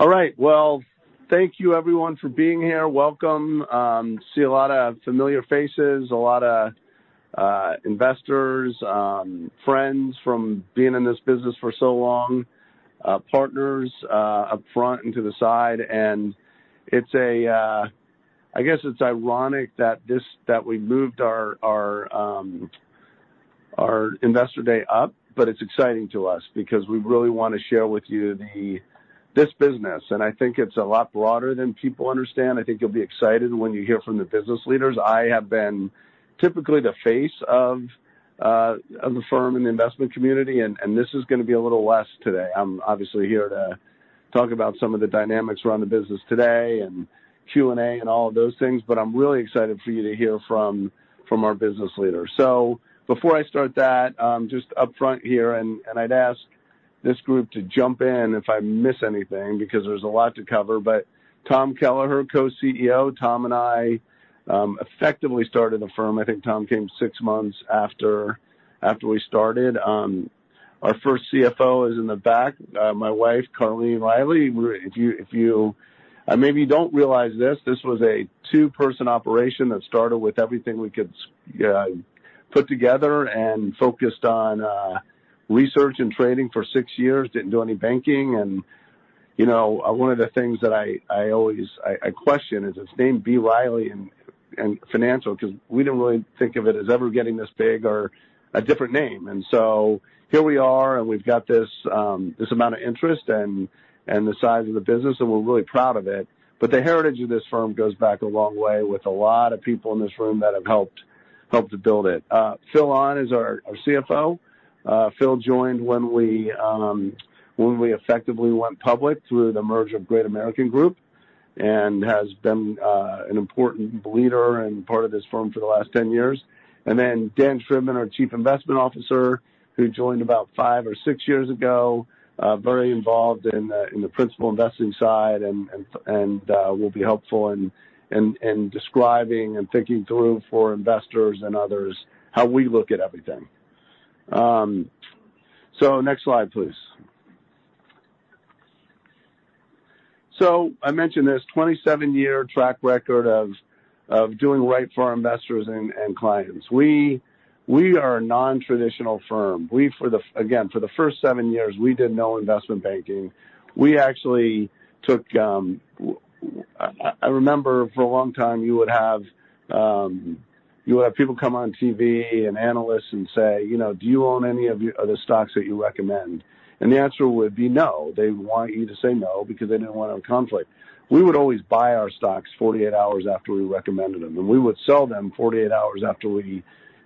All right. Well, thank you everyone for being here. Welcome. See a lot of familiar faces, a lot of investors, friends from being in this business for so long, partners up front and to the side. And it's a, I guess it's ironic that this - that we moved our, our, our investor day up, but it's exciting to us because we really want to share with you the, this business. And I think it's a lot broader than people understand. I think you'll be excited when you hear from the business leaders. I have been typically the face of, of the firm in the investment community, and, and this is gonna be a little less today. I'm obviously here to talk about some of the dynamics around the business today and Q&A and all of those things, but I'm really excited for you to hear from our business leaders. So before I start that, just upfront here, and I'd ask this group to jump in if I miss anything, because there's a lot to cover. But Tom Kelleher, Co-CEO. Tom and I effectively started the firm. I think Tom came six months after we started. Our first CFO is in the back, my wife, Carly Riley. If you maybe don't realize this, this was a two-person operation that started with everything we could put together and focused on research and trading for six years, didn't do any banking. You know, one of the things that I always question is, it's named B. Riley and Financial, 'cause we didn't really think of it as ever getting this big or a different name. So here we are, and we've got this amount of interest and the size of the business, and we're really proud of it. But the heritage of this firm goes back a long way with a lot of people in this room that have helped to build it. Phil Ahn is our CFO. Phil joined when we effectively went public through the merger of Great American Group and has been an important leader and part of this firm for the last 10 years. And then Dan Shribman, our Chief Investment Officer, who joined about five or six years ago, very involved in the principal investing side and will be helpful in describing and thinking through for investors and others, how we look at everything. So next slide, please. So I mentioned this, 27-year track record of doing right for our investors and clients. We are a nontraditional firm. Again, for the first seven years, we did no investment banking. We actually took, I remember for a long time you would have people come on TV and analysts and say, "You know, do you own any of the stocks that you recommend?" And the answer would be no. They want you to say no because they didn't want a conflict. We would always buy our stocks 48 hours after we recommended them, and we would sell them 48 hours after we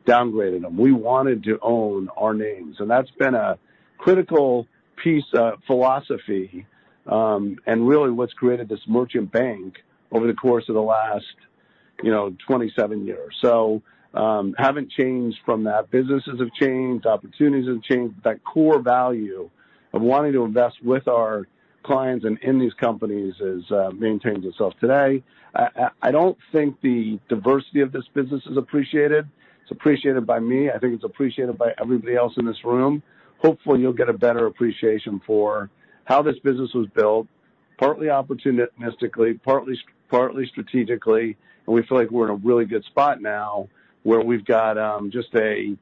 downgraded them. We wanted to own our names, and that's been a critical piece of philosophy, and really what's created this merchant bank over the course of the last, you know, 27 years. So, haven't changed from that. Businesses have changed, opportunities have changed. That core value of wanting to invest with our clients and in these companies is, maintains itself today. I don't think the diversity of this business is appreciated. It's appreciated by me. I think it's appreciated by everybody else in this room. Hopefully, you'll get a better appreciation for how this business was built, partly opportunistically, partly strategically, and we feel like we're in a really good spot now, where we've got, just a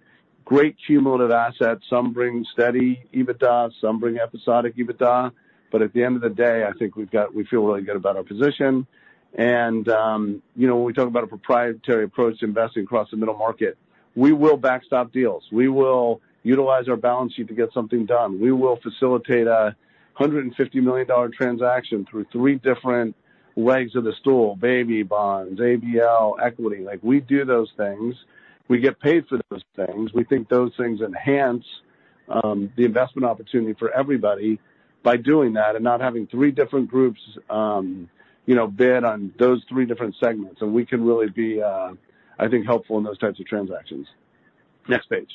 great cumulative asset. Some bring steady EBITDA, some bring episodic EBITDA. But at the end of the day, I think we've got. We feel really good about our position. And, you know, when we talk about a proprietary approach to investing across the middle market, we will backstop deals. We will utilize our balance sheet to get something done. We will facilitate a $150 million transaction through three different legs of the stool, baby bonds, ABL, equity. Like, we do those things. We get paid for those things. We think those things enhance, the investment opportunity for everybody by doing that and not having three different groups, you know, bid on those three different segments. And we can really be, I think, helpful in those types of transactions. Next page.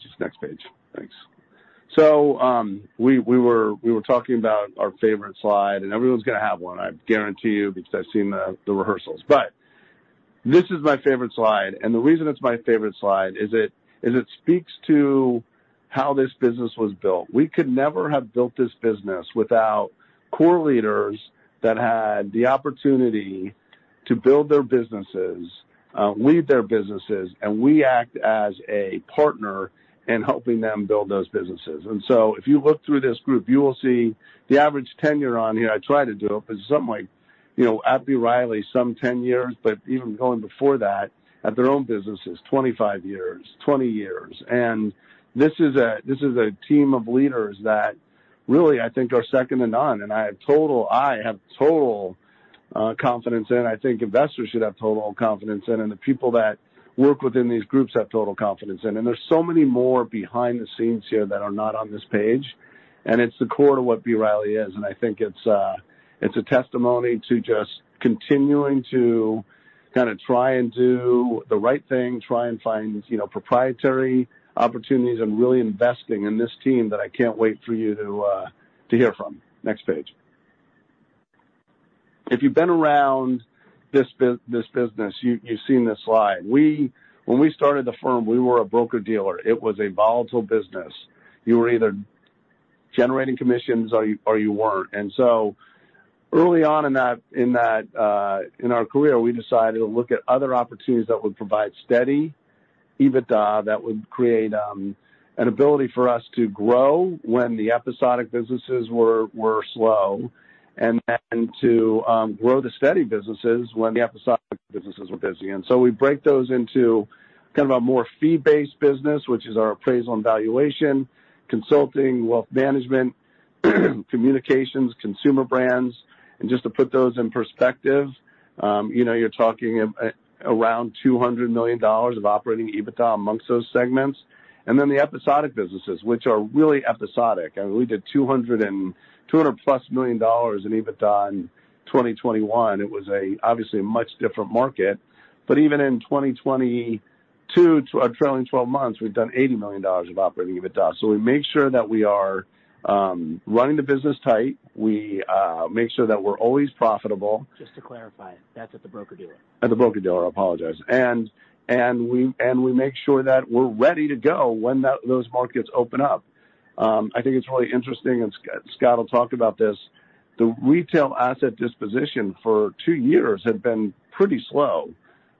Just next page. Thanks. So, we were talking about our favorite slide, and everyone's gonna have one, I guarantee you, because I've seen the rehearsals. But this is my favorite slide, and the reason it's my favorite slide is it speaks to how this business was built. We could never have built this business without core leaders that had the opportunity to build their businesses, lead their businesses, and we act as a partner in helping them build those businesses. And so if you look through this group, you will see the average tenure on here. I tried to do it, but some like, you know, at B. Riley, some 10 years, but even going before that, at their own businesses, 25 years, 20 years. And this is a, this is a team of leaders that really, I think, are second to none, and I have total, I have total confidence in. I think investors should have total confidence in, and the people that work within these groups have total confidence in. And there's so many more behind the scenes here that are not on this page, and it's the core of what B. Riley is. And I think it's a testimony to just continuing to kind of try and do the right thing, try and find, you know, proprietary opportunities and really investing in this team that I can't wait for you to hear from. Next page. If you've been around this business, you've seen this slide. We—when we started the firm, we were a broker-dealer. It was a volatile business. You were either generating commissions or you, or you weren't. And so early on in that, in our career, we decided to look at other opportunities that would provide steady EBITDA, that would create an ability for us to grow when the episodic businesses were slow, and then to grow the steady businesses when the episodic businesses were busy. And so we break those into kind of a more fee-based business, which is our appraisal and valuation, consulting, wealth management, communications, consumer brands. And just to put those in perspective, you know, you're talking around $200 million of operating EBITDA amongst those segments. And then the episodic businesses, which are really episodic. I mean, we did $200+ million in EBITDA in 2021. It was obviously a much different market. But even in 2022, our trailing 12 months, we've done $80 million of operating EBITDA. So we make sure that we are running the business tight. We make sure that we're always profitable. Just to clarify, that's at the broker-dealer. At the broker-dealer. I apologize. And we make sure that we're ready to go when those markets open up. I think it's really interesting, and Scott will talk about this: the retail asset disposition for two years had been pretty slow.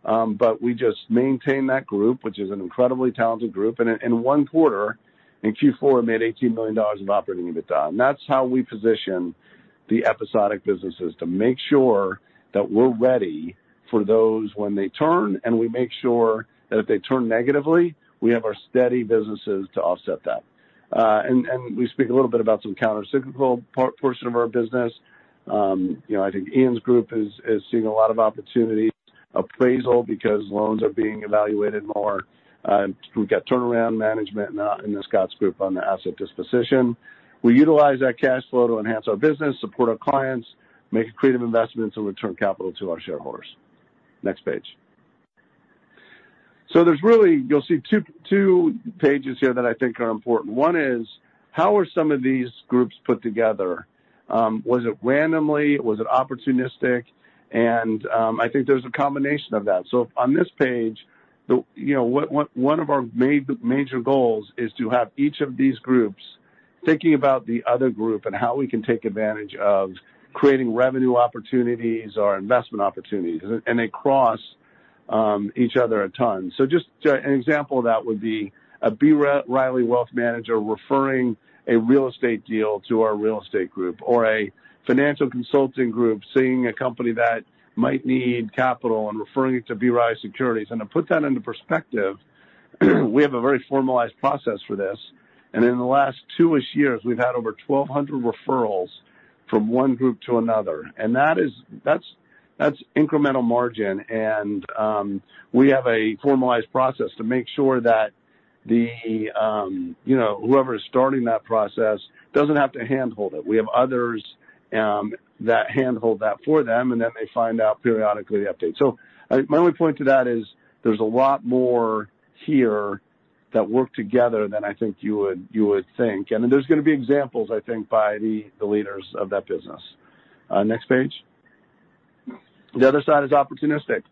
But we just maintained that group, which is an incredibly talented group, and in one quarter, in Q4, made $18 million of operating EBITDA. And that's how we position the episodic businesses, to make sure that we're ready for those when they turn, and we make sure that if they turn negatively, we have our steady businesses to offset that. And we speak a little bit about some countercyclical portion of our business. You know, I think Ian's group is seeing a lot of opportunity, appraisal, because loans are being evaluated more. And we've got turnaround management in the Scott's group on the asset disposition. We utilize that cash flow to enhance our business, support our clients, make creative investments, and return capital to our shareholders. Next page. So there's really... You'll see two pages here that I think are important. One is: How are some of these groups put together? Was it randomly? Was it opportunistic? And I think there's a combination of that. So on this page, you know, one of our major goals is to have each of these groups thinking about the other group and how we can take advantage of creating revenue opportunities or investment opportunities, and they cross each other a ton. So just an example of that would be a B. Riley Wealth manager referring a real estate deal to our real estate group, or a financial consulting group seeing a company that might need capital and referring it to B. Riley Securities. And to put that into perspective, we have a very formalized process for this, and in the last two-ish years, we've had over 1,200 referrals from one group to another. And that is, that's incremental margin, and we have a formalized process to make sure that the, you know, whoever is starting that process doesn't have to handhold it. We have others that handhold that for them, and then they find out periodically update. So my only point to that is, there's a lot more here that work together than I think you would think. And there's gonna be examples, I think, by the leaders of that business. Next page. The other side is opportunistic.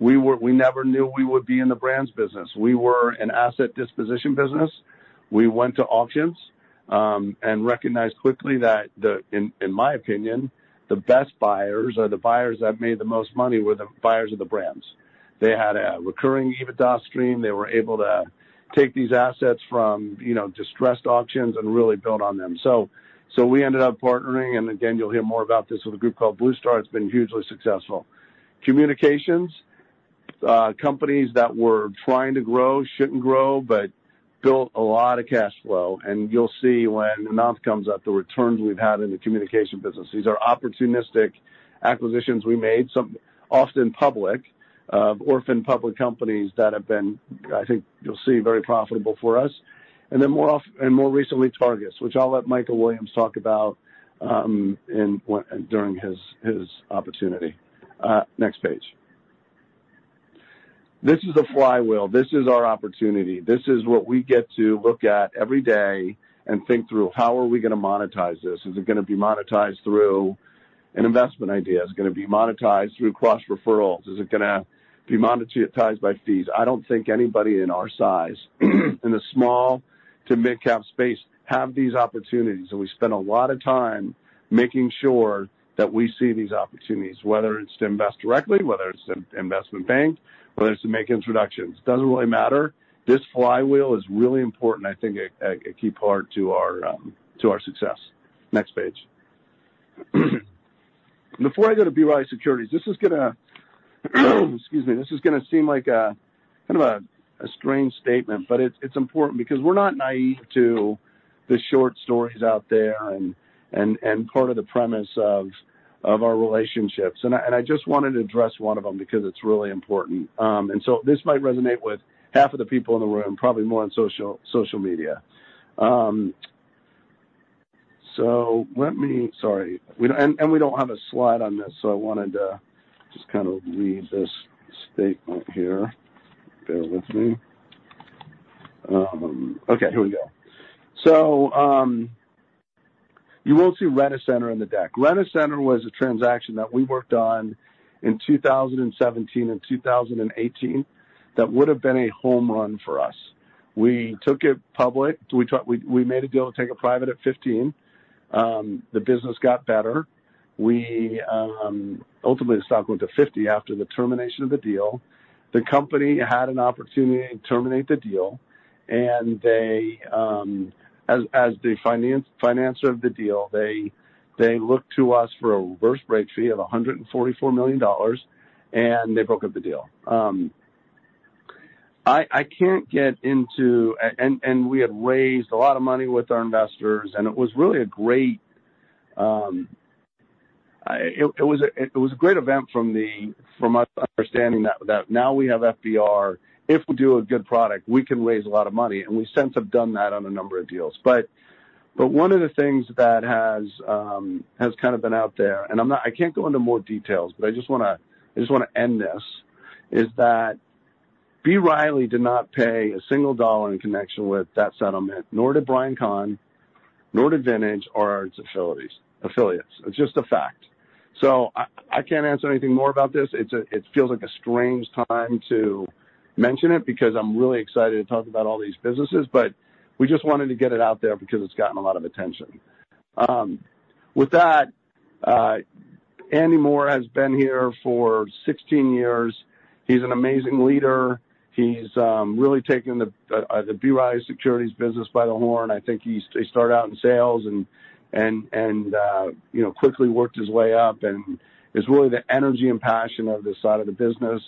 We never knew we would be in the brands business. We were an asset disposition business. We went to auctions and recognized quickly that the in my opinion, the best buyers or the buyers that made the most money were the buyers of the brands. They had a recurring EBITDA stream. They were able to take these assets from, you know, distressed auctions and really build on them. So we ended up partnering, and again, you'll hear more about this, with a group called Bluestar. It's been hugely successful. Communications companies that were trying to grow, shouldn't grow, but built a lot of cash flow. And you'll see when [Namath comes up, the returns we've had in the communication business. These are opportunistic acquisitions we made, some often public, orphan public companies that have been, I think you'll see, very profitable for us. And then more often and more recently, Targus, which I'll let Mikel Williams talk about, during his opportunity. Next page. This is a flywheel. This is our opportunity. This is what we get to look at every day and think through, how are we gonna monetize this? Is it gonna be monetized through an investment idea? Is it gonna be monetized through cross referrals? Is it gonna be monetized by fees? I don't think anybody in our size, in the small to mid-cap space, have these opportunities. So we spend a lot of time making sure that we see these opportunities, whether it's to invest directly, whether it's in investment bank, whether it's to make introductions. Doesn't really matter. This flywheel is really important, I think, a key part to our success. Next page. Before I go to B. Riley Securities, this is gonna, excuse me, this is gonna seem like a kind of a strange statement, but it's important because we're not naive to the short stories out there and part of the premise of our relationships. And I just wanted to address one of them because it's really important. So this might resonate with half of the people in the room, probably more on social media. So let me... Sorry, we don't – and we don't have a slide on this, so I wanted to just kind of read this statement here. Bear with me... Okay, here we go. So, you won't see Rent-A-Center on the deck. Rent-A-Center was a transaction that we worked on in 2017 and 2018 that would have been a home run for us. We took it public. We made a deal to take it private at $15. The business got better. Ultimately, the stock went to $50 after the termination of the deal. The company had an opportunity to terminate the deal, and they, as the financer of the deal, they looked to us for a reverse break fee of $144 million, and they broke up the deal. I can't get into... And we had raised a lot of money with our investors, and it was really a great event from us understanding that now we have FBR. If we do a good product, we can raise a lot of money, and we since have done that on a number of deals. But one of the things that has kind of been out there, and I'm not. I can't go into more details, but I just wanna end this, is that B. Riley did not pay a single dollar in connection with that settlement, nor did Brian Kahn, nor did Vintage or its affiliates. It's just a fact. So I can't answer anything more about this. It's a... It feels like a strange time to mention it because I'm really excited to talk about all these businesses, but we just wanted to get it out there because it's gotten a lot of attention. With that, Andy Moore has been here for 16 years. He's an amazing leader. He's really taken the B. Riley Securities business by the horn. I think hestarted out in sales and you know, quickly worked his way up and is really the energy and passion of this side of the business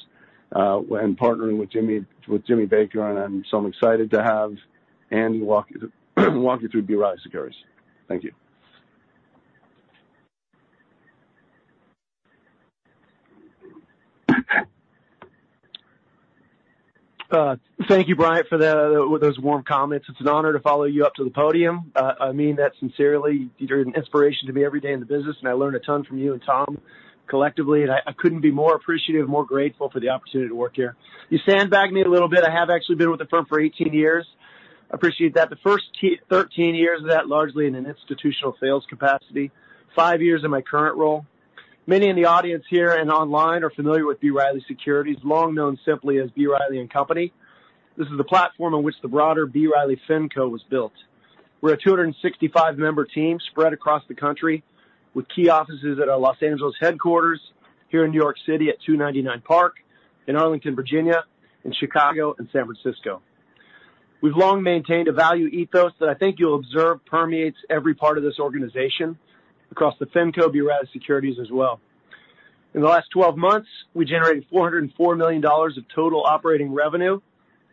when partnering with Jimmy Baker. And I'm so excited to have Andy walk you through B. Riley Securities. Thank you. Thank you, Bryant, for that with those warm comments. It's an honor to follow you up to the podium. I mean that sincerely. You're an inspiration to me every day in the business, and I learn a ton from you and Tom collectively, and I couldn't be more appreciative, more grateful for the opportunity to work here. You sandbagged me a little bit. I have actually been with the firm for 18 years. I appreciate that. The first 13 years of that, largely in an institutional sales capacity, 5 years in my current role. Many in the audience here and online are familiar with B. Riley Securities, long known simply as B. Riley and Company. This is the platform on which the broader B. Riley Financial was built. We're a 265-member team spread across the country, with key offices at our Los Angeles headquarters, here in New York City at 299 Park, in Arlington, Virginia, in Chicago and San Francisco. We've long maintained a value ethos that I think you'll observe permeates every part of this organization across the Finco B. Riley Securities as well. In the last 12 months, we generated $404 million of total operating revenue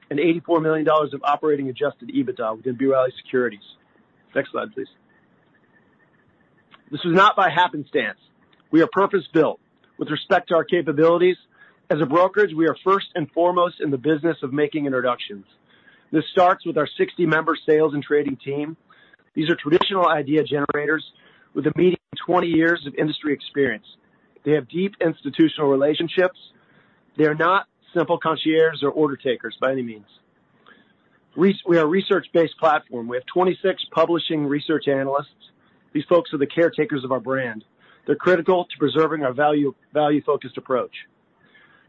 and $84 million of operating adjusted EBITDA within B. Riley Securities. Next slide, please. This is not by happenstance. We are purpose-built with respect to our capabilities. As a brokerage, we are first and foremost in the business of making introductions. This starts with our 60-member sales and trading team. These are traditional idea generators with a median 20 years of industry experience. They have deep institutional relationships. They are not simple concierges or order takers by any means. We are a research-based platform. We have 26 publishing research analysts. These folks are the caretakers of our brand. They're critical to preserving our value, value-focused approach.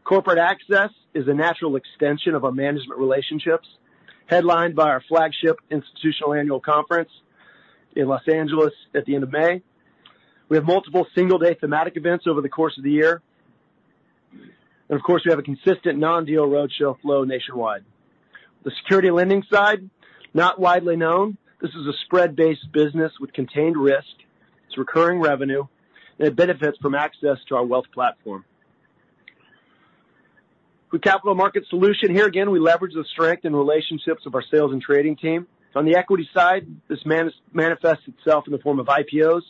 Corporate access is a natural extension of our management relationships, headlined by our flagship institutional annual conference in Los Angeles at the end of May. We have multiple single-day thematic events over the course of the year. And of course, we have a consistent non-deal roadshow flow nationwide. The security lending side, not widely known. This is a spread-based business with contained risk. It's recurring revenue, and it benefits from access to our wealth platform. With capital market solution, here again, we leverage the strength and relationships of our sales and trading team. On the equity side, this manifests itself in the form of IPOs,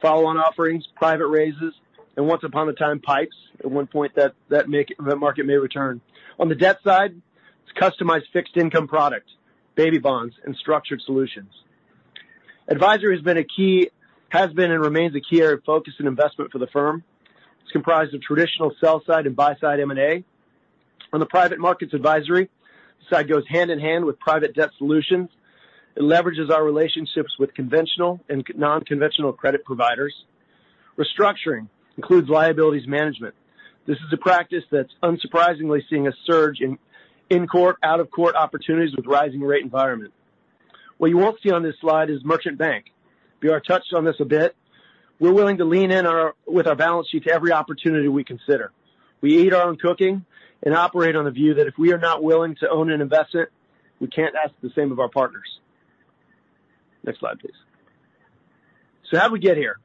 follow-on offerings, private raises, and once upon a time, PIPEs. At one point, that market may return. On the debt side, it's customized fixed income product, baby bonds, and structured solutions. Advisory has been and remains a key area of focus and investment for the firm. It's comprised of traditional sell-side and buy-side M&A. On the private markets advisory side goes hand-in-hand with private debt solutions. It leverages our relationships with conventional and non-conventional credit providers. Restructuring includes liabilities management. This is a practice that's unsurprisingly seeing a surge in in-court, out-of-court opportunities with rising-rate environment. What you won't see on this slide is merchant bank. BR touched on this a bit. We're willing to lean in on our- with our balance sheet to every opportunity we consider. We eat our own cooking and operate on the view that if we are not willing to own and invest it, we can't ask the same of our partners. Next slide, please. So how'd we get here?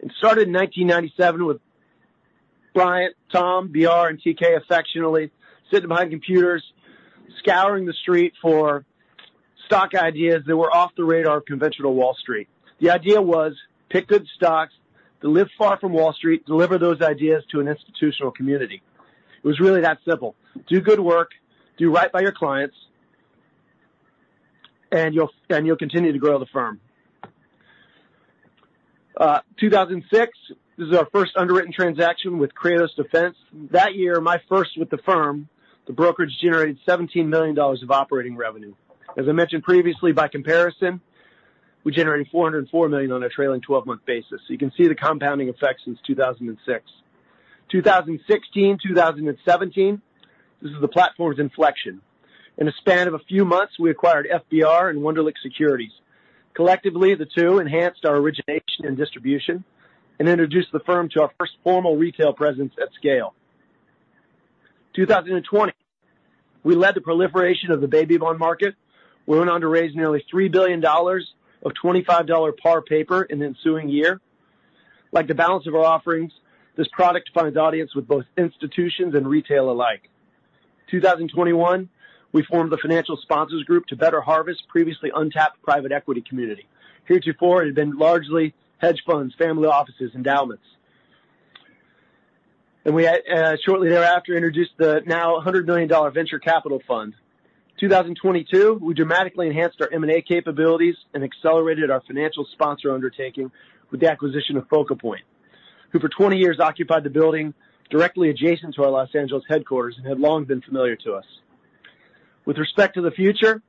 It started in 1997 with Bryant, Tom, BR, and TK affectionately, sitting behind computers, scouring the street for stock ideas that were off the radar of conventional Wall Street. The idea was: pick good stocks that live far from Wall Street, deliver those ideas to an institutional community. It was really that simple. Do good work, do right by your clients, and you'll, and you'll continue to grow the firm.... 2006, this is our first underwritten transaction with Kratos Defense. That year, my first with the firm, the brokerage generated $17 million of operating revenue. As I mentioned previously, by comparison, we generated $404 million on a trailing twelve-month basis. So you can see the compounding effect since 2006. 2016, 2017, this is the platform's inflection. In a span of a few months, we acquired FBR and Wunderlich Securities. Collectively, the two enhanced our origination and distribution and introduced the firm to our first formal retail presence at scale. 2020, we led the proliferation of the baby bond market. We went on to raise nearly $3 billion of $25 par paper in the ensuing year. Like the balance of our offerings, this product finds audience with both institutions and retail alike. 2021, we formed the financial sponsors group to better harvest previously untapped private equity community. Heretofore, it had been largely hedge funds, family offices, endowments. And we shortly thereafter introduced the now $100 million venture capital fund. 2022, we dramatically enhanced our M&A capabilities and accelerated our financial sponsor undertaking with the acquisition of FocalPoint, who for 20 years occupied the building directly adjacent to our Los Angeles headquarters and had long been familiar to us. With respect to the future,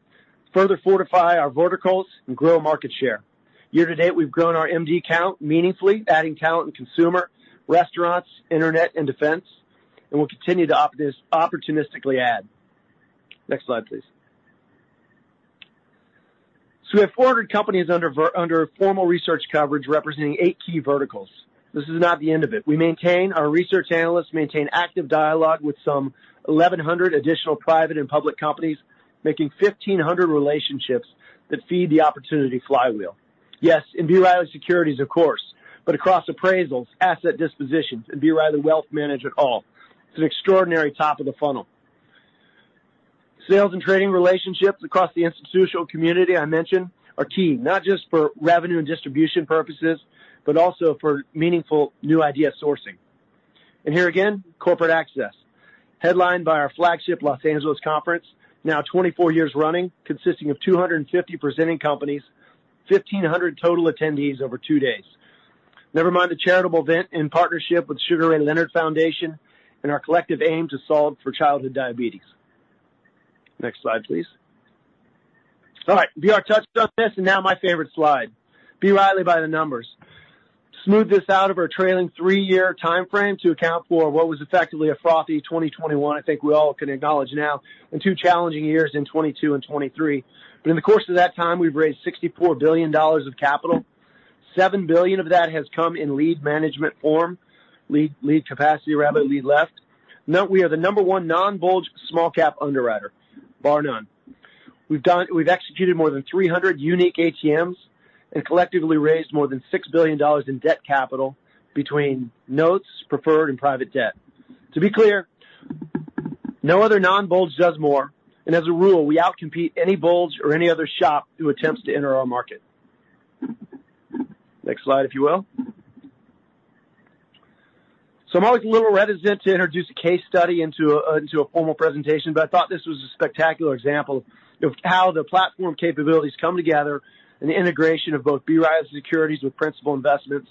further fortify our verticals and grow market share. Year to date, we've grown our MD count meaningfully, adding talent in consumer, restaurants, internet, and defense, and we'll continue to opportunistically add. Next slide, please. So we have 400 companies under formal research coverage, representing eight key verticals. This is not the end of it. We maintain... Our research analysts maintain active dialogue with some 1,100 additional private and public companies, making 1,500 relationships that feed the opportunity flywheel. Yes, in B. Riley Securities, of course, but across appraisals, asset dispositions, and B. Riley Wealth Management at all. It's an extraordinary top of the funnel. Sales and trading relationships across the institutional community, I mentioned, are key, not just for revenue and distribution purposes, but also for meaningful new idea sourcing. And here again, corporate access, headlined by our flagship Los Angeles conference, now 24 years running, consisting of 250 presenting companies, 1,500 total attendees over two days. Never mind the charitable event in partnership with Sugar Ray Leonard Foundation and our collective aim to solve for childhood diabetes. Next slide, please. All right. BR touched on this, and now my favorite slide. B. Riley, by the numbers. Smooth this out of our trailing three-year timeframe to account for what was effectively a frothy 2021, I think we all can acknowledge now, and two challenging years in 2022 and 2023. But in the course of that time, we've raised $64 billion of capital. $7 billion of that has come in lead management form. Lead, lead capacity rather than lead left. Note, we are the number one non-bulge small cap underwriter, bar none. We've executed more than 300 unique ATMs and collectively raised more than $6 billion in debt capital between notes, preferred, and private debt. To be clear, no other non-bulge does more, and as a rule, we outcompete any bulge or any other shop who attempts to enter our market. Next slide, if you will. So I'm always a little reticent to introduce a case study into a formal presentation, but I thought this was a spectacular example of how the platform capabilities come together and the integration of both B. Riley Securities with Principal Investments,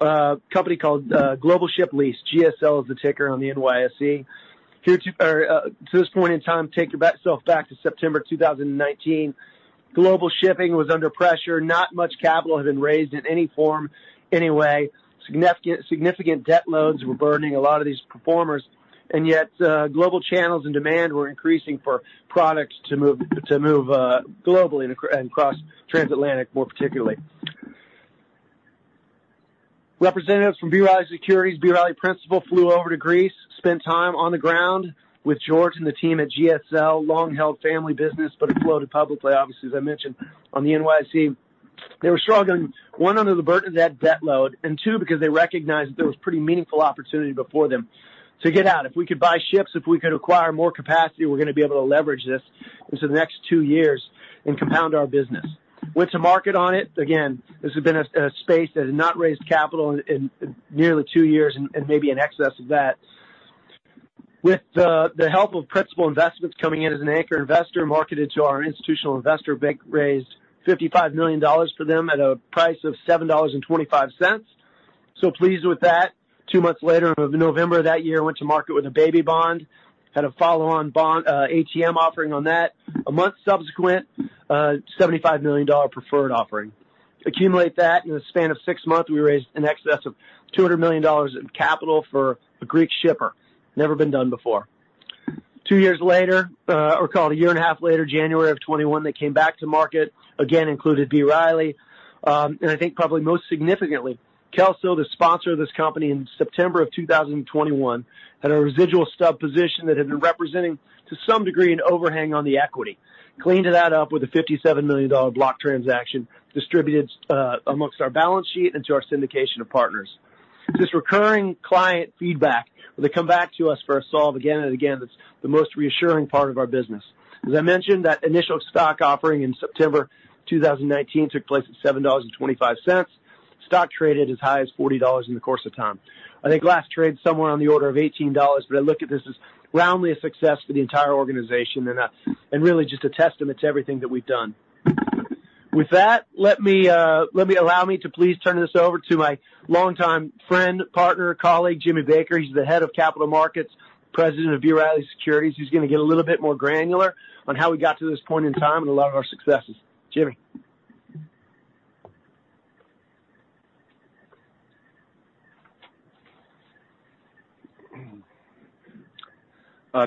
a company called Global Ship Lease. GSL is the ticker on the NYSE. To this point in time, take yourself back to September 2019. Global shipping was under pressure. Not much capital had been raised in any form, any way. Significant debt loads were burdening a lot of these performers, and yet global channels and demand were increasing for products to move globally and across transatlantic, more particularly. Representatives from B. Riley Securities, B. Riley Principal flew over to Greece, spent time on the ground with George and the team at GSL, long-held family business, but it floated publicly, obviously, as I mentioned, on the NYSE. They were struggling, one, under the burden of that debt load, and two, because they recognized that there was pretty meaningful opportunity before them to get out. If we could buy ships, if we could acquire more capacity, we're going to be able to leverage this into the next two years and compound our business. Went to market on it. Again, this has been a space that had not raised capital in nearly two years and maybe in excess of that. With the help of Principal Investments coming in as an anchor investor, marketed to our institutional investor bank, raised $55 million for them at a price of $7.25. So pleased with that. Two months later, in November of that year, went to market with a baby bond, had a follow-on bond, ATM offering on that. A month subsequent, $75 million preferred offering. Accumulate that in the span of six months, we raised in excess of $200 million in capital for a Greek shipper. Never been done before. Two years later, or call it a year and a half later, January 2021, they came back to market again, included B. Riley. And I think probably most significantly, Kelso, the sponsor of this company in September 2021, had a residual stub position that had been representing to some degree, an overhang on the equity. Cleaned that up with a $57 million block transaction distributed amongst our balance sheet into our syndication of partners. This recurring client feedback, they come back to us for a solve again and again. That's the most reassuring part of our business. As I mentioned, that initial stock offering in September 2019 took place at $7.25. Stock traded as high as $40 in the course of time. I think last trade somewhere on the order of $18, but I look at this as roundly a success for the entire organization and really just a testament to everything that we've done. With that, let me allow me to please turn this over to my longtime friend, partner, colleague, Jimmy Baker. He's the Head of Capital Markets, President of B. Riley Securities. He's gonna get a little bit more granular on how we got to this point in time and a lot of our successes. Jimmy.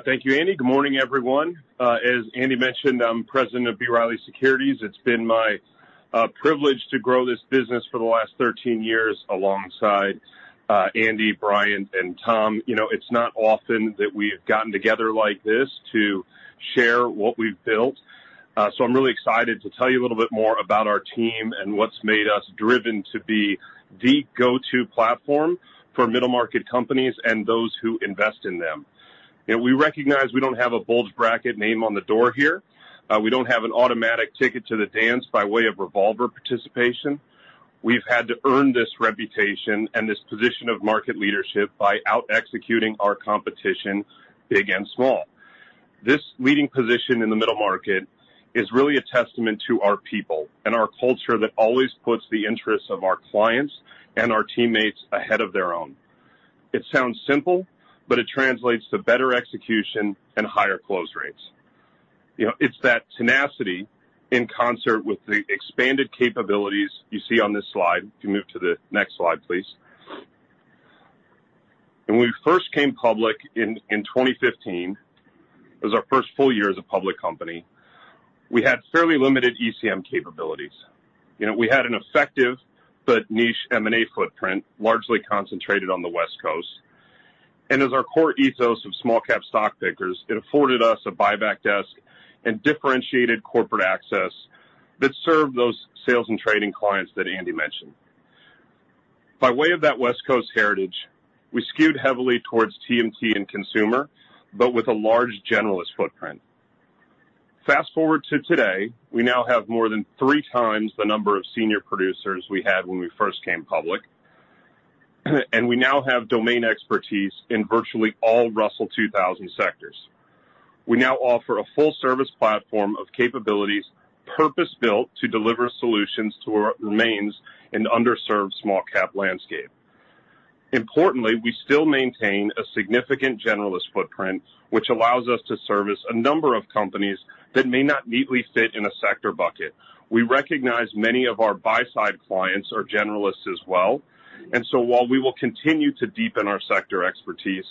Thank you, Andy. Good morning, everyone. As Andy mentioned, I'm President of B. Riley Securities. It's been my privilege to grow this business for the last 13 years alongside Andy, Bryant, and Tom. You know, it's not often that we've gotten together like this to share what we've built. So I'm really excited to tell you a little bit more about our team and what's made us driven to be the go-to platform for middle-market companies and those who invest in them. We recognize we don't have a bulge bracket name on the door here. We don't have an automatic ticket to the dance by way of revolver participation. We've had to earn this reputation and this position of market leadership by out-executing our competition, big and small. This leading position in the middle market is really a testament to our people and our culture that always puts the interests of our clients and our teammates ahead of their own. It sounds simple, but it translates to better execution and higher close rates. You know, it's that tenacity in concert with the expanded capabilities you see on this slide. You can move to the next slide, please. When we first came public in 2015, it was our first full year as a public company, we had fairly limited ECM capabilities. You know, we had an effective but niche M&A footprint, largely concentrated on the West Coast. And as our core ethos of small-cap stock pickers, it afforded us a buyback desk and differentiated corporate access that served those sales and trading clients that Andy mentioned. By way of that West Coast heritage, we skewed heavily towards TMT and consumer, but with a large generalist footprint. Fast forward to today, we now have more than 3x the number of senior producers we had when we first came public, and we now have domain expertise in virtually all Russell 2000 sectors. We now offer a full-service platform of capabilities, purpose-built to deliver solutions to what remains an underserved small-cap landscape. Importantly, we still maintain a significant generalist footprint, which allows us to service a number of companies that may not neatly fit in a sector bucket. We recognize many of our buy-side clients are generalists as well, and so while we will continue to deepen our sector expertise,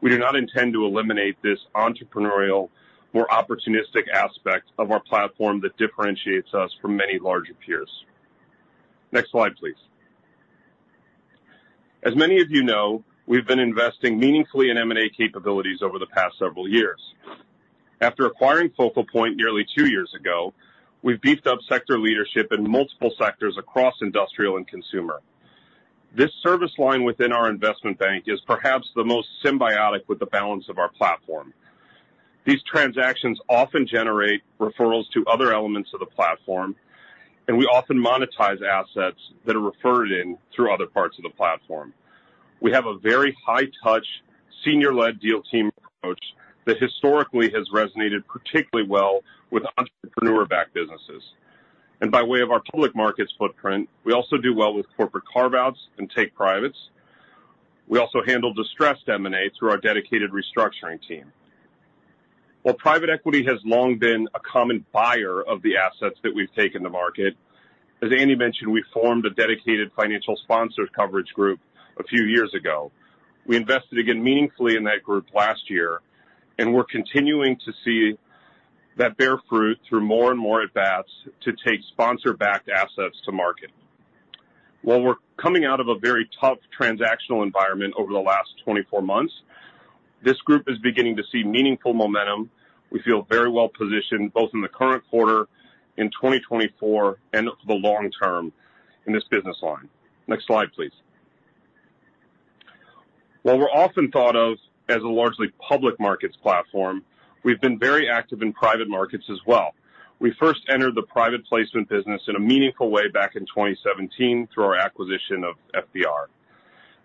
we do not intend to eliminate this entrepreneurial, more opportunistic aspect of our platform that differentiates us from many larger peers. Next slide, please. As many of you know, we've been investing meaningfully in M&A capabilities over the past several years. After acquiring FocalPoint nearly two years ago, we've beefed up sector leadership in multiple sectors across industrial and consumer. This service line within our investment bank is perhaps the most symbiotic with the balance of our platform. These transactions often generate referrals to other elements of the platform, and we often monetize assets that are referred in through other parts of the platform. We have a very high-touch, senior-led deal team approach that historically has resonated particularly well with entrepreneur-backed businesses. And by way of our public markets footprint, we also do well with corporate carve-outs and take-privates. We also handle distressed M&A through our dedicated restructuring team. While private equity has long been a common buyer of the assets that we've taken to market, as Andy mentioned, we formed a dedicated financial sponsored coverage group a few years ago. We invested again meaningfully in that group last year, and we're continuing to see that bear fruit through more and more advances to take sponsor-backed assets to market. While we're coming out of a very tough transactional environment over the last 24 months, this group is beginning to see meaningful momentum. We feel very well positioned, both in the current quarter, in 2024, and the long term in this business line. Next slide, please. While we're often thought of as a largely public markets platform, we've been very active in private markets as well. We first entered the private placement business in a meaningful way back in 2017 through our acquisition of FBR.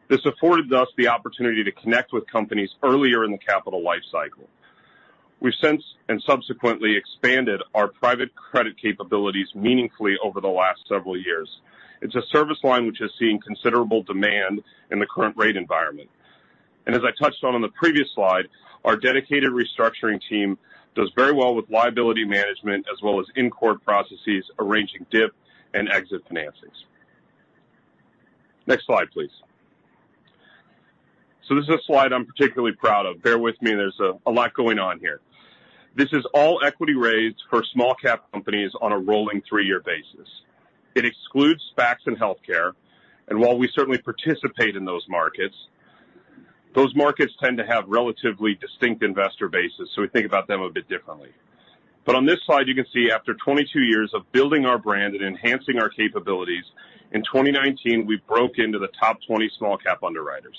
This afforded us the opportunity to connect with companies earlier in the capital life cycle. We've since and subsequently expanded our private credit capabilities meaningfully over the last several years. It's a service line which is seeing considerable demand in the current rate environment. As I touched on in the previous slide, our dedicated restructuring team does very well with liability management as well as in-court processes, arranging DIP and exit financings. Next slide, please. This is a slide I'm particularly proud of. Bear with me, there's a lot going on here. This is all equity raised for small-cap companies on a rolling three-year basis. It excludes SPACs and healthcare, and while we certainly participate in those markets, those markets tend to have relatively distinct investor bases, so we think about them a bit differently. On this slide, you can see after 22 years of building our brand and enhancing our capabilities, in 2019, we broke into the top 20 small-cap underwriters.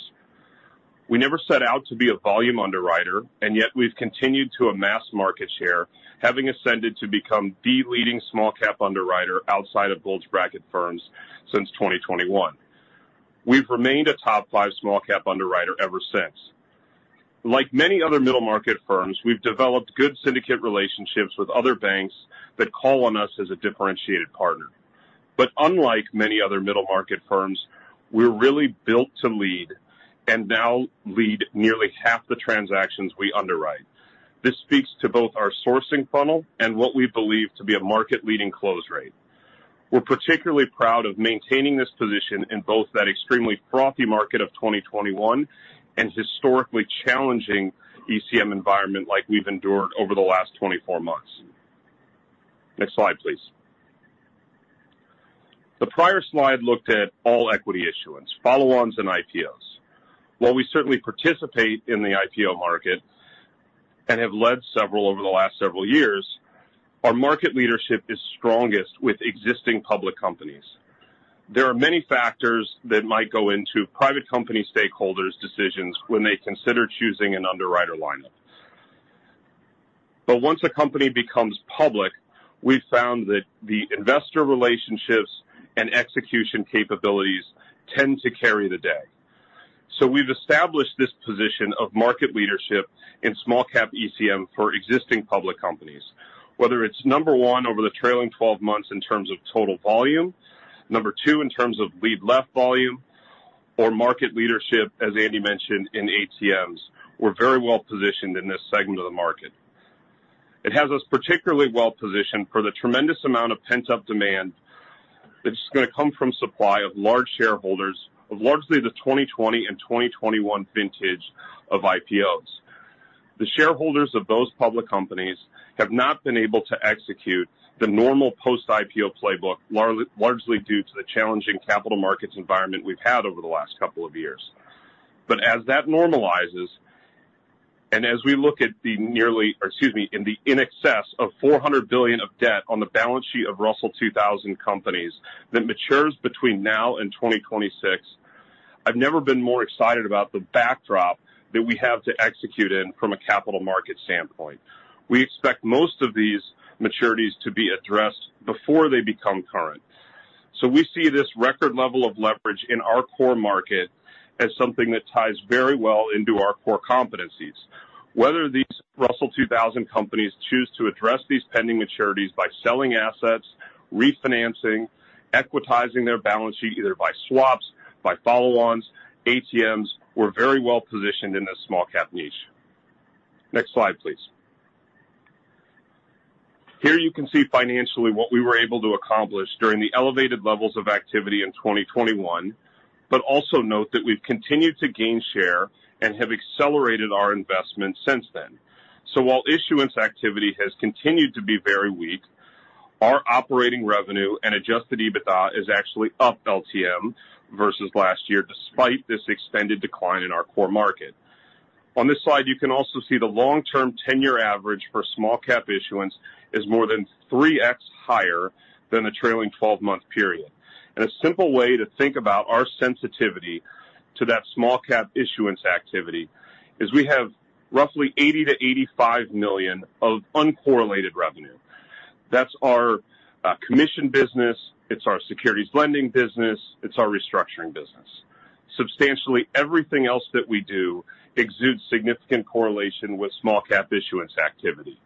We never set out to be a volume underwriter, and yet we've continued to amass market share, having ascended to become the leading small-cap underwriter outside of bulge bracket firms since 2021. We've remained a top 5 small-cap underwriter ever since... Like many other middle-market firms, we've developed good syndicate relationships with other banks that call on us as a differentiated partner. But unlike many other middle-market firms, we're really built to lead and now lead nearly half the transactions we underwrite. This speaks to both our sourcing funnel and what we believe to be a market-leading close rate. We're particularly proud of maintaining this position in both that extremely frothy market of 2021 and historically challenging ECM environment like we've endured over the last 24 months. Next slide, please. The prior slide looked at all equity issuance, follow-ons, and IPOs. While we certainly participate in the IPO market and have led several over the last several years, our market leadership is strongest with existing public companies. There are many factors that might go into private company stakeholders' decisions when they consider choosing an underwriter lineup. But once a company becomes public, we've found that the investor relationships and execution capabilities tend to carry the day. So we've established this position of market leadership in small-cap ECM for existing public companies, whether it's number one over the trailing 12 months in terms of total volume, number two, in terms of lead left volume or market leadership, as Andy mentioned, in ATMs, we're very well positioned in this segment of the market. It has us particularly well positioned for the tremendous amount of pent-up demand that's going to come from supply of large shareholders of largely the 2020 and 2021 vintage of IPOs. The shareholders of those public companies have not been able to execute the normal post-IPO playbook, largely, largely due to the challenging capital markets environment we've had over the last couple of years. But as that normalizes, and as we look at the nearly—or excuse me—in excess of $400 billion of debt on the balance sheet of Russell 2000 companies that matures between now and 2026, I've never been more excited about the backdrop that we have to execute in from a capital market standpoint. We expect most of these maturities to be addressed before they become current. So we see this record level of leverage in our core market as something that ties very well into our core competencies. Whether these Russell 2000 companies choose to address these pending maturities by selling assets, refinancing, equitizing their balance sheet, either by swaps, by follow-ons, ATMs, we're very well positioned in this small cap niche. Next slide, please. Here you can see financially what we were able to accomplish during the elevated levels of activity in 2021, but also note that we've continued to gain share and have accelerated our investment since then. So while issuance activity has continued to be very weak, our operating revenue and adjusted EBITDA is actually up LTM versus last year, despite this extended decline in our core market. On this slide, you can also see the long-term 10-year average for small-cap issuance is more than 3x higher than the trailing 12-month period. And a simple way to think about our sensitivity to that small-cap issuance activity is we have roughly $80-$85 million of uncorrelated revenue. That's our, commission business, it's our securities lending business, it's our restructuring business. Substantially, everything else that we do exudes significant correlation with small-cap issuance activity.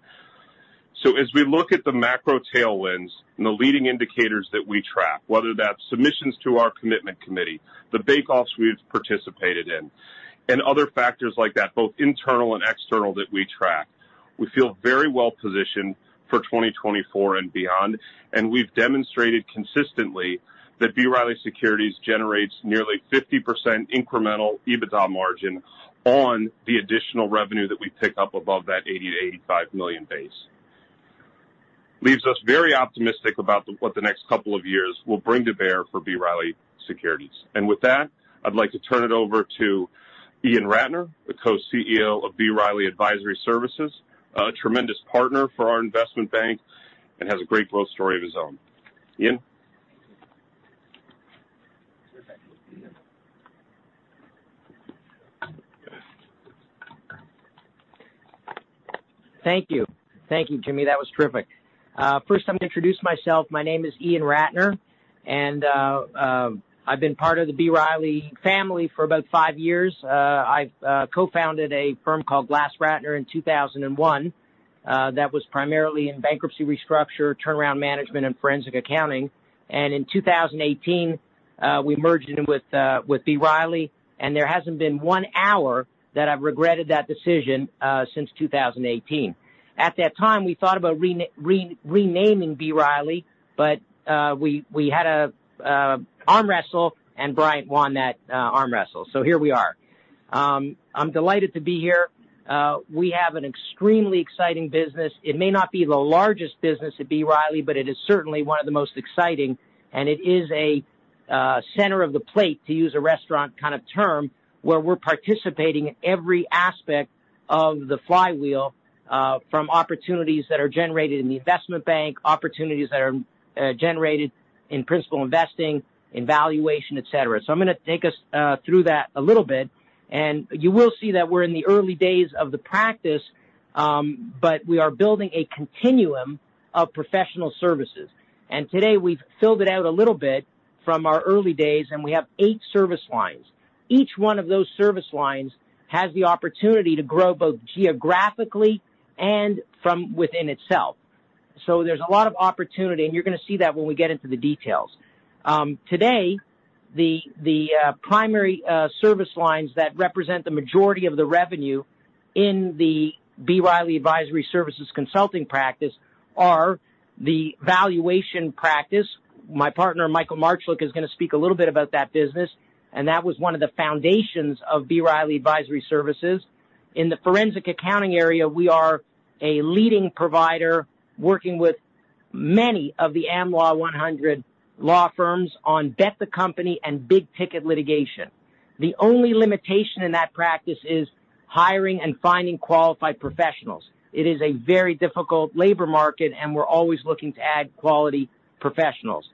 As we look at the macro tailwinds and the leading indicators that we track, whether that's submissions to our commitment committee, the bake-offs we've participated in, and other factors like that, both internal and external, that we track, we feel very well positioned for 2024 and beyond. We've demonstrated consistently that B. Riley Securities generates nearly 50% incremental EBITDA margin on the additional revenue that we pick up above that $80 million-$85 million base. Leaves us very optimistic about what the next couple of years will bring to bear for B. Riley Securities. With that, I'd like to turn it over to Ian Ratner, the Co-CEO of B. Riley Advisory Services, a tremendous partner for our investment bank and has a great growth story of his own. Ian? Thank you. Thank you, Jimmy. That was terrific. First, I'm going to introduce myself. My name is Ian Ratner, and I've been part of the B. Riley family for about five years. I've co-founded a firm called GlassRatner in 2001 that was primarily in bankruptcy, restructure, turnaround management, and forensic accounting. And in 2018, we merged in with B. Riley, and there hasn't been one hour that I've regretted that decision since 2018. At that time, we thought about renaming B. Riley, but we had an arm wrestle, and Bryant won that arm wrestle. So here we are. I'm delighted to be here. We have an extremely exciting business. It may not be the largest business at B. Riley, but it is certainly one of the most exciting, and it is a center of the plate, to use a restaurant kind of term, where we're participating in every aspect of the flywheel, from opportunities that are generated in the investment bank, opportunities that are generated in principal investing, in valuation, et cetera. So I'm going to take us through that a little bit, and you will see that we're in the early days of the practice. But we are building a continuum of professional services. And today we've filled it out a little bit from our early days, and we have eight service lines. Each one of those service lines has the opportunity to grow, both geographically and from within itself. So there's a lot of opportunity, and you're going to see that when we get into the details. Today, the primary service lines that represent the majority of the revenue in the B. Riley Advisory Services consulting practice are the valuation practice. My partner, Michael Marchlik, is going to speak a little bit about that business, and that was one of the foundations of B. Riley Advisory Services. In the forensic accounting area, we are a leading provider, working with many of the Am Law 100 law firms on debtor, the company and big-ticket litigation. The only limitation in that practice is hiring and finding qualified professionals. It is a very difficult labor market, and we're always looking to add quality professionals.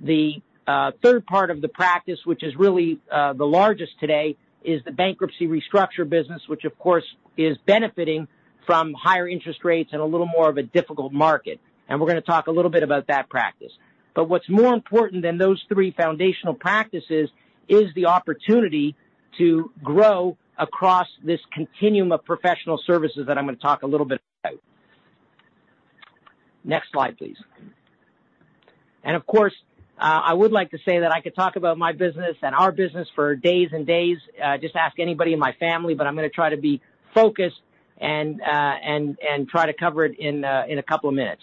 The third part of the practice, which is really the largest today, is the bankruptcy restructuring business, which, of course, is benefiting from higher interest rates and a little more of a difficult market. We're going to talk a little bit about that practice. But what's more important than those three foundational practices is the opportunity to grow across this continuum of professional services that I'm going to talk a little bit about. Next slide, please. Of course, I would like to say that I could talk about my business and our business for days and days. Just ask anybody in my family, but I'm going to try to be focused and and try to cover it in a couple of minutes.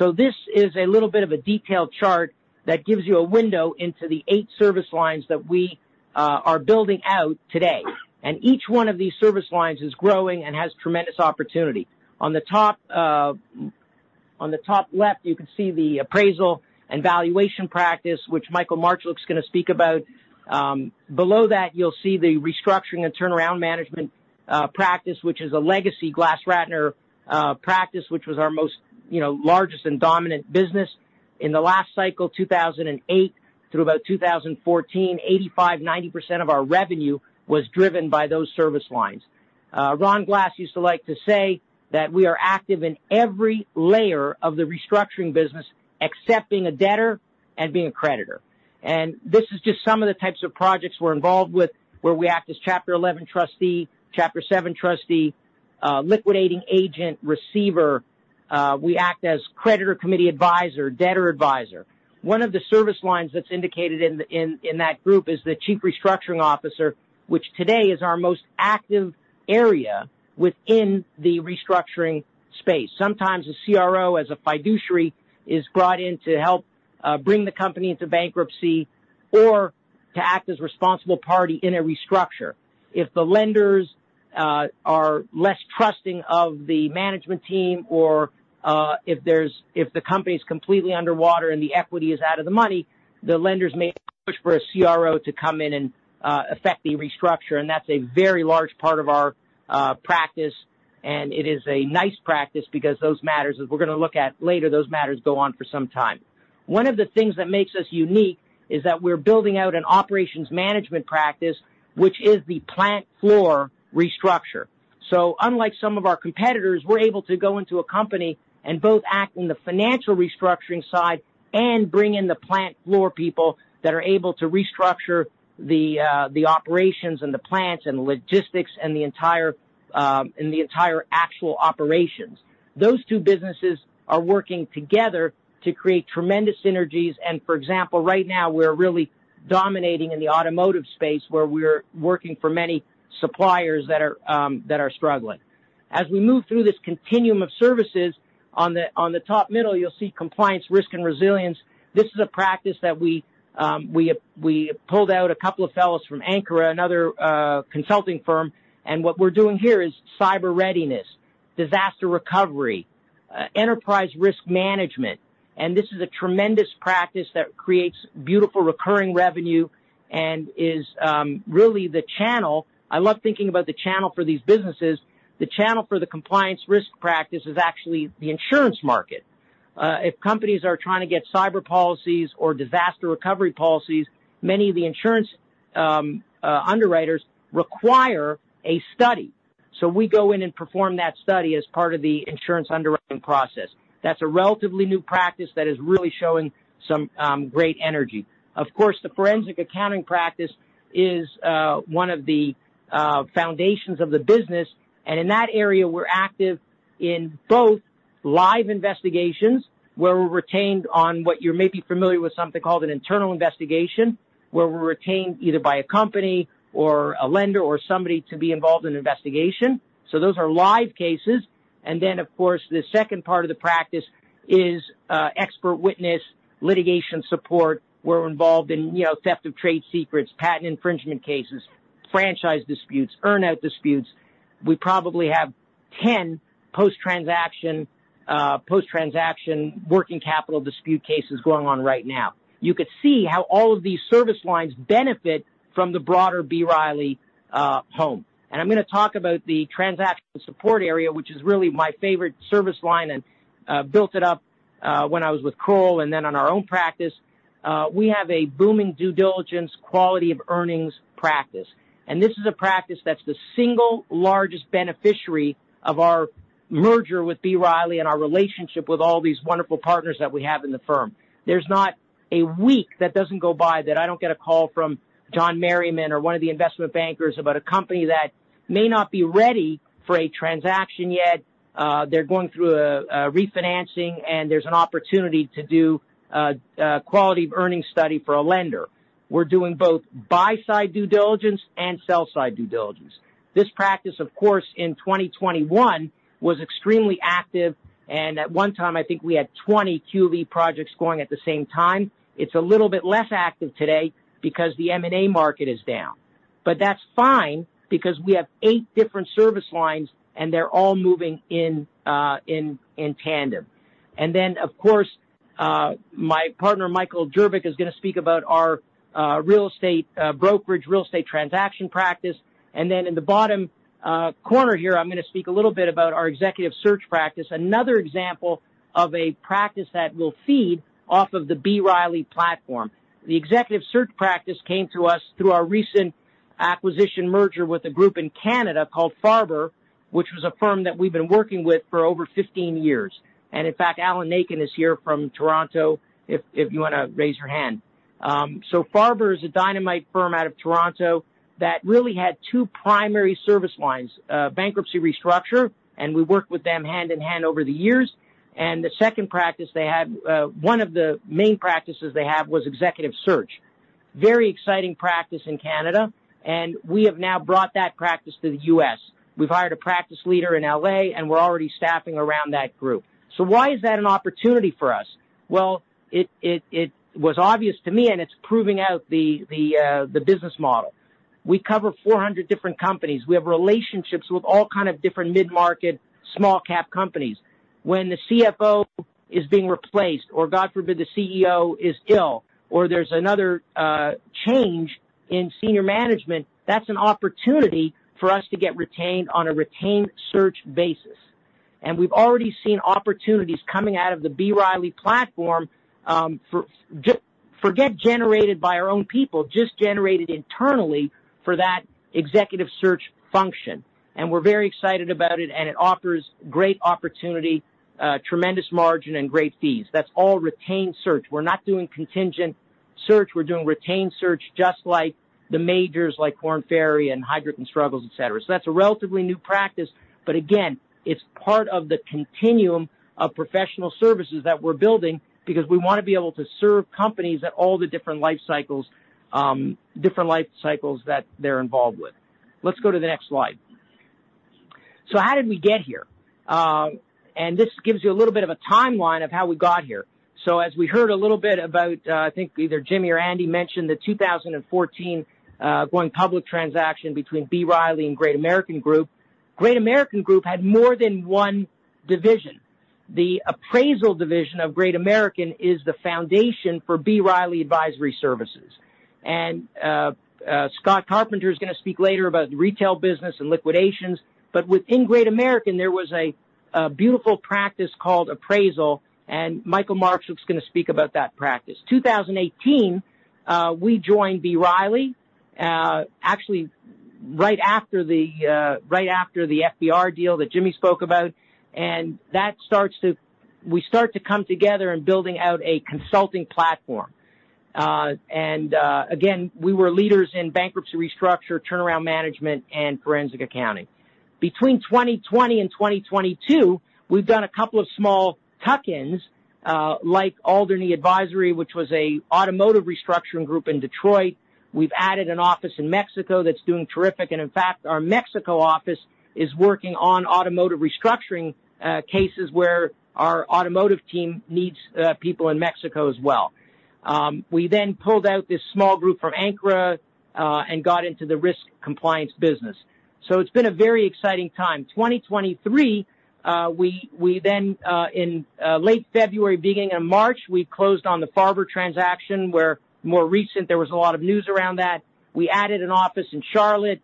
This is a little bit of a detailed chart that gives you a window into the eight service lines that we are building out today. Each one of these service lines is growing and has tremendous opportunity. On the top, on the top left, you can see the appraisal and valuation practice, which Michael Marchlik is going to speak about. Below that, you'll see the restructuring and turnaround management practice, which is a legacy GlassRatner practice, which was our most, you know, largest and dominant business. In the last cycle, 2008 through about 2014, 85%-90% of our revenue was driven by those service lines. Ron Glass used to like to say that we are active in every layer of the restructuring business except being a debtor and being a creditor. This is just some of the types of projects we're involved with, where we act as Chapter 11 trustee, Chapter 7 trustee, liquidating agent, receiver. We act as creditor, committee advisor, debtor advisor. One of the service lines that's indicated in that group is the chief restructuring officer, which today is our most active area within the restructuring space. Sometimes a CRO as a fiduciary is brought in to help bring the company into bankruptcy or to act as responsible party in a restructure. If the lenders are less trusting of the management team or if the company is completely underwater and the equity is out of the money, the lenders may push for a CRO to come in and effect the restructure. That's a very large part of our practice. It is a nice practice because those matters, as we're going to look at later, those matters go on for some time. One of the things that makes us unique is that we're building out an operations management practice, which is the plant floor restructure. So unlike some of our competitors, we're able to go into a company and both act in the financial restructuring side and bring in the plant floor people that are able to restructure the operations and the plants and the logistics and the entire actual operations. Those two businesses are working together to create tremendous synergies. For example, right now we're really dominating in the automotive space, where we're working for many suppliers that are struggling. As we move through this continuum of services, on the top middle, you'll see compliance, risk, and resilience. This is a practice that we pulled out a couple of fellows from Ankura, another consulting firm, and what we're doing here is cyber readiness, disaster recovery, enterprise risk management. This is a tremendous practice that creates beautiful recurring revenue and is really the channel. I love thinking about the channel for these businesses. The channel for the compliance risk practice is actually the insurance market. If companies are trying to get cyber policies or disaster recovery policies, many of the insurance underwriters require a study. So we go in and perform that study as part of the insurance underwriting process. That's a relatively new practice that is really showing some great energy. Of course, the forensic accounting practice is one of the foundations of the business, and in that area, we're active in both live investigations, where we're retained on what you may be familiar with, something called an internal investigation, where we're retained either by a company or a lender or somebody to be involved in investigation. So those are live cases. And then, of course, the second part of the practice is expert witness litigation support. We're involved in, you know, theft of trade secrets, patent infringement cases, franchise disputes, earn-out disputes. We probably have 10 post-transaction post-transaction working capital dispute cases going on right now. You can see how all of these service lines benefit from the broader B. Riley home. I'm going to talk about the transactional support area, which is really my favorite service line, and built it up when I was with Kroll and then on our own practice. We have a booming due diligence, quality of earnings practice, and this is a practice that's the single largest beneficiary of our merger with B. Riley and our relationship with all these wonderful partners that we have in the firm. There's not a week that doesn't go by that I don't get a call from Jon Merriman or one of the investment bankers about a company that may not be ready for a transaction yet. They're going through a refinancing, and there's an opportunity to do quality of earnings study for a lender. We're doing both buy-side due diligence and sell-side due diligence. This practice, of course, in 2021, was extremely active, and at one time, I think we had 20 QE projects going at the same time. It's a little bit less active today because the M&A market is down. But that's fine because we have eight different service lines, and they're all moving in tandem. And then, of course, my partner, Michael Jerbich, is going to speak about our real estate brokerage, real estate transaction practice. And then in the bottom corner here, I'm going to speak a little bit about our executive search practice, another example of a practice that will feed off of the B. Riley platform. The executive search practice came to us through our recent acquisition merger with a group in Canada called Farber, which was a firm that we've been working with for over 15 years. And in fact, Allan Nackan is here from Toronto, if you want to raise your hand. So Farber is a dynamite firm out of Toronto that really had two primary service lines, bankruptcy restructure, and we worked with them hand in hand over the years. And the second practice they had, one of the main practices they have was executive search. Very exciting practice in Canada, and we have now brought that practice to the U.S. We've hired a practice leader in L.A., and we're already staffing around that group. So why is that an opportunity for us? Well, it was obvious to me, and it's proving out the business model. We cover 400 different companies. We have relationships with all kind of different mid-market, small cap companies. When the CFO is being replaced, or God forbid, the CEO is ill, or there's another change in senior management, that's an opportunity for us to get retained on a retained search basis. We've already seen opportunities coming out of the B. Riley platform, generated by our own people, just generated internally for that executive search function. We're very excited about it, and it offers great opportunity, tremendous margin, and great fees. That's all retained search. We're not doing contingent search, we're doing retained search, just like the majors, like Korn Ferry and Heidrick & Struggles, et cetera. That's a relatively new practice, but again, it's part of the continuum of professional services that we're building because we want to be able to serve companies at all the different life cycles, different life cycles that they're involved with. Let's go to the next slide. So how did we get here? And this gives you a little bit of a timeline of how we got here. So as we heard a little bit about, I think either Jimmy or Andy mentioned the 2014 going public transaction between B. Riley and Great American Group. Great American Group had more than one division. The appraisal division of Great American is the foundation for B. Riley Advisory Services. And Scott Carpenter is going to speak later about retail business and liquidations. But within Great American, there was a beautiful practice called appraisal, and Michael Marchlik is going to speak about that practice. 2018, we joined B. Riley, actually, right after the FBR deal that Jimmy spoke about. And that starts to... We start to come together in building out a consulting platform. And, again, we were leaders in bankruptcy restructure, turnaround management, and forensic accounting. Between 2020 and 2022, we've done a couple of small tuck-ins, like Alderney Advisors, which was an automotive restructuring group in Detroit. We've added an office in Mexico that's doing terrific, and in fact, our Mexico office is working on automotive restructuring cases where our automotive team needs people in Mexico as well. We then pulled out this small group from Ankura and got into the risk compliance business. So it's been a very exciting time. 2023, we then, in late February, beginning of March, we closed on the Farber transaction, where more recent, there was a lot of news around that. We added an office in Charlotte,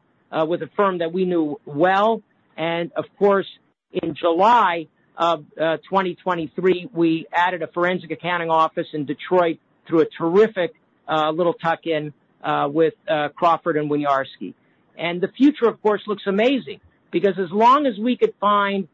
with a firm that we knew well. And of course, in July of 2023, we added a forensic accounting office in Detroit through a terrific little tuck-in with Crawford & Winiarski. And the future, of course, looks amazing, because as long as we could find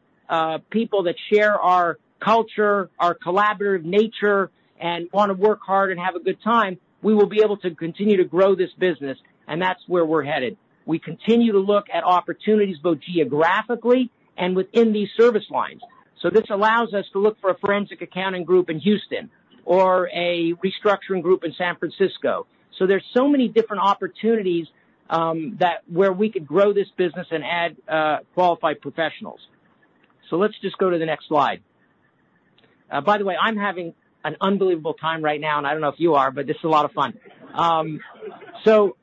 people that share our culture, our collaborative nature, and want to work hard and have a good time, we will be able to continue to grow this business, and that's where we're headed. We continue to look at opportunities, both geographically and within these service lines. So this allows us to look for a forensic accounting group in Houston or a restructuring group in San Francisco. So there's so many different opportunities that where we could grow this business and add qualified professionals. So let's just go to the next slide. By the way, I'm having an unbelievable time right now, and I don't know if you are, but this is a lot of fun. So,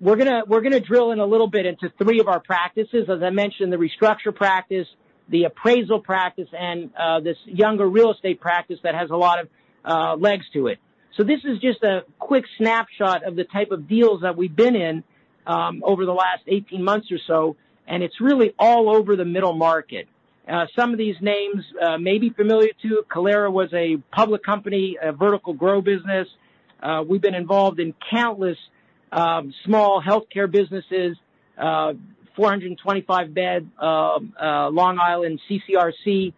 we're gonna drill in a little bit into three of our practices. As I mentioned, the restructure practice, the appraisal practice, and this younger real estate practice that has a lot of legs to it. So this is just a quick snapshot of the type of deals that we've been in over the last 18 months or so, and it's really all over the middle market. Some of these names may be familiar to you. Kalera was a public company, a vertical grow business. We've been involved in countless small healthcare businesses, 425-bed Long Island CCRC.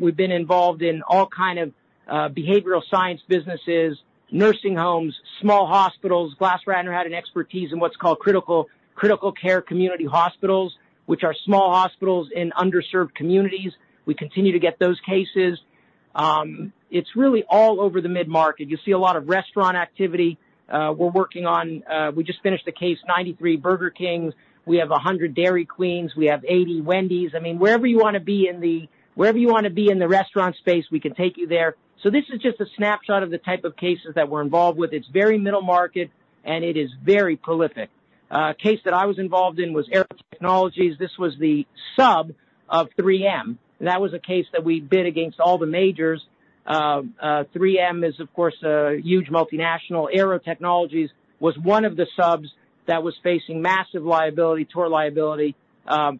We've been involved in all kind of behavioral science businesses, nursing homes, small hospitals. GlassRatner had an expertise in what's called critical care community hospitals, which are small hospitals in underserved communities. We continue to get those cases. It's really all over the mid-market. You see a lot of restaurant activity. We're working on, we just finished a case, 93 Burger Kings. We have 100 Dairy Queens. We have 80 Wendy's. I mean, wherever you want to be in the- wherever you want to be in the restaurant space, we can take you there. So this is just a snapshot of the type of cases that we're involved with. It's very middle market, and it is very prolific. A case that I was involved in was Aearo Technologies. This was the sub of 3M. That was a case that we bid against all the majors. 3M is, of course, a huge multinational. Aearo Technologies was one of the subs that was facing massive liability, tort liability,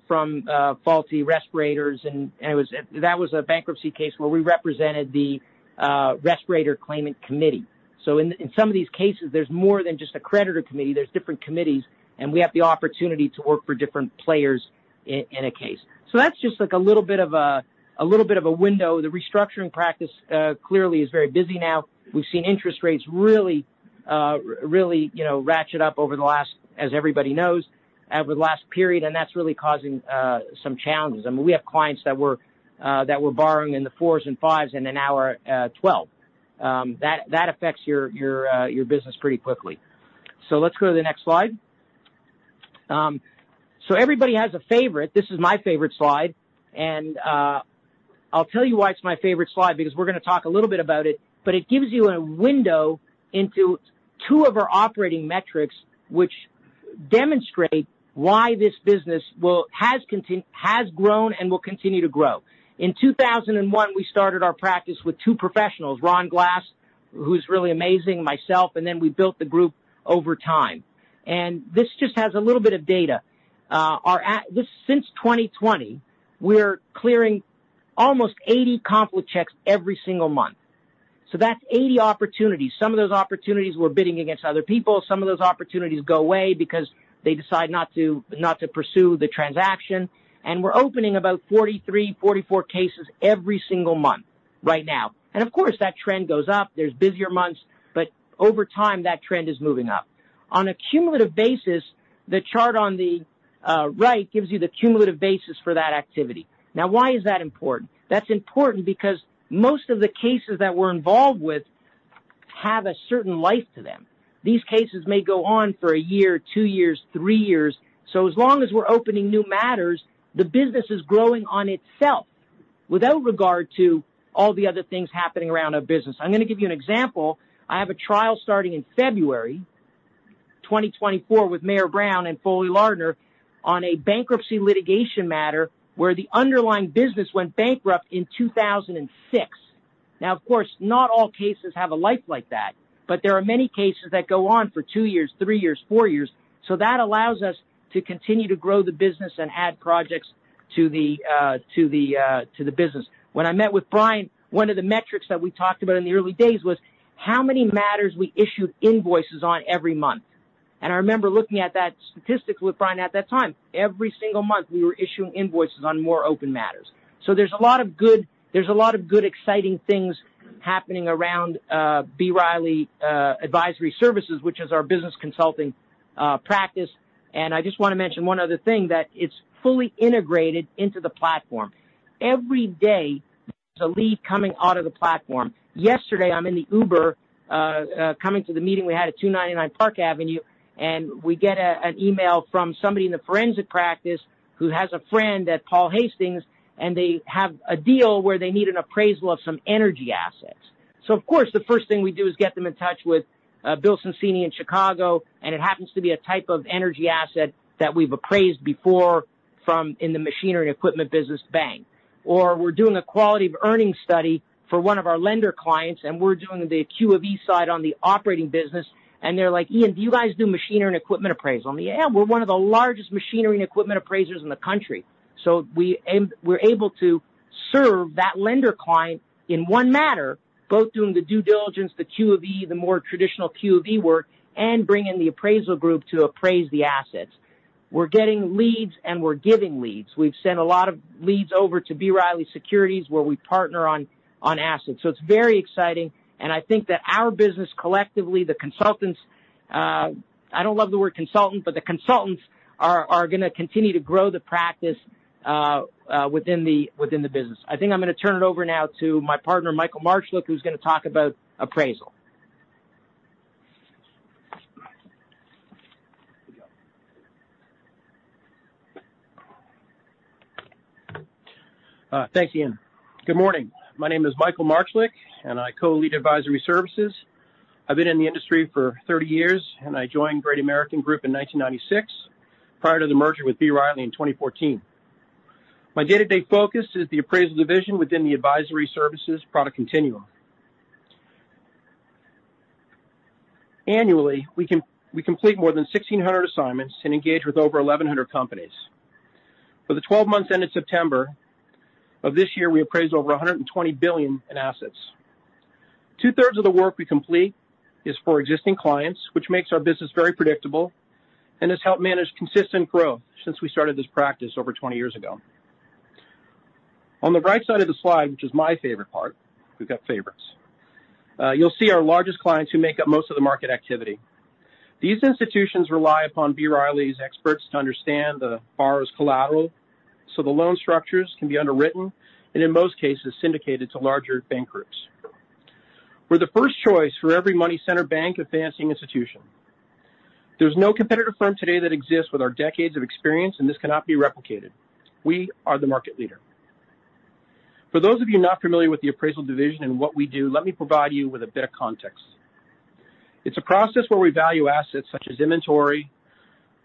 from faulty respirators, and it was—that was a bankruptcy case where we represented the respirator claimant committee. So in some of these cases, there's more than just a creditor committee. There's different committees, and we have the opportunity to work for different players in a case. So that's just, like, a little bit of a window. The restructuring practice clearly is very busy now. We've seen interest rates really really, you know, ratchet up over the last, as everybody knows, over the last period, and that's really causing some challenges. I mean, we have clients that were, that were borrowing in the 4s and 5s and then now are at 12. That, that affects your, your, your business pretty quickly. So let's go to the next slide. So everybody has a favorite. This is my favorite slide, and I'll tell you why it's my favorite slide, because we're gonna talk a little bit about it, but it gives you a window into two of our operating metrics, which demonstrate why this business has grown and will continue to grow. In 2001, we started our practice with two professionals, Ron Glass, who's really amazing, myself, and then we built the group over time. And this just has a little bit of data. Our – this since 2020, we're clearing almost 80 conflict checks every single month. That's 80 opportunities. Some of those opportunities we're bidding against other people. Some of those opportunities go away because they decide not to pursue the transaction. We're opening about 43, 44 cases every single month right now. Of course, that trend goes up. There's busier months, but over time, that trend is moving up. On a cumulative basis, the chart on the right gives you the cumulative basis for that activity. Now, why is that important? That's important because most of the cases that we're involved with have a certain life to them. These cases may go on for a year, two years, three years. So as long as we're opening new matters, the business is growing on itself, without regard to all the other things happening around our business. I'm gonna give you an example. I have a trial starting in February 2024, with Mayer Brown and Foley & Lardner on a bankruptcy litigation matter where the underlying business went bankrupt in 2006. Now, of course, not all cases have a life like that, but there are many cases that go on for two years, three years, four years. So that allows us to continue to grow the business and add projects to the, to the, to the business. When I met with Bryant, one of the metrics that we talked about in the early days was how many matters we issued invoices on every month. I remember looking at that statistic with Bryant at that time. Every single month, we were issuing invoices on more open matters. So there's a lot of good, there's a lot of good, exciting things happening around, B. B. Riley Advisory Services, which is our business consulting practice. And I just want to mention one other thing, that it's fully integrated into the platform. Every day, there's a lead coming out of the platform. Yesterday, I'm in the Uber coming to the meeting we had at 299 Park Avenue, and we get an email from somebody in the forensic practice who has a friend at Paul Hastings, and they have a deal where they need an appraisal of some energy assets. So of course, the first thing we do is get them in touch with Bill Soncini in Chicago, and it happens to be a type of energy asset that we've appraised before from in the machinery and equipment business bank. Or we're doing a quality of earnings study for one of our lender clients, and we're doing the Q of E side on the operating business, and they're like: Ian, do you guys do machinery and equipment appraisal? I'm like, "Yeah, we're one of the largest machinery and equipment appraisers in the country." So we aim, we're able to serve that lender client in one matter, both doing the due diligence, the Q of E, the more traditional Q of E work, and bring in the appraisal group to appraise the assets. We're getting leads, and we're giving leads. We've sent a lot of leads over to B. Riley Securities, where we partner on assets. It's very exciting, and I think that our business, collectively, the consultants, I don't love the word consultant, but the consultants are gonna continue to grow the practice within the business. I think I'm gonna turn it over now to my partner, Michael Marchlik, who's gonna talk about appraisal. Thanks, Ian. Good morning. My name is Michael Marchlik, and I co-lead Advisory Services. I've been in the industry for 30 years, and I joined Great American Group in 1996, prior to the merger with B. Riley in 2014. My day-to-day focus is the appraisal division within the advisory services product continuum. Annually, we complete more than 1,600 assignments and engage with over 1,100 companies. For the 12 months ended September of this year, we appraised over $120 billion in assets. Two-thirds of the work we complete is for existing clients, which makes our business very predictable and has helped manage consistent growth since we started this practice over 20 years ago. On the right side of the slide, which is my favorite part, we've got favorites. You'll see our largest clients who make up most of the market activity. These institutions rely upon B. Riley's experts to understand the borrower's collateral, so the loan structures can be underwritten and, in most cases, syndicated to larger bank groups. We're the first choice for every money center bank and financing institution. There's no competitive firm today that exists with our decades of experience, and this cannot be replicated. We are the market leader. For those of you not familiar with the appraisal division and what we do, let me provide you with a bit of context. It's a process where we value assets such as inventory,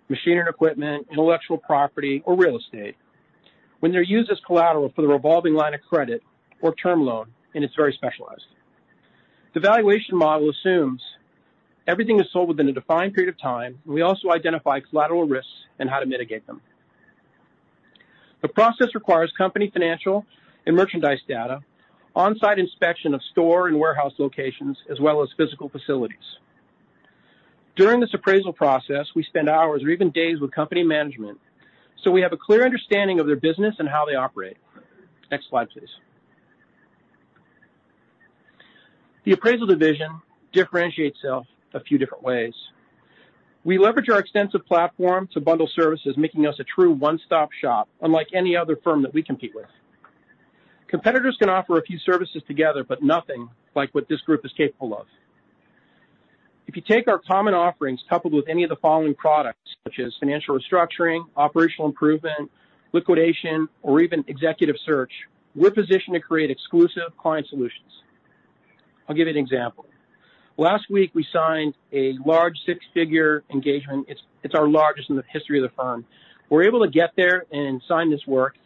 machinery and equipment, intellectual property, or real estate when they're used as collateral for the revolving line of credit or term loan, and it's very specialized. The valuation model assumes everything is sold within a defined period of time, and we also identify collateral risks and how to mitigate them. The process requires company financial and merchandise data, on-site inspection of store and warehouse locations, as well as physical facilities. During this appraisal process, we spend hours or even days with company management, so we have a clear understanding of their business and how they operate. Next slide, please. The appraisal division differentiates itself a few different ways. We leverage our extensive platform to bundle services, making us a true one-stop-shop, unlike any other firm that we compete with. Competitors can offer a few services together, but nothing like what this group is capable of. If you take our common offerings coupled with any of the following products, such as financial restructuring, operational improvement, liquidation, or even executive search, we're positioned to create exclusive client solutions. I'll give you an example. Last week, we signed a large six-figure engagement. It's our largest in the history of the firm. We're able to get there and sign this work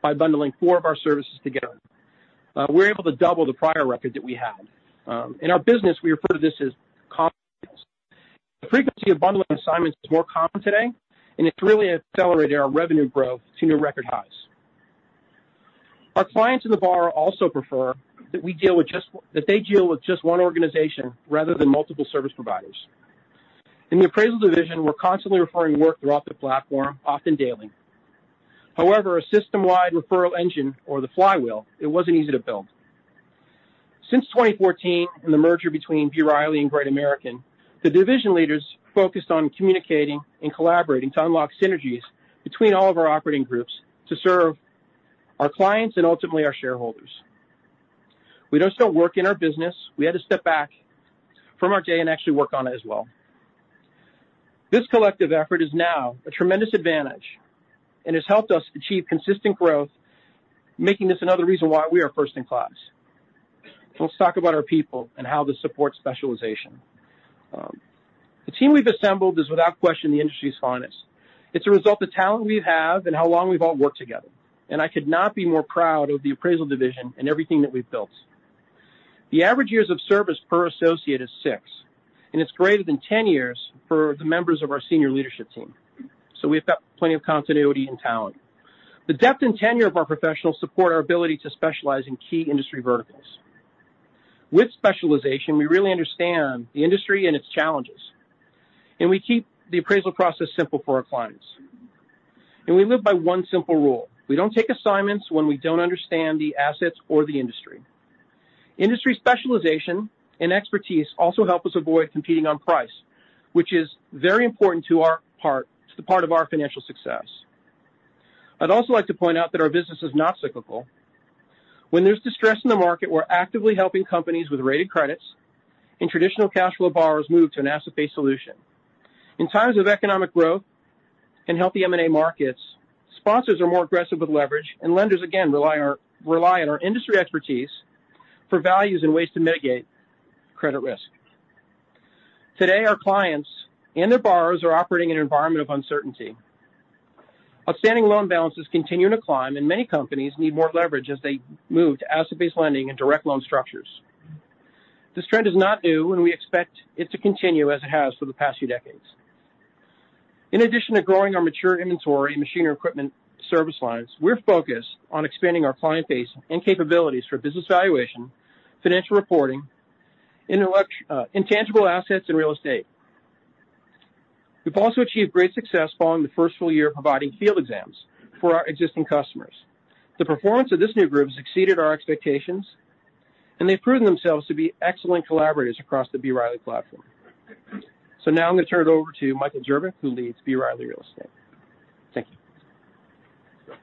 by bundling four of our services together. We're able to double the prior record that we had. In our business, we refer to this as confidence. The frequency of bundling assignments is more common today, and it's really accelerating our revenue growth to new record highs. Our clients and the borrower also prefer that we deal with just, that they deal with just one organization rather than multiple service providers. In the appraisal division, we're constantly referring work throughout the platform, often daily. However, a system-wide referral engine or the flywheel, it wasn't easy to build. Since 2014 and the merger between B. Riley and Great American, the division leaders focused on communicating and collaborating to unlock synergies between all of our operating groups to serve our clients and ultimately our shareholders. We don't still work in our business. We had to step back from our day and actually work on it as well. This collective effort is now a tremendous advantage and has helped us achieve consistent growth, making this another reason why we are first in class. Let's talk about our people and how this supports specialization. The team we've assembled is, without question, the industry's finest. It's a result of talent we have and how long we've all worked together, and I could not be more proud of the appraisal division and everything that we've built. The average years of service per associate is six, and it's greater than 10 years for the members of our senior leadership team. So we've got plenty of continuity and talent. The depth and tenure of our professionals support our ability to specialize in key industry verticals. With specialization, we really understand the industry and its challenges, and we keep the appraisal process simple for our clients. We live by one simple rule: We don't take assignments when we don't understand the assets or the industry. Industry specialization and expertise also help us avoid competing on price, which is very important to our part, to the part of our financial success. I'd also like to point out that our business is not cyclical. When there's distress in the market, we're actively helping companies with rated credits, and traditional cash flow borrowers move to an asset-based solution. In times of economic growth and healthy M&A markets, sponsors are more aggressive with leverage, and lenders again, rely on our industry expertise for values and ways to mitigate credit risk. Today, our clients and their borrowers are operating in an environment of uncertainty. Outstanding loan balances continue to climb, and many companies need more leverage as they move to asset-based lending and direct loan structures. This trend is not new, and we expect it to continue as it has for the past few decades. In addition to growing our mature inventory, machinery, equipment, service lines, we're focused on expanding our client base and capabilities for business valuation, financial reporting, intellectual, intangible assets, and real estate. We've also achieved great success following the first full year of providing field exams for our existing customers. The performance of this new group has exceeded our expectations, and they've proven themselves to be excellent collaborators across the B. Riley platform. So now I'm going to turn it over to Michael Jerbich, who leads B. Riley Real Estate. Thank you.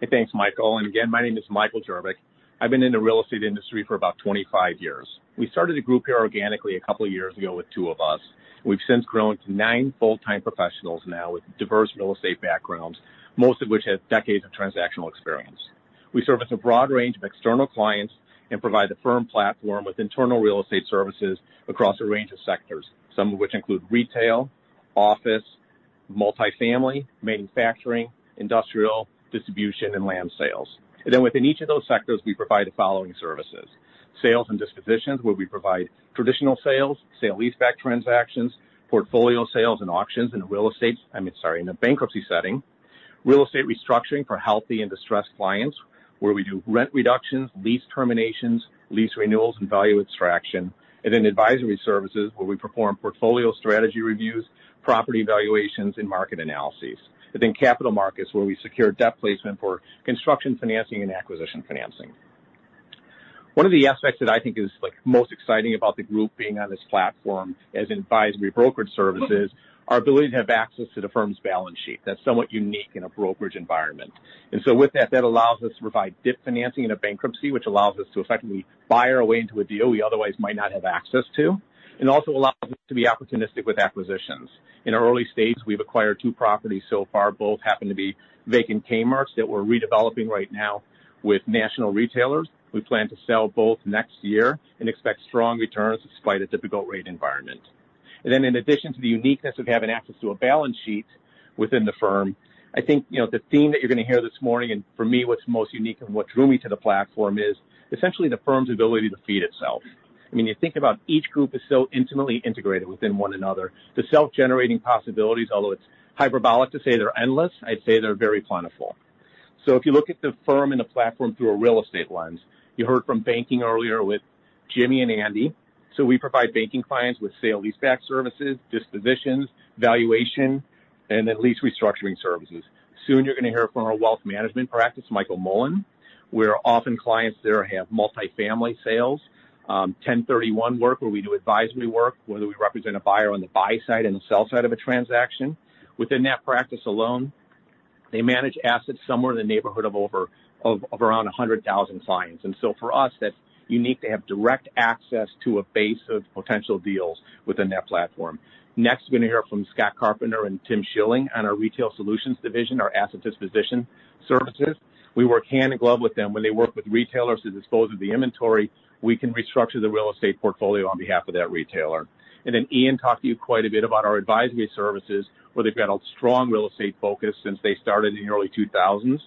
Hey, thanks, Michael. And again, my name is Michael Jerbich. I've been in the real estate industry for about 25 years. We started a group here organically a couple of years ago with two of us. We've since grown to nine full-time professionals now with diverse real estate backgrounds, most of which have decades of transactional experience. We service a broad range of external clients and provide the firm platform with internal real estate services across a range of sectors, some of which include retail, office, multifamily, manufacturing, industrial distribution, and land sales. And then within each of those sectors, we provide the following services: sales and dispositions, where we provide traditional sales, sale-leaseback transactions, portfolio sales and auctions in real estate, I mean, sorry, in a bankruptcy setting. Real estate restructuring for healthy and distressed clients, where we do rent reductions, lease terminations, lease renewals, and value extraction. And then advisory services, where we perform portfolio strategy reviews, property valuations, and market analyses. And then capital markets, where we secure debt placement for construction financing and acquisition financing. One of the aspects that I think is, like, most exciting about the group being on this platform as an advisory brokerage service is our ability to have access to the firm's balance sheet. That's somewhat unique in a brokerage environment. And so with that, that allows us to provide debt financing in a bankruptcy, which allows us to effectively buy our way into a deal we otherwise might not have access to, and also allows us to be opportunistic with acquisitions. In our early stages, we've acquired two properties so far. Both happen to be vacant Kmart's that we're redeveloping right now with national retailers. We plan to sell both next year and expect strong returns despite a difficult rate environment. Then in addition to the uniqueness of having access to a balance sheet within the firm, I think, you know, the theme that you're going to hear this morning, and for me, what's most unique and what drew me to the platform is essentially the firm's ability to feed itself. I mean, you think about each group is so intimately integrated within one another. The self-generating possibilities, although it's hyperbolic to say they're endless, I'd say they're very plentiful. If you look at the firm and the platform through a real estate lens, you heard from banking earlier with Jimmy and Andy. We provide banking clients with sale-leaseback services, dispositions, valuation, and then lease restructuring services. Soon you're going to hear from our wealth management practice, Michael Mullen, where often clients there have multifamily sales, 1031 work, where we do advisory work, whether we represent a buyer on the buy side and the sell side of a transaction. Within that practice alone, they manage assets somewhere in the neighborhood of over 100,000 clients. And so for us, that's unique to have direct access to a base of potential deals within that platform. Next, we're going to hear from Scott Carpenter and Tim Shilling on our retail solutions division, our asset disposition services. We work hand in glove with them. When they work with retailers to dispose of the inventory, we can restructure the real estate portfolio on behalf of that retailer. Then Ian talked to you quite a bit about our advisory services, where they've got a strong real estate focus since they started in the early 2000s.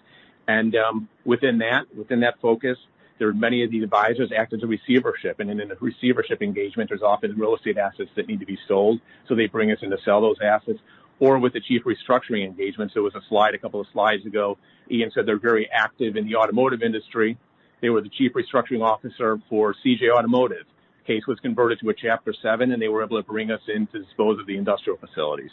Within that focus, there are many of these advisors act as a receivership, and in a receivership engagement, there's often real estate assets that need to be sold, so they bring us in to sell those assets, or with the Chief Restructuring Officer engagements. There was a slide a couple of slides ago. Ian said they're very active in the automotive industry. They were the Chief Restructuring Officer for C.A.J. Automotive. Case was converted to a Chapter 7, and they were able to bring us in to dispose of the industrial facilities.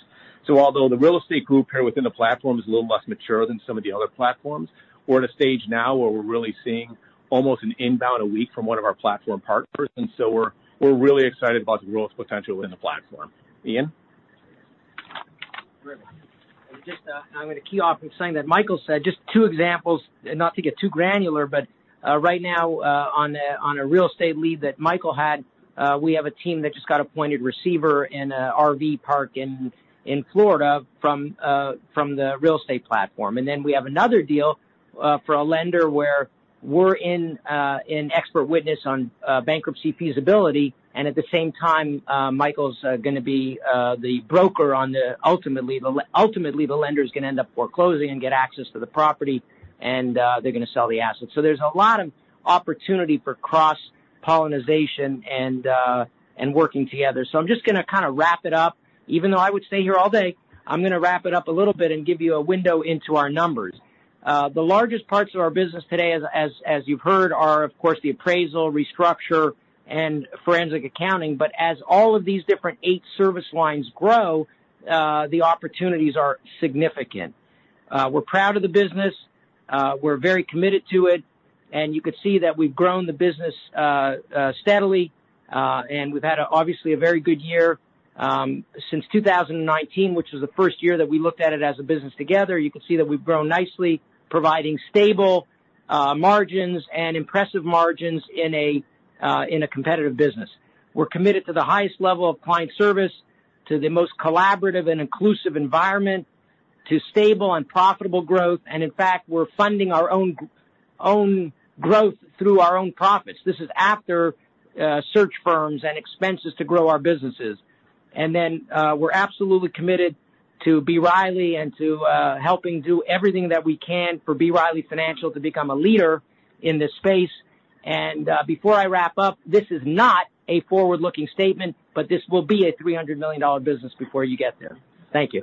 Although the real estate group here within the platform is a little less mature than some of the other platforms, we're at a stage now where we're really seeing almost an inbound a week from one of our platform partners, and so we're really excited about the growth potential within the platform. Ian? Great. I'm just, I'm going to key off from saying that Michael said just two examples. Not to get too granular, but, right now, on a real estate lead that Michael had, we have a team that just got appointed receiver in an RV park in Florida from the real estate platform. And then we have another deal for a lender where we're in an expert witness on bankruptcy feasibility, and at the same time, Michael's going to be the broker on the... Ultimately, the lender is going to end up foreclosing and get access to the property, and they're going to sell the assets. So there's a lot of opportunity for cross-pollination and working together. So I'm just gonna kind of wrap it up. Even though I would stay here all day, I'm gonna wrap it up a little bit and give you a window into our numbers. The largest parts of our business today, as you've heard, are, of course, the appraisal, restructure, and forensic accounting, but as all of these different 8 service lines grow, the opportunities are significant. We're proud of the business, we're very committed to it, and you can see that we've grown the business steadily, and we've had obviously a very good year since 2019, which was the first year that we looked at it as a business together. You can see that we've grown nicely, providing stable margins and impressive margins in a competitive business. We're committed to the highest level of client service, to the most collaborative and inclusive environment, to stable and profitable growth, and in fact, we're funding our own, own growth through our own profits. This is after search firms and expenses to grow our businesses. We're absolutely committed to B. Riley and to helping do everything that we can for B. Riley Financial to become a leader in this space. Before I wrap up, this is not a forward-looking statement, but this will be a $300 million business before you get there. Thank you.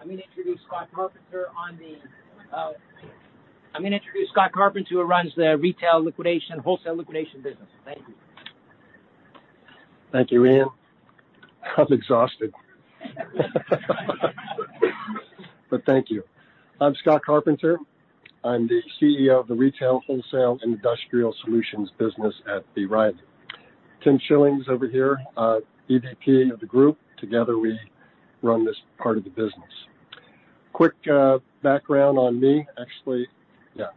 I'm going to introduce Scott Carpenter on the... I'm going to introduce Scott Carpenter, who runs the retail liquidation, wholesale liquidation business. Thank you. Thank you, Ian. I'm exhausted. But thank you. I'm Scott Carpenter. I'm the CEO of the Retail, Wholesale, and Industrial Solutions business at B. Riley. Tim Shilling is over here, EVP of the group. Together, we run this part of the business. Quick, background on me, actually... Yeah,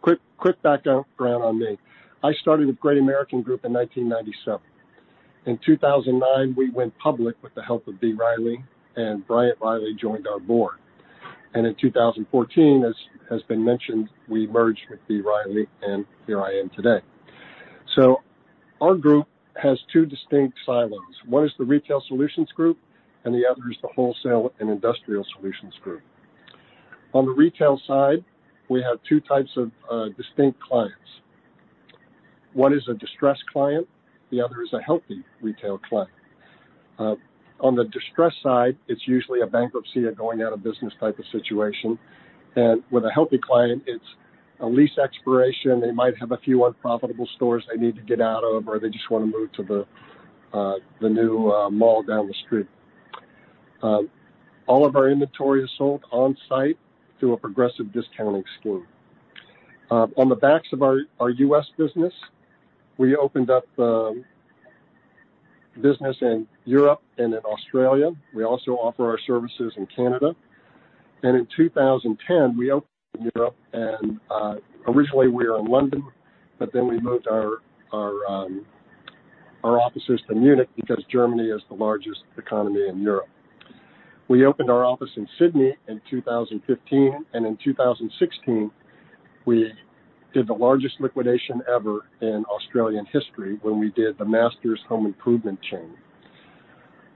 quick, quick background on me. I started with Great American Group in 1997. In 2009, we went public with the help of B. Riley, and Bryant Riley joined our board. And in 2014, as has been mentioned, we merged with B. Riley, and here I am today.... So our group has two distinct silos. One is the Retail Solutions Group, and the other is the Wholesale and Industrial Solutions Group. On the retail side, we have two types of distinct clients. One is a distressed client, the other is a healthy retail client. On the distressed side, it's usually a bankruptcy, a going-out-of-business type of situation. With a healthy client, it's a lease expiration. They might have a few unprofitable stores they need to get out of, or they just want to move to the new mall down the street. All of our inventory is sold on-site through a progressive discounting scheme. On the backs of our U.S. business, we opened up business in Europe and in Australia. We also offer our services in Canada. In 2010, we opened in Europe, and originally we were in London, but then we moved our offices to Munich because Germany is the largest economy in Europe. We opened our office in Sydney in 2015, and in 2016, we did the largest liquidation ever in Australian history when we did the Masters Home Improvement chain.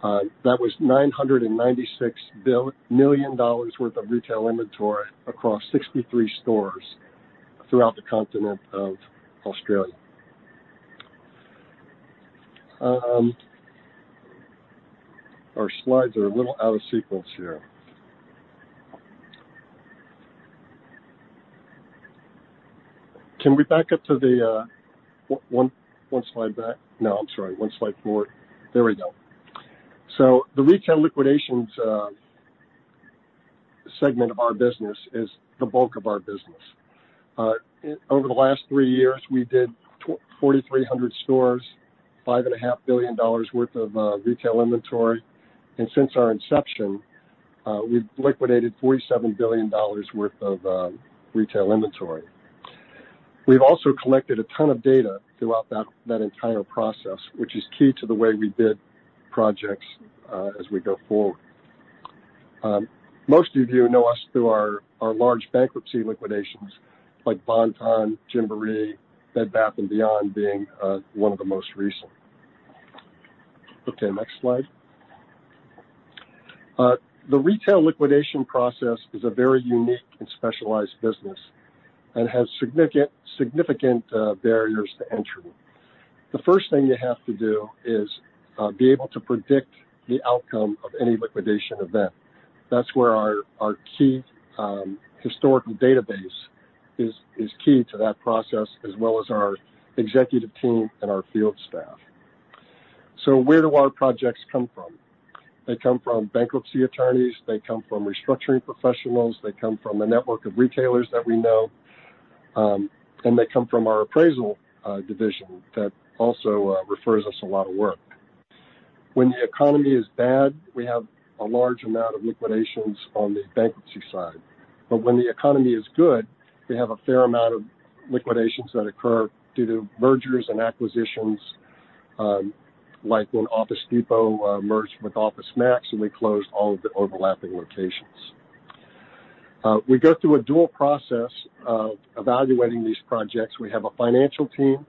That was 996 million dollars worth of retail inventory across 63 stores throughout the continent of Australia. Our slides are a little out of sequence here. Can we back up to the one slide back? No, I'm sorry, one slide forward. There we go. So the retail liquidations segment of our business is the bulk of our business. Over the last three years, we did 4,300 stores, $5.5 billion worth of retail inventory. Since our inception, we've liquidated $47 billion worth of retail inventory. We've also collected a ton of data throughout that entire process, which is key to the way we bid projects as we go forward. Most of you know us through our large bankruptcy liquidations, like Bon-Ton, Gymboree, Bed Bath & Beyond being one of the most recent. Okay, next slide. The retail liquidation process is a very unique and specialized business and has significant barriers to entry. The first thing you have to do is be able to predict the outcome of any liquidation event. That's where our key... Historical database is key to that process, as well as our executive team and our field staff. So where do our projects come from? They come from bankruptcy attorneys, they come from restructuring professionals, they come from a network of retailers that we know, and they come from our appraisal division that also refers us a lot of work. When the economy is bad, we have a large amount of liquidations on the bankruptcy side. But when the economy is good, we have a fair amount of liquidations that occur due to mergers and acquisitions, like when Office Depot merged with OfficeMax, and they closed all of the overlapping locations. We go through a dual process of evaluating these projects. We have a financial team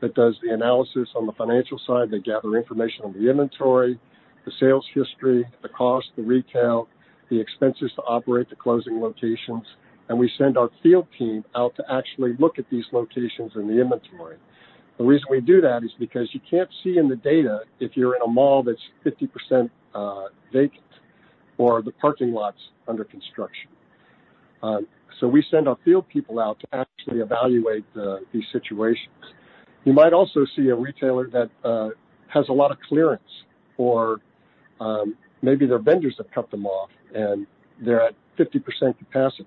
that does the analysis on the financial side. They gather information on the inventory, the sales history, the cost, the retail, the expenses to operate the closing locations, and we send our field team out to actually look at these locations and the inventory. The reason we do that is because you can't see in the data if you're in a mall that's 50% vacant or the parking lot's under construction. So we send our field people out to actually evaluate these situations. You might also see a retailer that has a lot of clearance or maybe their vendors have cut them off, and they're at 50% capacity,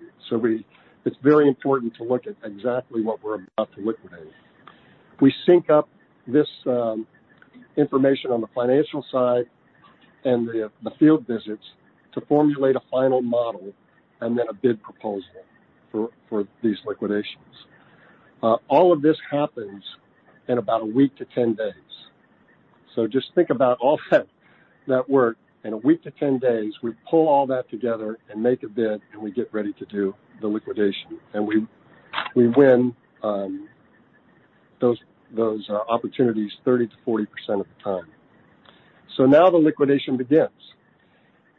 it's very important to look at exactly what we're about to liquidate. We sync up this information on the financial side and the field visits to formulate a final model and then a bid proposal for these liquidations. All of this happens in about a week to 10 days. So just think about all that, that work in a week to 10 days, we pull all that together and make a bid, and we get ready to do the liquidation. And we, we win, those, those, opportunities 30%-40% of the time. So now the liquidation begins.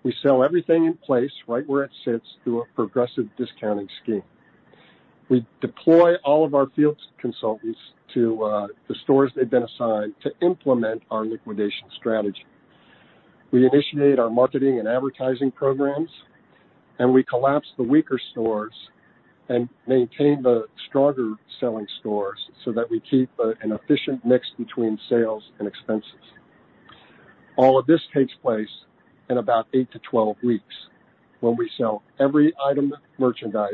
We sell everything in place, right where it sits, through a progressive discounting scheme. We deploy all of our field consultants to, the stores they've been assigned to implement our liquidation strategy. We initiate our marketing and advertising programs, and we collapse the weaker stores and maintain the stronger-selling stores so that we keep, an efficient mix between sales and expenses. All of this takes place in about 8-12 weeks, when we sell every item of merchandise,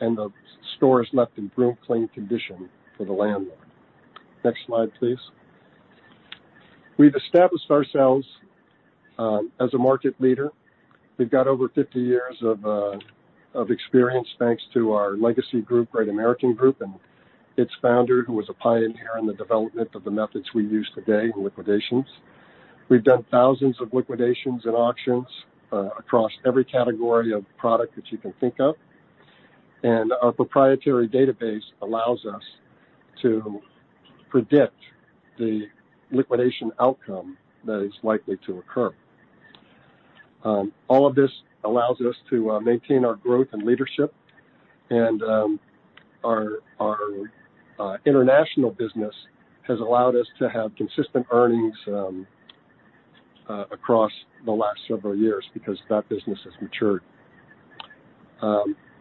and the store is left in broom-clean condition for the landlord. Next slide, please. We've established ourselves as a market leader. We've got over 50 years of experience, thanks to our legacy group, Great American Group, and its founder, who was a pioneer in the development of the methods we use today in liquidations. We've done thousands of liquidations and auctions across every category of product that you can think of... And our proprietary database allows us to predict the liquidation outcome that is likely to occur. All of this allows us to maintain our growth and leadership, and our international business has allowed us to have consistent earnings across the last several years because that business has matured.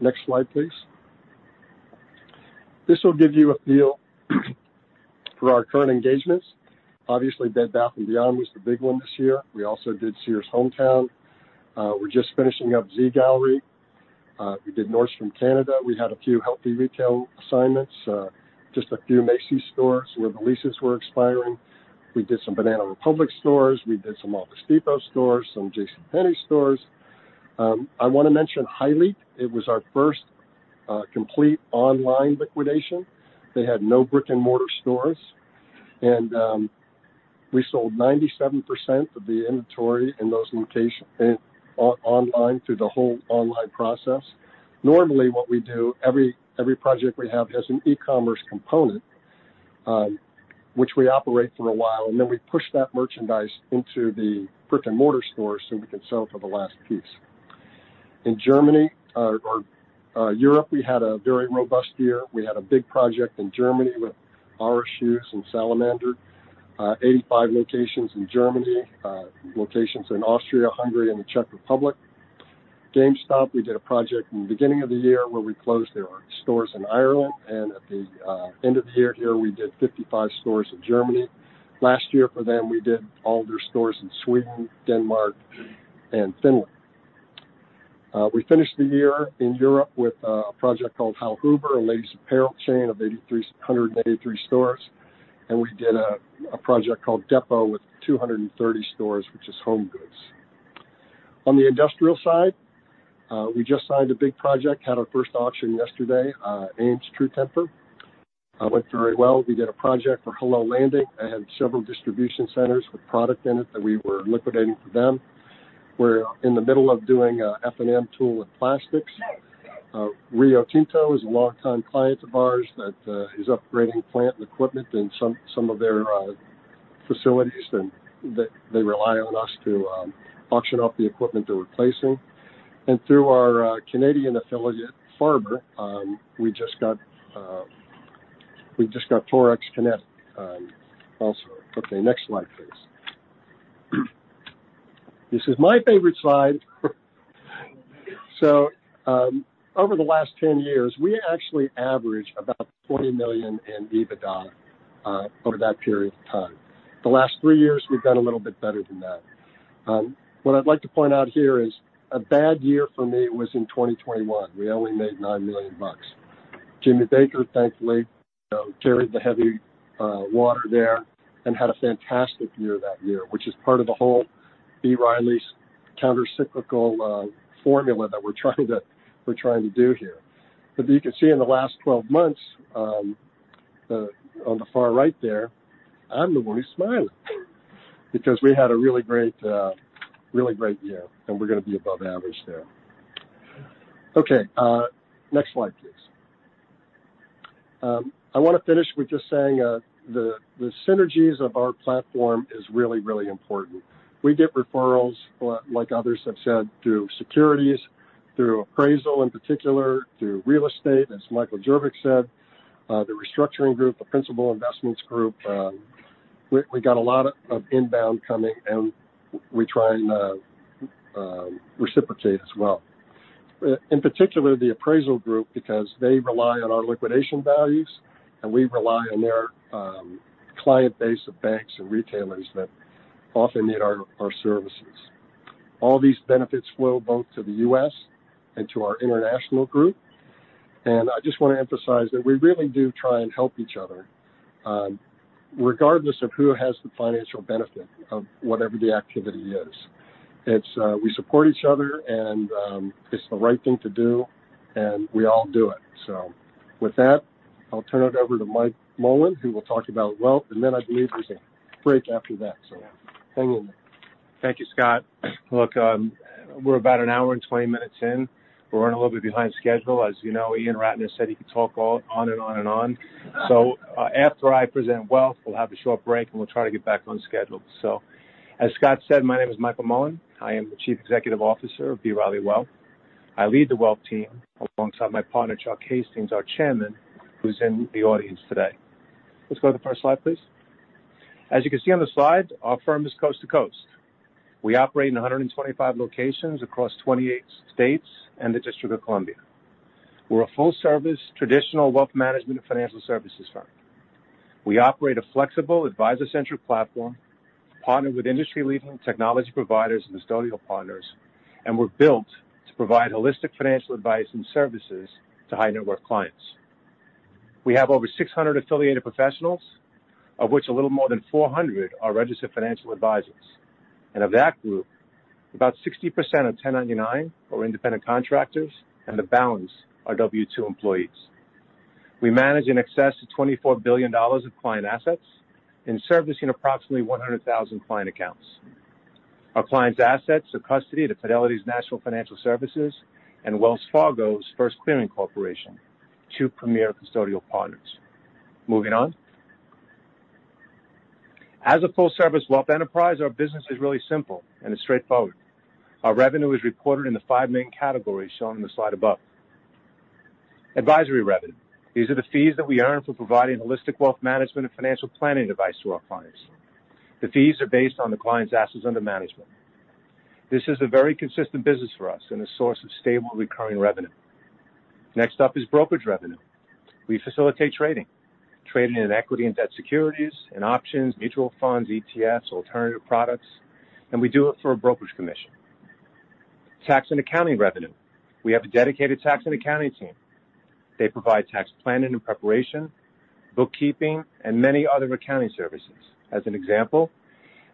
Next slide, please. This will give you a feel for our current engagements. Obviously, Bed Bath & Beyond was the big one this year. We also did Sears Hometown. We're just finishing up Z Gallerie. We did Nordstrom Canada. We had a few healthy retail assignments, just a few Macy's stores where the leases were expiring. We did some Banana Republic stores. We did some Office Depot stores, some J.C. Penney stores. I want to mention Hylete. It was our first complete online liquidation. They had no brick-and-mortar stores, and we sold 97% of the inventory in those locations, online through the whole online process. Normally, what we do, every project we have has an e-commerce component, which we operate for a while, and then we push that merchandise into the brick-and-mortar stores, so we can sell it for the last piece. In Germany, or Europe, we had a very robust year. We had a big project in Germany with Reno and Salamander, 85 locations in Germany, locations in Austria, Hungary, and the Czech Republic. GameStop, we did a project in the beginning of the year where we closed their stores in Ireland, and at the end of the year here, we did 55 stores in Germany. Last year for them, we did all their stores in Sweden, Denmark, and Finland. We finished the year in Europe with a project called Hallhuber, a ladies apparel chain of 183 stores, and we did a project called Depot with 230 stores, which is home goods. On the industrial side, we just signed a big project, had our first auction yesterday, Ames True Temper. Went very well. We did a project for Hello Landing. They had several distribution centers with product in it that we were liquidating for them. We're in the middle of doing F&M Tool & Plastics. Rio Tinto is a longtime client of ours that is upgrading plant and equipment in some of their facilities, and they rely on us to auction off the equipment they're replacing. Through our Canadian affiliate, Farber, we just got Torx Connect, also. Okay, next slide, please. This is my favorite slide. So, over the last 10 years, we actually averaged about $40 million in EBITDA over that period of time. The last three years, we've done a little bit better than that. What I'd like to point out here is, a bad year for me was in 2021. We only made $9 million. Jimmy Baker, thankfully, carried the heavy water there and had a fantastic year that year, which is part of the whole B. Riley's countercyclical formula that we're trying to do here. But you can see in the last 12 months, on the far right there, I'm the one who's smiling because we had a really great, really great year, and we're gonna be above average there. Okay, next slide, please. I want to finish with just saying, the synergies of our platform is really, really important. We get referrals, like others have said, through securities, through appraisal, in particular, through real estate, as Michael Jerbich said, the restructuring group, the principal investments group. We got a lot of inbound coming, and we try and reciprocate as well. In particular, the appraisal group, because they rely on our liquidation values, and we rely on their client base of banks and retailers that often need our services. All these benefits flow both to the US and to our international group, and I just want to emphasize that we really do try and help each other, regardless of who has the financial benefit of whatever the activity is. It's, we support each other, and, it's the right thing to do, and we all do it. So with that, I'll turn it over to Mike Mullen, who will talk about wealth, and then I believe there's a break after that. So take it away. Thank you, Scott. Look, we're about 1 hour and 20 minutes in. We're running a little bit behind schedule. As you know, Ian Ratner said he could talk on and on and on. So, after I present wealth, we'll have a short break, and we'll try to get back on schedule. So, as Scott said, my name is Michael Mullen. I am the Chief Executive Officer of B. Riley Wealth. I lead the wealth team alongside my partner, Chuck Hastings, our chairman, who's in the audience today. Let's go to the first slide, please. As you can see on the slide, our firm is coast to coast. We operate in 125 locations across 28 states and the District of Columbia. We're a full-service, traditional wealth management and financial services firm. We operate a flexible, advisor-centric platform, partnered with industry-leading technology providers and custodial partners, and we're built to provide holistic financial advice and services to high-net-worth clients. We have over 600 affiliated professionals, of which a little more than 400 are registered financial advisors. Of that group, about 60% are 1099 or independent contractors, and the balance are W-2 employees. We manage in excess of $24 billion of client assets and servicing approximately 100,000 client accounts. Our clients' assets are custody to National Financial Services and Wells Fargo First Clearing, two premier custodial partners. Moving on. As a full-service wealth enterprise, our business is really simple and straightforward. Our revenue is reported in the 5 main categories shown in the slide above. Advisory revenue. These are the fees that we earn for providing holistic wealth management and financial planning advice to our clients. The fees are based on the client's assets under management. This is a very consistent business for us and a source of stable recurring revenue. Next up is brokerage revenue. We facilitate trading, trading in equity and debt securities, in options, mutual funds, ETFs, alternative products, and we do it for a brokerage commission. Tax and accounting revenue. We have a dedicated tax and accounting team. They provide tax planning and preparation, bookkeeping, and many other accounting services. As an example,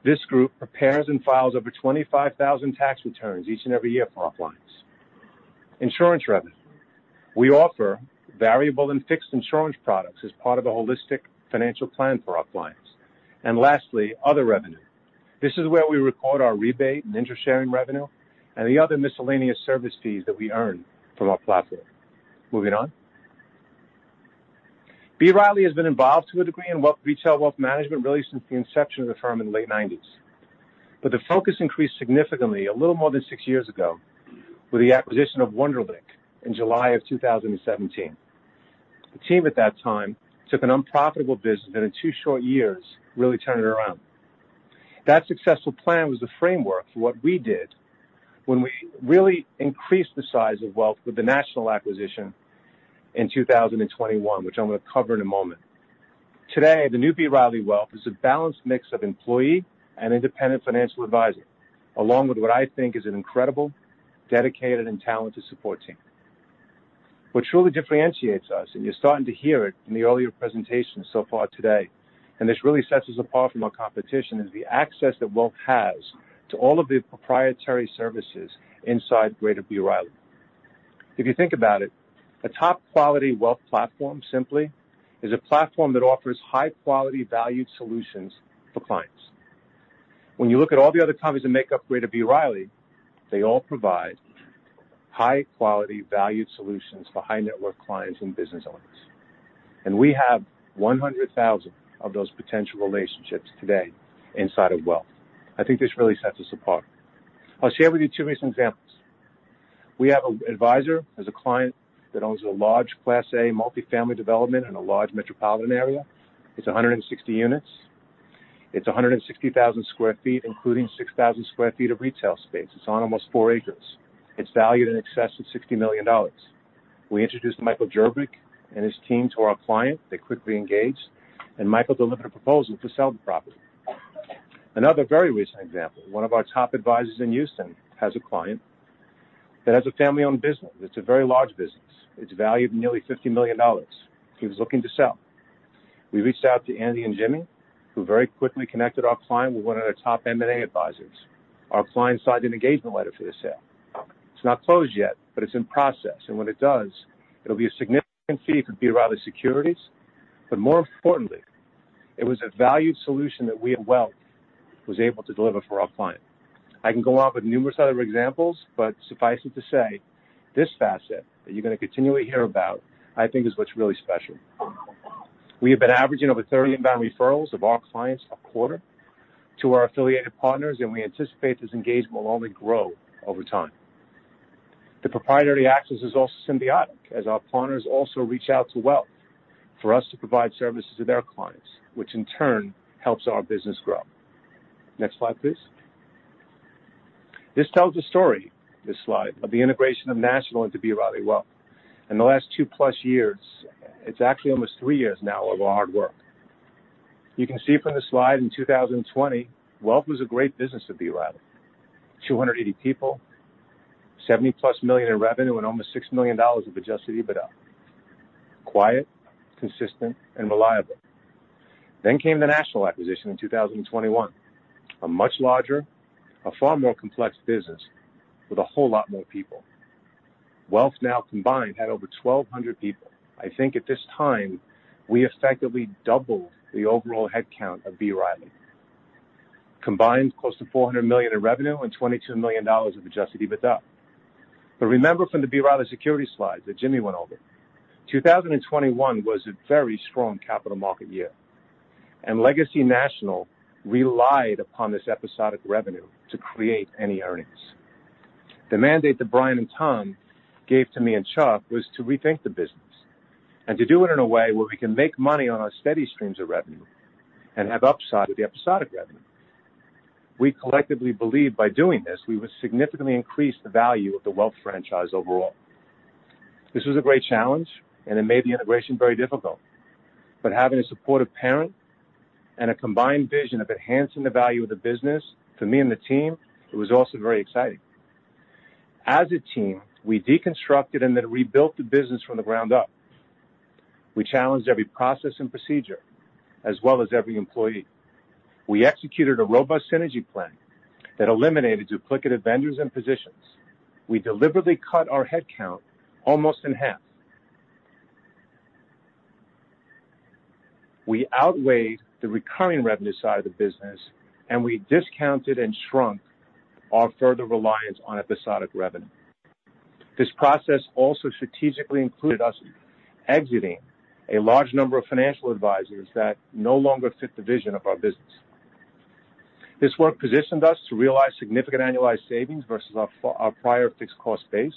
this group prepares and files over 25,000 tax returns each and every year for our clients. Insurance revenue. We offer variable and fixed insurance products as part of a holistic financial plan for our clients. And lastly, other revenue. This is where we record our rebate and interest sharing revenue and the other miscellaneous service fees that we earn from our platform. Moving on. B. Riley has been involved to a degree in wealth, retail wealth management, really since the inception of the firm in the late 1990s. The focus increased significantly a little more than six years ago with the acquisition of Wunderlich in July 2017. The team at that time took an unprofitable business, and in two short years, really turned it around. That successful plan was the framework for what we did when we really increased the size of wealth with the National acquisition in 2021, which I'm going to cover in a moment. Today, the new B. Riley Wealth is a balanced mix of employee and independent financial advisors, along with what I think is an incredible, dedicated, and talented support team. What truly differentiates us, and you're starting to hear it in the earlier presentations so far today, and this really sets us apart from our competition, is the access that Wealth has to all of the proprietary services inside greater B. Riley. If you think about it, a top quality wealth platform simply is a platform that offers high-quality, valued solutions for clients. When you look at all the other companies that make up greater B. Riley, they all provide high-quality, valued solutions for high-net-worth clients and business owners. And we have 100,000 of those potential relationships today inside of Wealth. I think this really sets us apart. I'll share with you two recent examples. We have an advisor, as a client, that owns a large Class A multifamily development in a large metropolitan area. It's 160 units. It's 160,000 sq ft, including 6,000 sq ft of retail space. It's on almost 4 acres. It's valued in excess of $60 million. We introduced Michael Jerbich and his team to our client. They quickly engaged, and Michael delivered a proposal to sell the property. Another very recent example, one of our top advisors in Houston, has a client that has a family-owned business. It's a very large business. It's valued at nearly $50 million. He was looking to sell. We reached out to Andy and Jimmy, who very quickly connected our client with one of their top M&A advisors. Our client signed an engagement letter for the sale. It's not closed yet, but it's in process, and when it does, it'll be a significant fee for B. Riley Securities, but more importantly, it was a valued solution that we at Wealth was able to deliver for our client. I can go on with numerous other examples, but suffice it to say, this facet that you're going to continually hear about, I think, is what's really special. We have been averaging over 30 inbound referrals of our clients a quarter to our affiliated partners, and we anticipate this engagement will only grow over time. The proprietary access is also symbiotic, as our partners also reach out to Wealth for us to provide services to their clients, which in turn helps our business grow. Next slide, please. This tells a story, this slide, of the integration of National into B. Riley Wealth. In the last 2+ years, it's actually almost three years now of our hard work. You can see from the slide in 2020, Wealth was a great business of B. Riley. 280 people, $70+ million in revenue, and almost $6 million of adjusted EBITDA. Quiet, consistent, and reliable. Then came the National acquisition in 2021. A much larger, a far more complex business with a whole lot more people. Wealth now combined, had over 1,200 people. I think at this time, we effectively doubled the overall headcount of B. Riley. Combined, close to $400 million in revenue and $22 million of adjusted EBITDA. But remember from the B. Riley Securities slides that Jimmy went over, 2021 was a very strong capital market year, and Legacy National relied upon this episodic revenue to create any earnings. The mandate that Bryant and Tom gave to me and Chuck was to rethink the business and to do it in a way where we can make money on our steady streams of revenue and have upside with the episodic revenue. We collectively believed by doing this, we would significantly increase the value of the Wealth franchise overall. This was a great challenge, and it made the integration very difficult. But having a supportive parent and a combined vision of enhancing the value of the business, to me and the team, it was also very exciting. As a team, we deconstructed and then rebuilt the business from the ground up. We challenged every process and procedure as well as every employee. We executed a robust synergy plan that eliminated duplicative vendors and positions. We deliberately cut our headcount almost in half. We outweighed the recurring revenue side of the business, and we discounted and shrunk our further reliance on episodic revenue. This process also strategically included us exiting a large number of financial advisors that no longer fit the vision of our business. This work positioned us to realize significant annualized savings versus our our prior fixed cost base,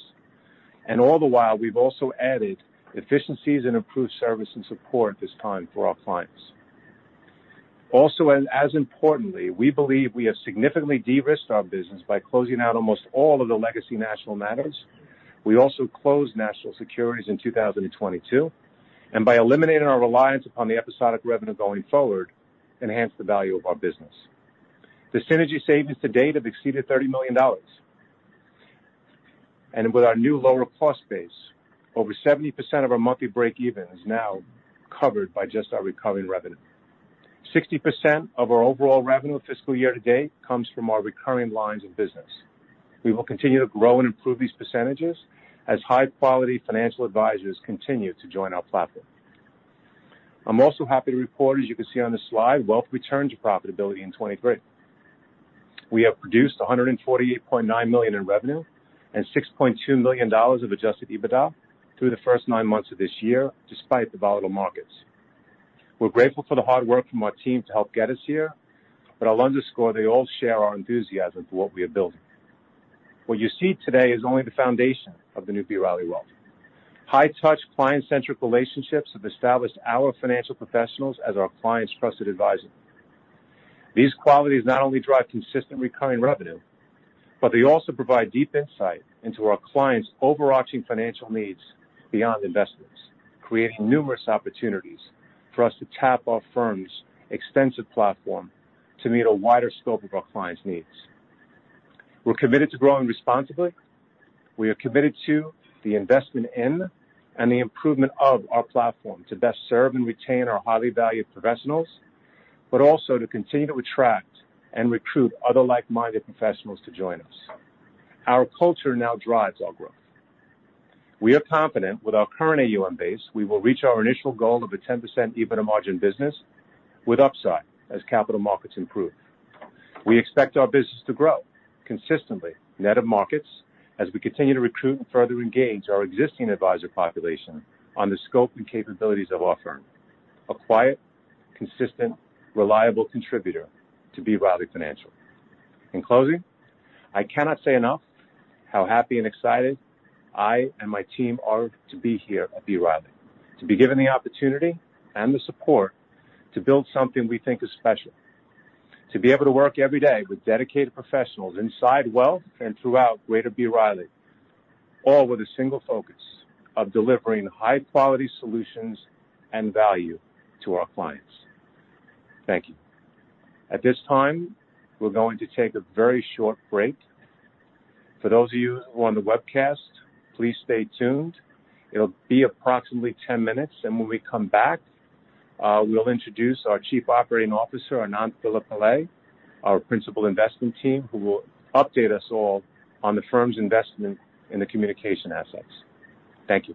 and all the while, we've also added efficiencies and improved service and support this time for our clients. Also, and as importantly, we believe we have significantly de-risked our business by closing out almost all of the legacy National matters. We also closed National Securities in 2022, and by eliminating our reliance upon the episodic revenue going forward, enhanced the value of our business. The synergy savings to date have exceeded $30 million. With our new lower cost base, over 70% of our monthly breakeven is now covered by just our recurring revenue. 60% of our overall revenue fiscal year to date comes from our recurring lines of business. We will continue to grow and improve these percentages as high-quality financial advisors continue to join our platform. I'm also happy to report, as you can see on this slide, wealth returned to profitability in 2023. We have produced $148.9 million in revenue and $6.2 million of adjusted EBITDA through the first nine months of this year, despite the volatile markets. We're grateful for the hard work from our team to help get us here, but I'll underscore they all share our enthusiasm for what we are building. What you see today is only the foundation of the new B. Riley Wealth. High-touch, client-centric relationships have established our financial professionals as our clients' trusted advisor. These qualities not only drive consistent recurring revenue, but they also provide deep insight into our clients' overarching financial needs beyond investments, creating numerous opportunities for us to tap our firm's extensive platform to meet a wider scope of our clients' needs. We're committed to growing responsibly. We are committed to the investment in and the improvement of our platform to best serve and retain our highly valued professionals, but also to continue to attract and recruit other like-minded professionals to join us. Our culture now drives our growth. We are confident with our current AUM base, we will reach our initial goal of a 10% EBITDA margin business with upside as capital markets improve. We expect our business to grow consistently, net of markets, as we continue to recruit and further engage our existing advisor population on the scope and capabilities of our firm, a quiet, consistent, reliable contributor to B. Riley Financial. In closing, I cannot say enough how happy and excited I and my team are to be here at B. Riley, to be given the opportunity and the support to build something we think is special, to be able to work every day with dedicated professionals inside wealth and throughout greater B. Riley, all with a single focus of delivering high-quality solutions and value to our clients. Thank you. At this time, we're going to take a very short break. For those of you who are on the webcast, please stay tuned. It'll be approximately 10 minutes, and when we come back, we'll introduce our Chief Operating Officer, Ananth Veluppillai, our principal investment team, who will update us all on the firm's investment in the communication assets. Thank you.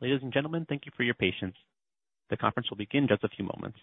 Ladies and gentlemen, thank you for your patience. The conference will begin just a few moments.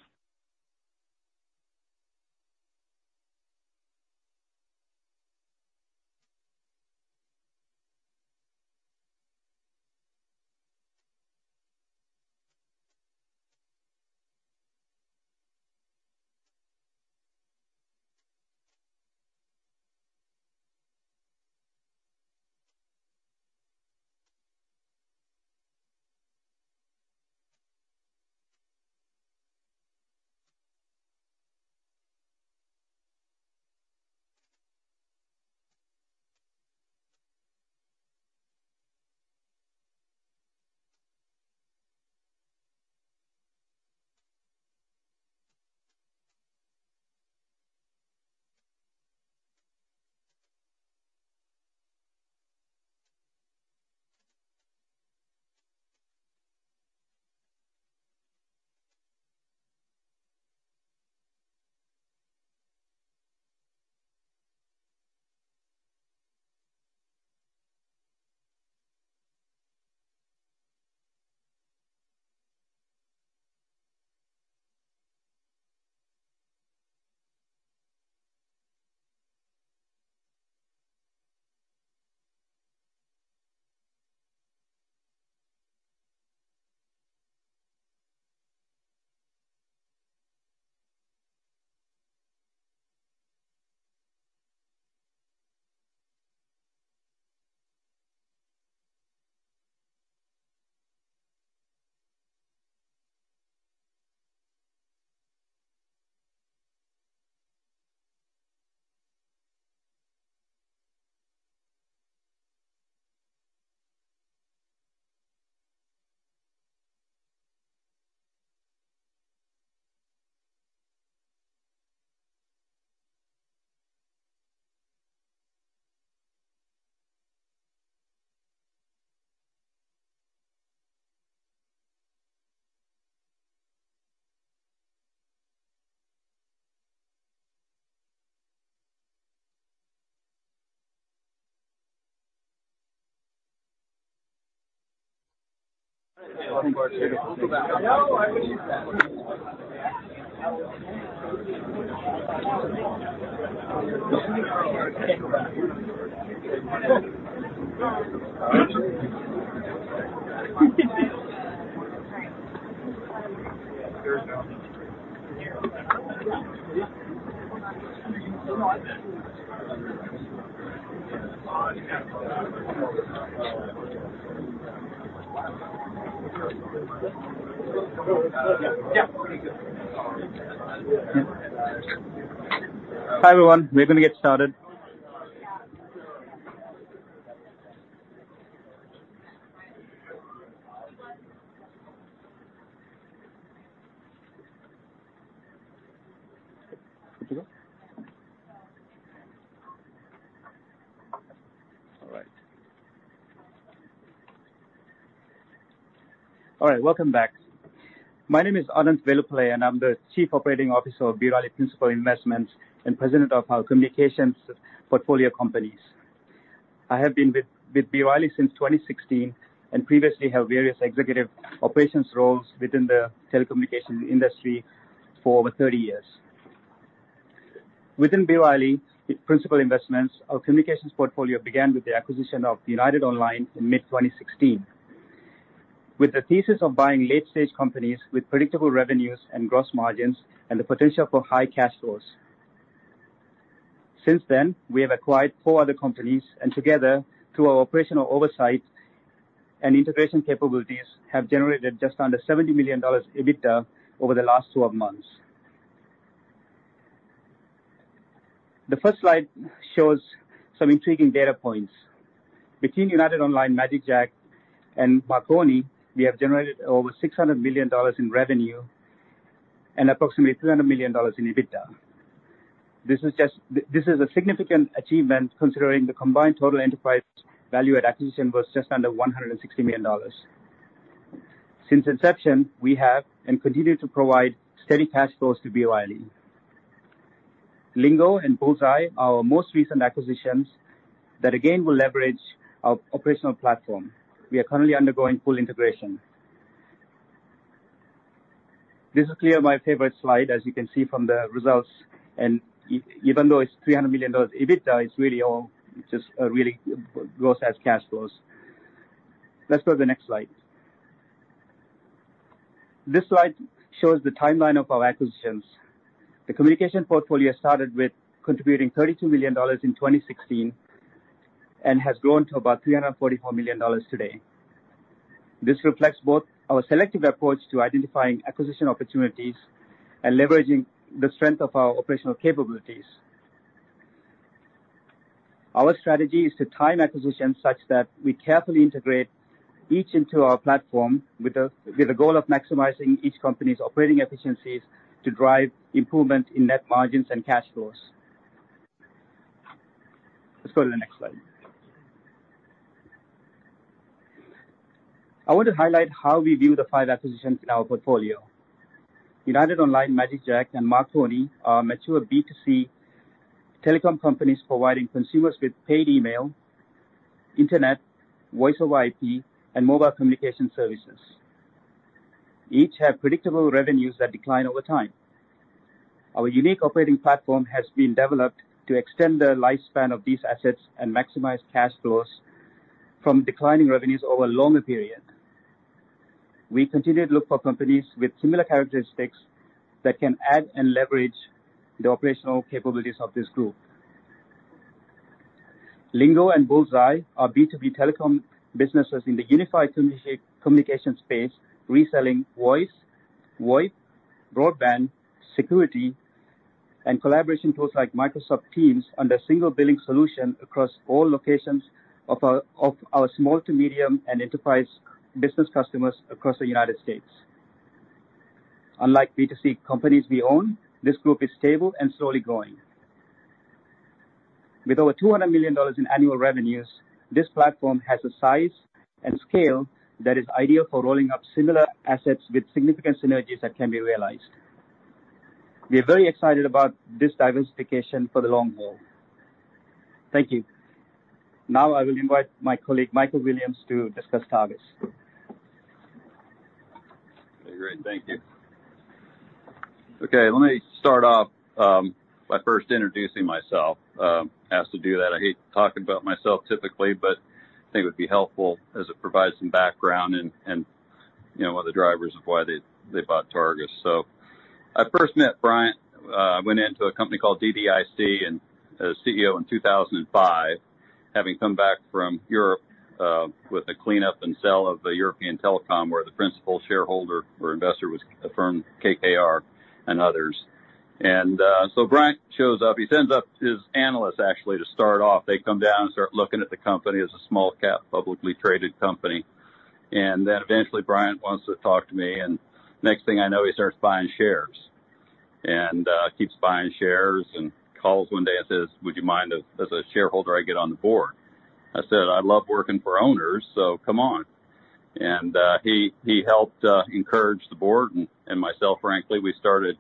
Hi, everyone. We're going to get started. All right. All right, welcome back. My name is Ananth Veluppillai, and I'm the Chief Operating Officer of B. Riley Principal Investments and President of our communications portfolio companies. I have been with, with B. Riley since 2016, and previously held various executive operations roles within the telecommunications industry for over 30 years. Within B. Riley, with Principal Investments, our communications portfolio began with the acquisition of United Online in mid-2016. With the thesis of buying late-stage companies with predictable revenues and gross margins and the potential for high cash flows. Since then, we have acquired four other companies, and together, through our operational oversight and integration capabilities, have generated just under $70 million EBITDA over the last 12 months. The first slide shows some intriguing data points. Between United Online, magicJack, and Marconi, we have generated over $600 million in revenue and approximately $3 million in EBITDA. This is just. This is a significant achievement, considering the combined total enterprise value at acquisition was just under $160 million. Since inception, we have and continue to provide steady cash flows to B. Riley. Lingo and BullsEye, our most recent acquisitions, that again, will leverage our operational platform. We are currently undergoing full integration. This is clearly my favorite slide, as you can see from the results, and even though it's $300 million, EBITDA is really all, just, really grows as cash flows. Let's go to the next slide. This slide shows the timeline of our acquisitions. The communication portfolio started with contributing $32 million in 2016 and has grown to about $344 million today. This reflects both our selective approach to identifying acquisition opportunities and leveraging the strength of our operational capabilities. Our strategy is to time acquisitions such that we carefully integrate each into our platform with a goal of maximizing each company's operating efficiencies to drive improvement in net margins and cash flows. Let's go to the next slide. I want to highlight how we view the five acquisitions in our portfolio. United Online, magicJack, and Marconi are mature B2C telecom companies providing consumers with paid email, internet, VoIP, and mobile communication services. Each have predictable revenues that decline over time. Our unique operating platform has been developed to extend the lifespan of these assets and maximize cash flows from declining revenues over a longer period. We continue to look for companies with similar characteristics that can add and leverage the operational capabilities of this group. Lingo and BullsEye are B2B telecom businesses in the unified communication space, reselling voice, VoIP, broadband, security, and collaboration tools like Microsoft Teams under a single billing solution across all locations of our small to medium and enterprise business customers across the United States. Unlike B2C companies we own, this group is stable and slowly growing. With over $200 million in annual revenues, this platform has a size and scale that is ideal for rolling up similar assets with significant synergies that can be realized. We are very excited about this diversification for the long haul. Thank you. Now I will invite my colleague, Michael Williams, to discuss Targus. Great. Thank you. Okay, let me start off by first introducing myself. Asked to do that. I hate talking about myself typically, but I think it would be helpful as it provides some background and, and, you know, what the drivers of why they, they bought Targus. So I first met Bryant, went into a company called DDi Corp., and as CEO in 2005, having come back from Europe, with a cleanup and sell of a European telecom, where the principal shareholder or investor was a firm, KKR and others. So Bryant shows up. He sends up his analysts actually, to start off. They come down and start looking at the company as a small-cap, publicly traded company. And then eventually, Bryant wants to talk to me, and next thing I know, he starts buying shares. He keeps buying shares and calls one day and says, "Would you mind, as a shareholder, I get on the board?" I said, "I love working for owners, so come on." He helped encourage the board and myself, frankly. We started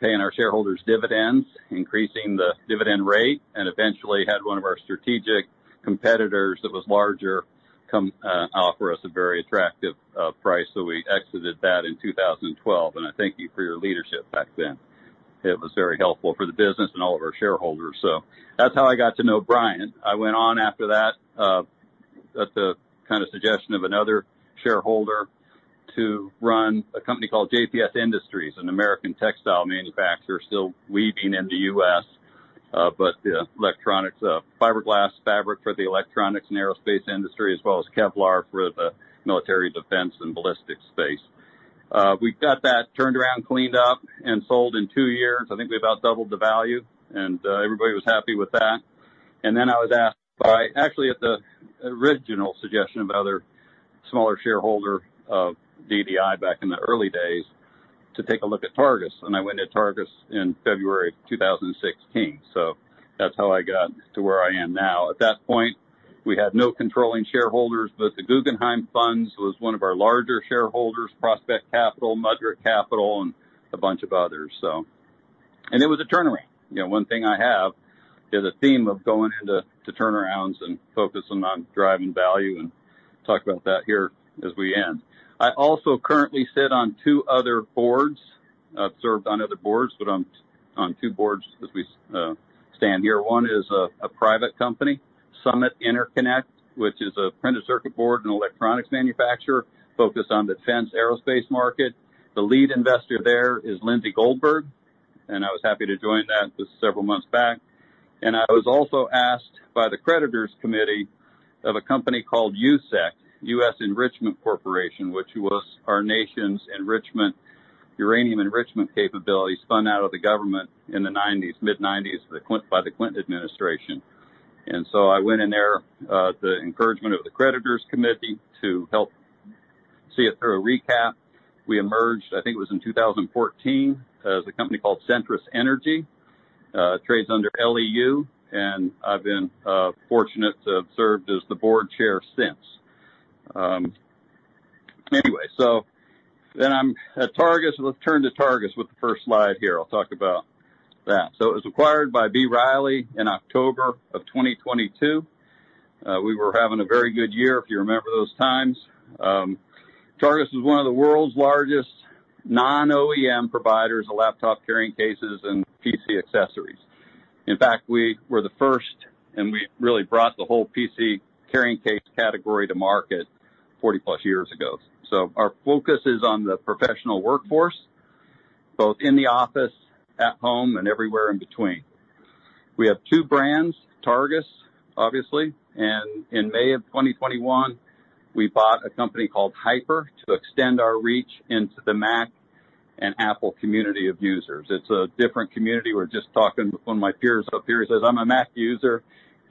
paying our shareholders dividends, increasing the dividend rate, and eventually had one of our strategic competitors that was larger come offer us a very attractive price. So we exited that in 2012, and I thank you for your leadership back then. It was very helpful for the business and all of our shareholders. So that's how I got to know Bryant. I went on after that, at the kind of suggestion of another shareholder, to run a company called JPS Industries, an American textile manufacturer, still weaving in the U.S., but electronics, fiberglass fabric for the electronics and aerospace industry, as well as Kevlar for the military defense and ballistics space. We got that turned around, cleaned up, and sold in two years. I think we about doubled the value, and everybody was happy with that. And then I was asked by, actually, at the original suggestion of another smaller shareholder of DDI back in the early days, to take a look at Targus, and I went to Targus in February 2016. So that's how I got to where I am now. At that point, we had no controlling shareholders, but the Guggenheim Funds was one of our larger shareholders, Prospect Capital, Mudrick Capital, and a bunch of others. So... and it was a turnaround. You know, one thing I have is a theme of going into turnarounds and focusing on driving value and talk about that here as we end. I also currently sit on two other boards. I've served on other boards, but I'm on two boards as we stand here. One is a private company, Summit Interconnect, which is a printed circuit board and electronics manufacturer, focused on defense aerospace market. The lead investor there is Lindsay Goldberg, and I was happy to join that just several months back. I was also asked by the creditors' committee of a company called USEC, US Enrichment Corporation, which was our nation's enrichment, uranium enrichment capabilities, spun out of the government in the nineties, mid-nineties, by the Clinton administration. So I went in there, at the encouragement of the creditors' committee, to help see it through a recap. We emerged, I think it was in 2014, as a company called Centrus Energy, trades under LEU, and I've been fortunate to have served as the board chair since. Anyway, so then I'm at Targus. Let's turn to Targus with the first slide here. I'll talk about that. So it was acquired by B. Riley in October 2022. We were having a very good year, if you remember those times. Targus is one of the world's largest non-OEM providers of laptop carrying cases and PC accessories. In fact, we were the first, and we really brought the whole PC carrying case category to market 40+ years ago. So our focus is on the professional workforce, both in the office, at home, and everywhere in between. We have two brands, Targus, obviously, and in May of 2021, we bought a company called Hyper to extend our reach into the Mac and Apple community of users. It's a different community. We're just talking, one of my peers up here says, "I'm a Mac user."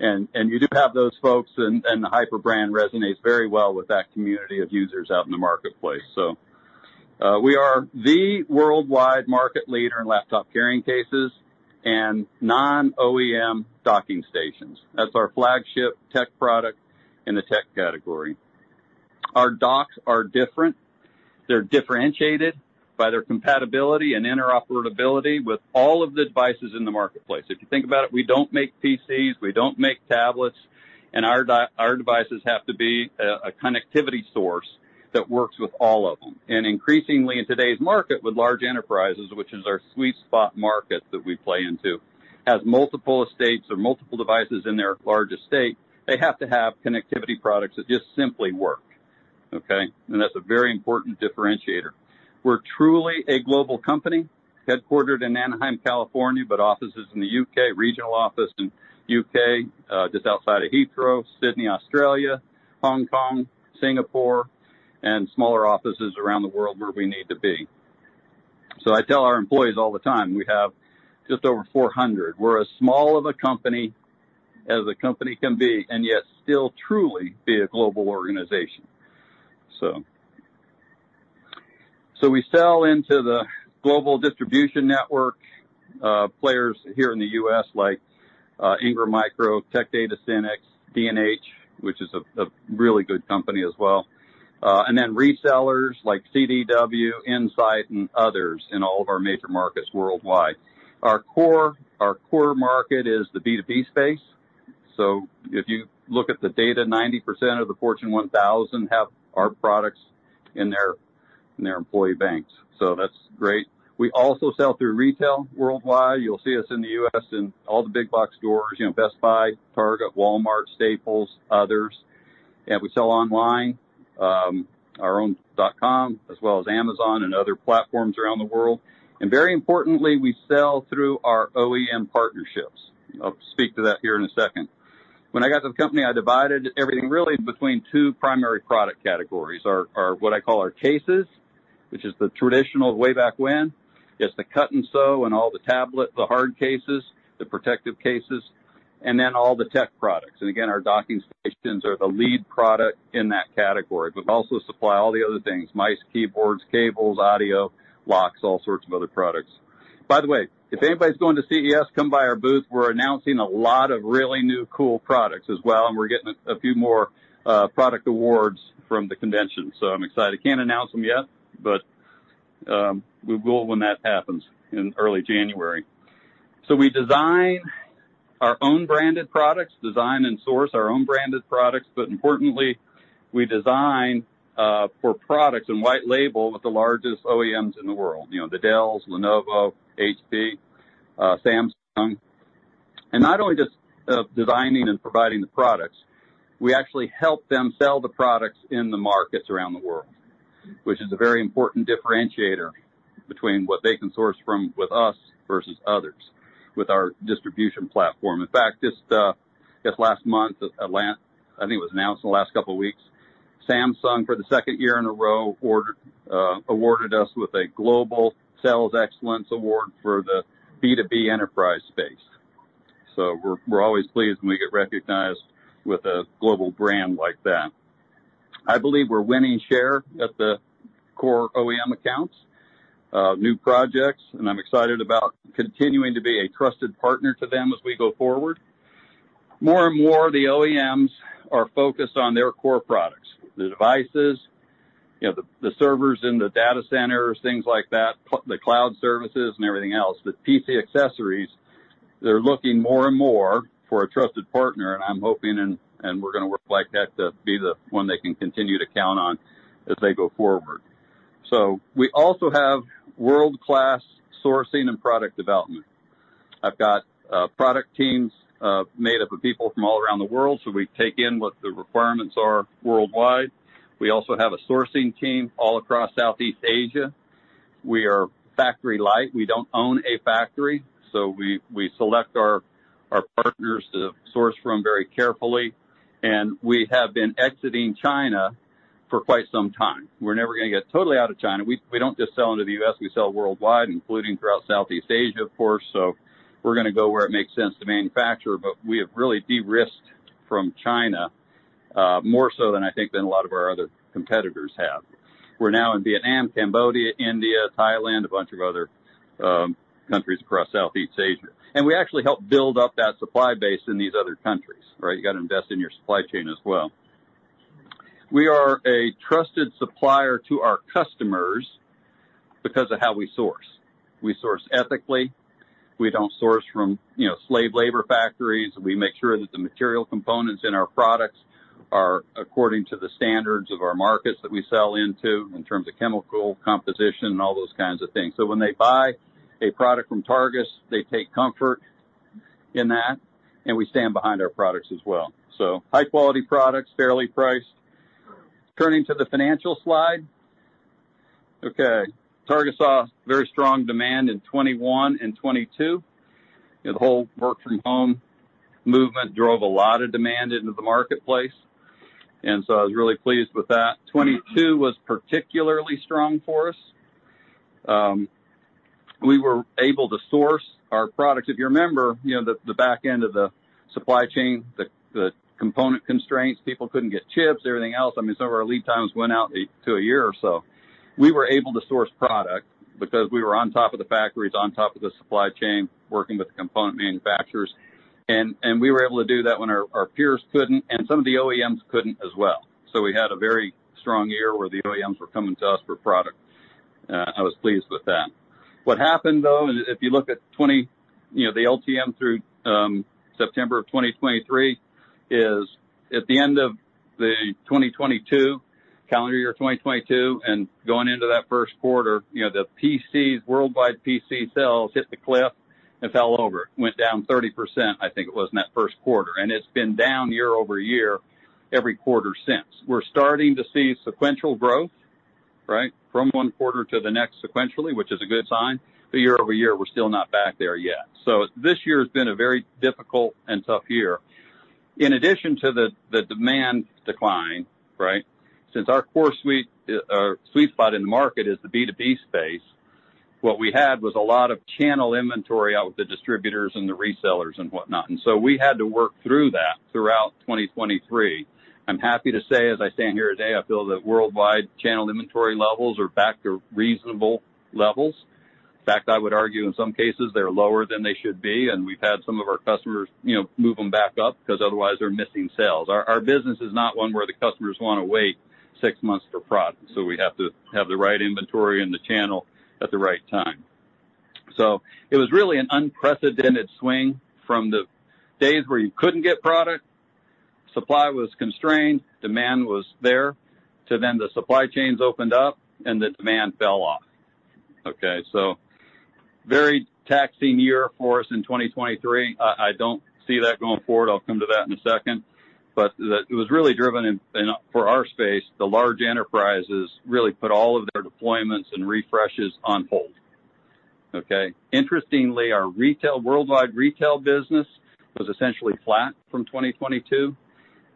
And you do have those folks, and the Hyper brand resonates very well with that community of users out in the marketplace. We are the worldwide market leader in laptop carrying cases and non-OEM docking stations. That's our flagship tech product in the tech category. Our docks are different. They're differentiated by their compatibility and interoperability with all of the devices in the marketplace. If you think about it, we don't make PCs, we don't make tablets, and our devices have to be a connectivity source that works with all of them. And increasingly, in today's market, with large enterprises, which is our sweet spot market that we play into, as multiple estates or multiple devices in their large estate, they have to have connectivity products that just simply work, okay? And that's a very important differentiator. We're truly a global company, headquartered in Anaheim, California, but offices in the U.K., regional office in U.K., just outside of Heathrow, Sydney, Australia, Hong Kong, Singapore, and smaller offices around the world where we need to be. So I tell our employees all the time, we have just over 400. We're as small of a company as a company can be, and yet still truly be a global organization. So, so we sell into the global distribution network, players here in the U.S., like, Ingram Micro, Tech Data, Synnex, D&H, which is a, a really good company as well, and then resellers, like CDW, Insight, and others in all of our major markets worldwide. Our core, our core market is the B2B space. So if you look at the data, 90% of the Fortune 1000 have our products in their, in their employee backpacks, so that's great. We also sell through retail worldwide. You'll see us in the U.S. in all the big box stores, you know, Best Buy, Target, Walmart, Staples, others. We sell online, our own dotcom, as well as Amazon and other platforms around the world. Very importantly, we sell through our OEM partnerships. I'll speak to that here in a second. When I got to the company, I divided everything really between two primary product categories. Our what I call our cases, which is the traditional way back when, just the cut and sew and all the tablet, the hard cases, the protective cases, and then all the tech products. Again, our docking stations are the lead product in that category. We also supply all the other things, mice, keyboards, cables, audio, locks, all sorts of other products. By the way, if anybody's going to CES, come by our booth. We're announcing a lot of really new, cool products as well, and we're getting a few more product awards from the convention, so I'm excited. Can't announce them yet, but we will when that happens in early January. So we design our own branded products, design and source our own branded products, but importantly, we design for products and white label with the largest OEMs in the world, you know, the Dell, Lenovo, HP, Samsung. And not only just designing and providing the products, we actually help them sell the products in the markets around the world, which is a very important differentiator between what they can source from with us versus others, with our distribution platform. In fact, just last month, I think it was announced in the last couple of weeks, Samsung, for the second year in a row, awarded us with a Global Sales Excellence Award for the B2B enterprise space. So we're always pleased when we get recognized with a global brand like that. I believe we're winning share at the core OEM accounts, new projects, and I'm excited about continuing to be a trusted partner to them as we go forward. More and more, the OEMs are focused on their core products, the devices, you know, the servers in the data centers, things like that, the cloud services and everything else. The PC accessories, they're looking more and more for a trusted partner, and I'm hoping and, and we're gonna work like that, to be the one they can continue to count on as they go forward. So we also have world-class sourcing and product development. I've got product teams made up of people from all around the world, so we take in what the requirements are worldwide. We also have a sourcing team all across Southeast Asia. We are factory-light. We don't own a factory, so we select our partners to source from very carefully, and we have been exiting China for quite some time. We're never gonna get totally out of China. We, we don't just sell into the U.S., we sell worldwide, including throughout Southeast Asia, of course, so we're gonna go where it makes sense to manufacture, but we have really de-risked from China, more so than I think, than a lot of our other competitors have. We're now in Vietnam, Cambodia, India, Thailand, a bunch of other countries across Southeast Asia, and we actually help build up that supply base in these other countries, right? You got to invest in your supply chain as well. We are a trusted supplier to our customers because of how we source. We source ethically. We don't source from, you know, slave labor factories. We make sure that the material components in our products are according to the standards of our markets that we sell into in terms of chemical composition and all those kinds of things. So when they buy a product from Targus, they take comfort in that, and we stand behind our products as well. So high-quality products, fairly priced. Turning to the financial slide. Okay. Targus saw very strong demand in 2021 and 2022. The whole work-from-home movement drove a lot of demand into the marketplace, and so I was really pleased with that. 2022 was particularly strong for us. We were able to source our products. If you remember, you know, the back end of the supply chain, the component constraints, people couldn't get chips, everything else. I mean, some of our lead times went out to a year or so. We were able to source product because we were on top of the factories, on top of the supply chain, working with the component manufacturers, and we were able to do that when our peers couldn't, and some of the OEMs couldn't as well. So we had a very strong year where the OEMs were coming to us for product. I was pleased with that. What happened, though, and if you look at 2020, you know, the LTM through September 2023, is at the end of 2022, calendar year 2022, and going into that first quarter, you know, the PCs, worldwide PC sales hit the cliff and fell over. It went down 30%, I think it was in that first quarter, and it's been down year-over-year, every quarter since. We're starting to see sequential growth, right? From one quarter to the next sequentially, which is a good sign, but year over year, we're still not back there yet. So this year has been a very difficult and tough year. In addition to the demand decline, right, since our core sweet spot in the market is the B2B space, what we had was a lot of channel inventory out with the distributors and the resellers and whatnot, and so we had to work through that throughout 2023. I'm happy to say, as I stand here today, I feel that worldwide channel inventory levels are back to reasonable levels. In fact, I would argue in some cases they're lower than they should be, and we've had some of our customers, you know, move them back up because otherwise they're missing sales. Our business is not one where the customers wanna wait six months for product, so we have to have the right inventory in the channel at the right time. So it was really an unprecedented swing from the days where you couldn't get product, supply was constrained, demand was there, to then the supply chains opened up and the demand fell off. Okay, so very taxing year for us in 2023. I don't see that going forward. I'll come to that in a second. But the... It was really driven in for our space, the large enterprises really put all of their deployments and refreshes on hold, okay? Interestingly, our retail, worldwide retail business was essentially flat from 2022,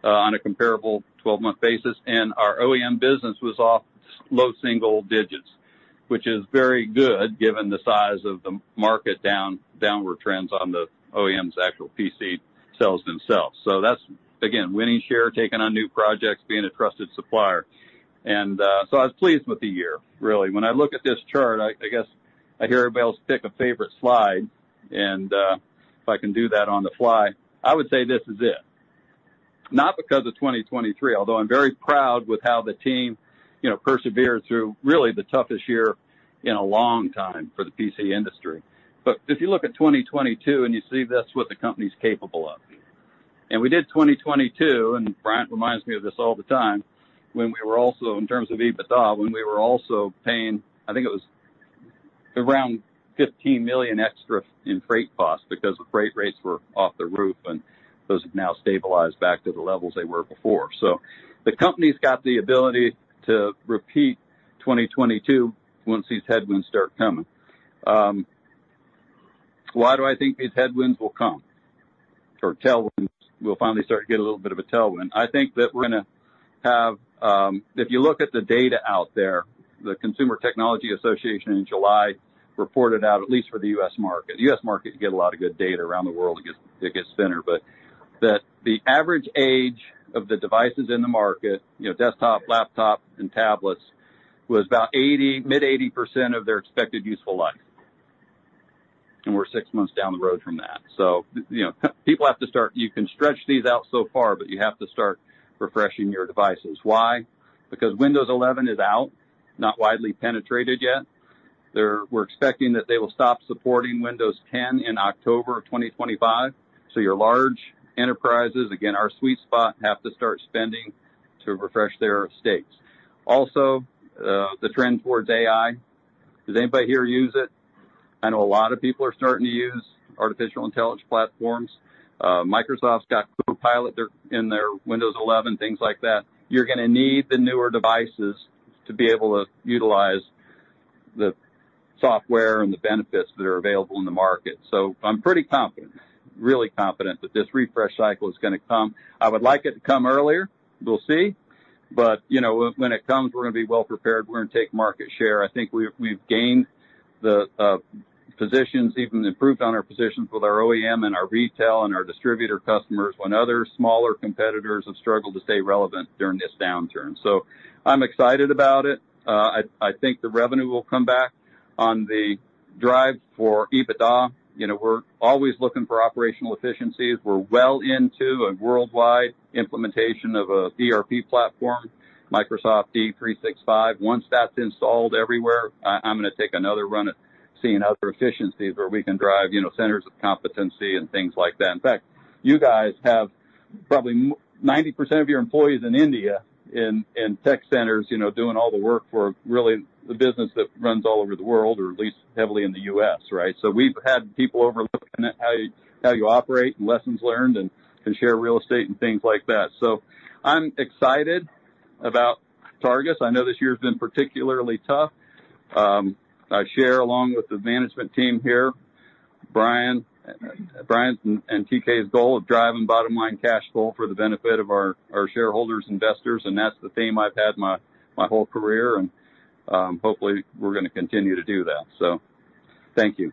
on a comparable 12-month basis, and our OEM business was off low single digits, which is very good given the size of the market downward trends on the OEM's actual PC sales themselves. So that's, again, winning share, taking on new projects, being a trusted supplier. And so I was pleased with the year, really. When I look at this chart, I guess I hear everybody else pick a favorite slide, and if I can do that on the fly, I would say this is it. Not because of 2023, although I'm very proud with how the team, you know, persevered through really the toughest year in a long time for the PC industry. But if you look at 2022, and you see that's what the company's capable of. And we did 2022, and Bryant reminds me of this all the time, when we were also, in terms of EBITDA, when we were also paying, I think it was around $15 million extra in freight costs because the freight rates were through the roof, and those have now stabilized back to the levels they were before. So the company's got the ability to repeat 2022 once these headwinds start coming. Why do I think these headwinds will come? Or tailwinds, we'll finally start to get a little bit of a tailwind. I think that we're gonna have, if you look at the data out there, the Consumer Technology Association in July reported out, at least for the U.S. market, the U.S. market, you get a lot of good data around the world, it gets thinner, but that the average age of the devices in the market, you know, desktop, laptop, and tablets, was about 80, mid-80% of their expected useful life. And we're six months down the road from that. So, you know, people have to start. You can stretch these out so far, but you have to start refreshing your devices. Why? Because Windows 11 is out, not widely penetrated yet. We're expecting that they will stop supporting Windows 10 in October 2025. So your large enterprises, again, our sweet spot, have to start spending to refresh their estates. Also, the trend towards AI. Does anybody here use it? I know a lot of people are starting to use artificial intelligence platforms. Microsoft's got Copilot there, in their Windows 11, things like that. You're gonna need the newer devices to be able to utilize the software and the benefits that are available in the market. So I'm pretty confident, really confident that this refresh cycle is gonna come. I would like it to come earlier. We'll see. But, you know, when, when it comes, we're gonna be well prepared. We're gonna take market share. I think we've, we've gained the positions, even improved on our positions with our OEM and our retail and our distributor customers, when other smaller competitors have struggled to stay relevant during this downturn. So I'm excited about it. I think the revenue will come back. On the drive for EBITDA, you know, we're always looking for operational efficiencies. We're well into a worldwide implementation of a ERP platform, Microsoft D365. Once that's installed everywhere, I, I'm gonna take another run at seeing other efficiencies where we can drive, you know, centers of competency and things like that. In fact, you guys have probably ninety percent of your employees in India, in tech centers, you know, doing all the work for really the business that runs all over the world, or at least heavily in the U.S., right? So we've had people overlooking at how you, how you operate and lessons learned and share real estate and things like that. So I'm excited about Targus. I know this year's been particularly tough. I share, along with the management team here, Bryant- ... Bryant's and TK's goal of driving bottom line cash flow for the benefit of our shareholders, investors, and that's the theme I've had my whole career, and hopefully we're gonna continue to do that. So thank you.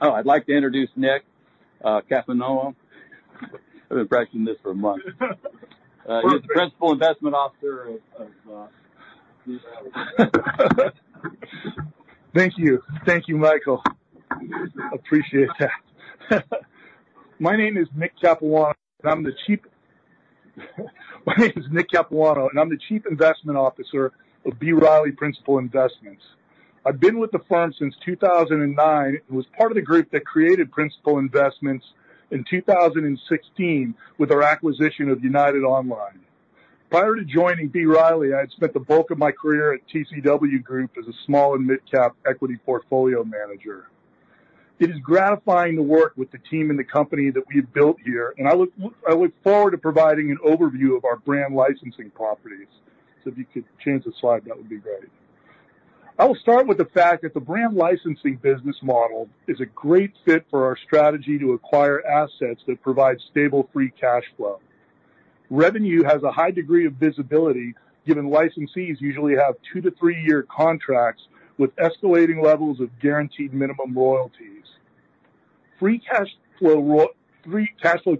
Oh, I'd like to introduce Nick Capuano. I've been practicing this for a month. He's the Principal Investment Officer of, Thank you. Thank you, Mikel. Appreciate that. My name is Nick Capuano, and I'm the Chief-- My name is Nick Capuano, and I'm the Chief Investment Officer of B. Riley Principal Investments. I've been with the firm since 2009, and was part of the group that created Principal Investments in 2016 with our acquisition of United Online. Prior to joining B. Riley, I had spent the bulk of my career at TCW Group as a small and mid-cap equity portfolio manager. It is gratifying to work with the team and the company that we've built here, and I look, I look forward to providing an overview of our brand licensing properties. So if you could change the slide, that would be great. I will start with the fact that the brand licensing business model is a great fit for our strategy to acquire assets that provide stable free cash flow. Revenue has a high degree of visibility, given licensees usually have 2-3-year contracts with escalating levels of guaranteed minimum royalties. Free cash flow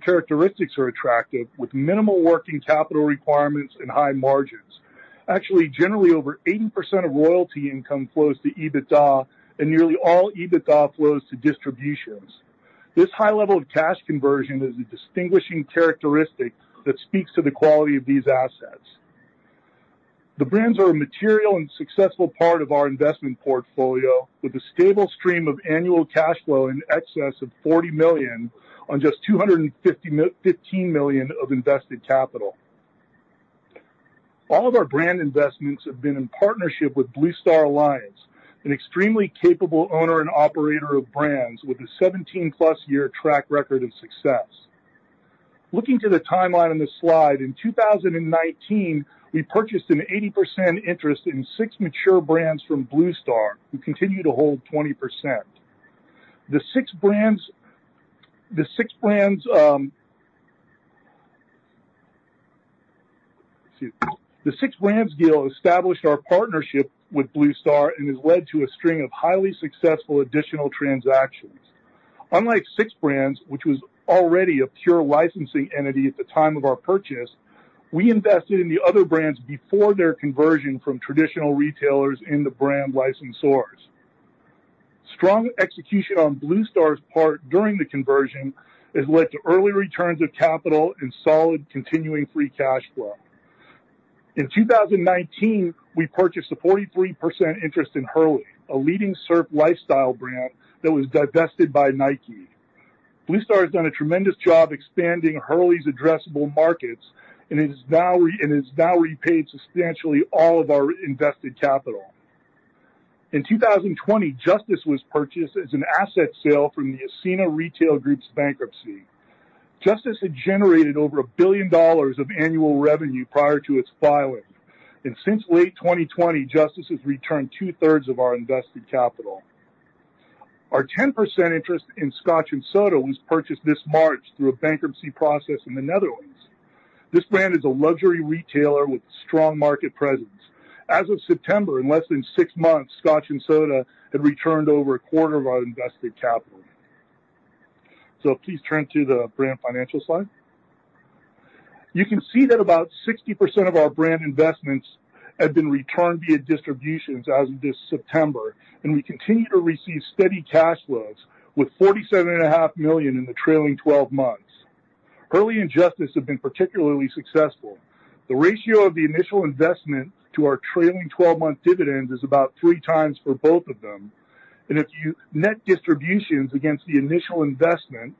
characteristics are attractive, with minimal working capital requirements and high margins. Actually, generally, over 80% of royalty income flows to EBITDA, and nearly all EBITDA flows to distributions. This high level of cash conversion is a distinguishing characteristic that speaks to the quality of these assets. The brands are a material and successful part of our investment portfolio, with a stable stream of annual cash flow in excess of $40 million on just $15 million of invested capital. All of our brand investments have been in partnership with Blue Star Alliance, an extremely capable owner and operator of brands with a 17+ year track record of success. Looking to the timeline on this slide, in 2019, we purchased an 80% interest in six mature brands from Blue Star, who continue to hold 20%. Excuse me. The six brands deal established our partnership with Blue Star and has led to a string of highly successful additional transactions. Unlike Six Brands, which was already a pure licensing entity at the time of our purchase, we invested in the other brands before their conversion from traditional retailers into brand licensors. Strong execution on Blue Star's part during the conversion has led to early returns of capital and solid continuing free cash flow. In 2019, we purchased a 43% interest in Hurley, a leading surf lifestyle brand that was divested by Nike. Blue Star has done a tremendous job expanding Hurley's addressable markets and has now repaid substantially all of our invested capital. In 2020, Justice was purchased as an asset sale from the Ascena Retail Group's bankruptcy. Justice had generated over $1 billion of annual revenue prior to its filing, and since late 2020, Justice has returned 2/3 of our invested capital. Our 10% interest in Scotch & Soda was purchased this March through a bankruptcy process in the Netherlands. This brand is a luxury retailer with strong market presence. As of September, in less than 6 months, Scotch & Soda had returned over 1/4 of our invested capital. So please turn to the brand financial slide. You can see that about 60% of our brand investments have been returned via distributions as of this September, and we continue to receive steady cash flows with $47.5 million in the trailing twelve months. Hurley and Justice have been particularly successful. The ratio of the initial investment to our trailing twelve-month dividend is about 3x for both of them. And if you net distributions against the initial investment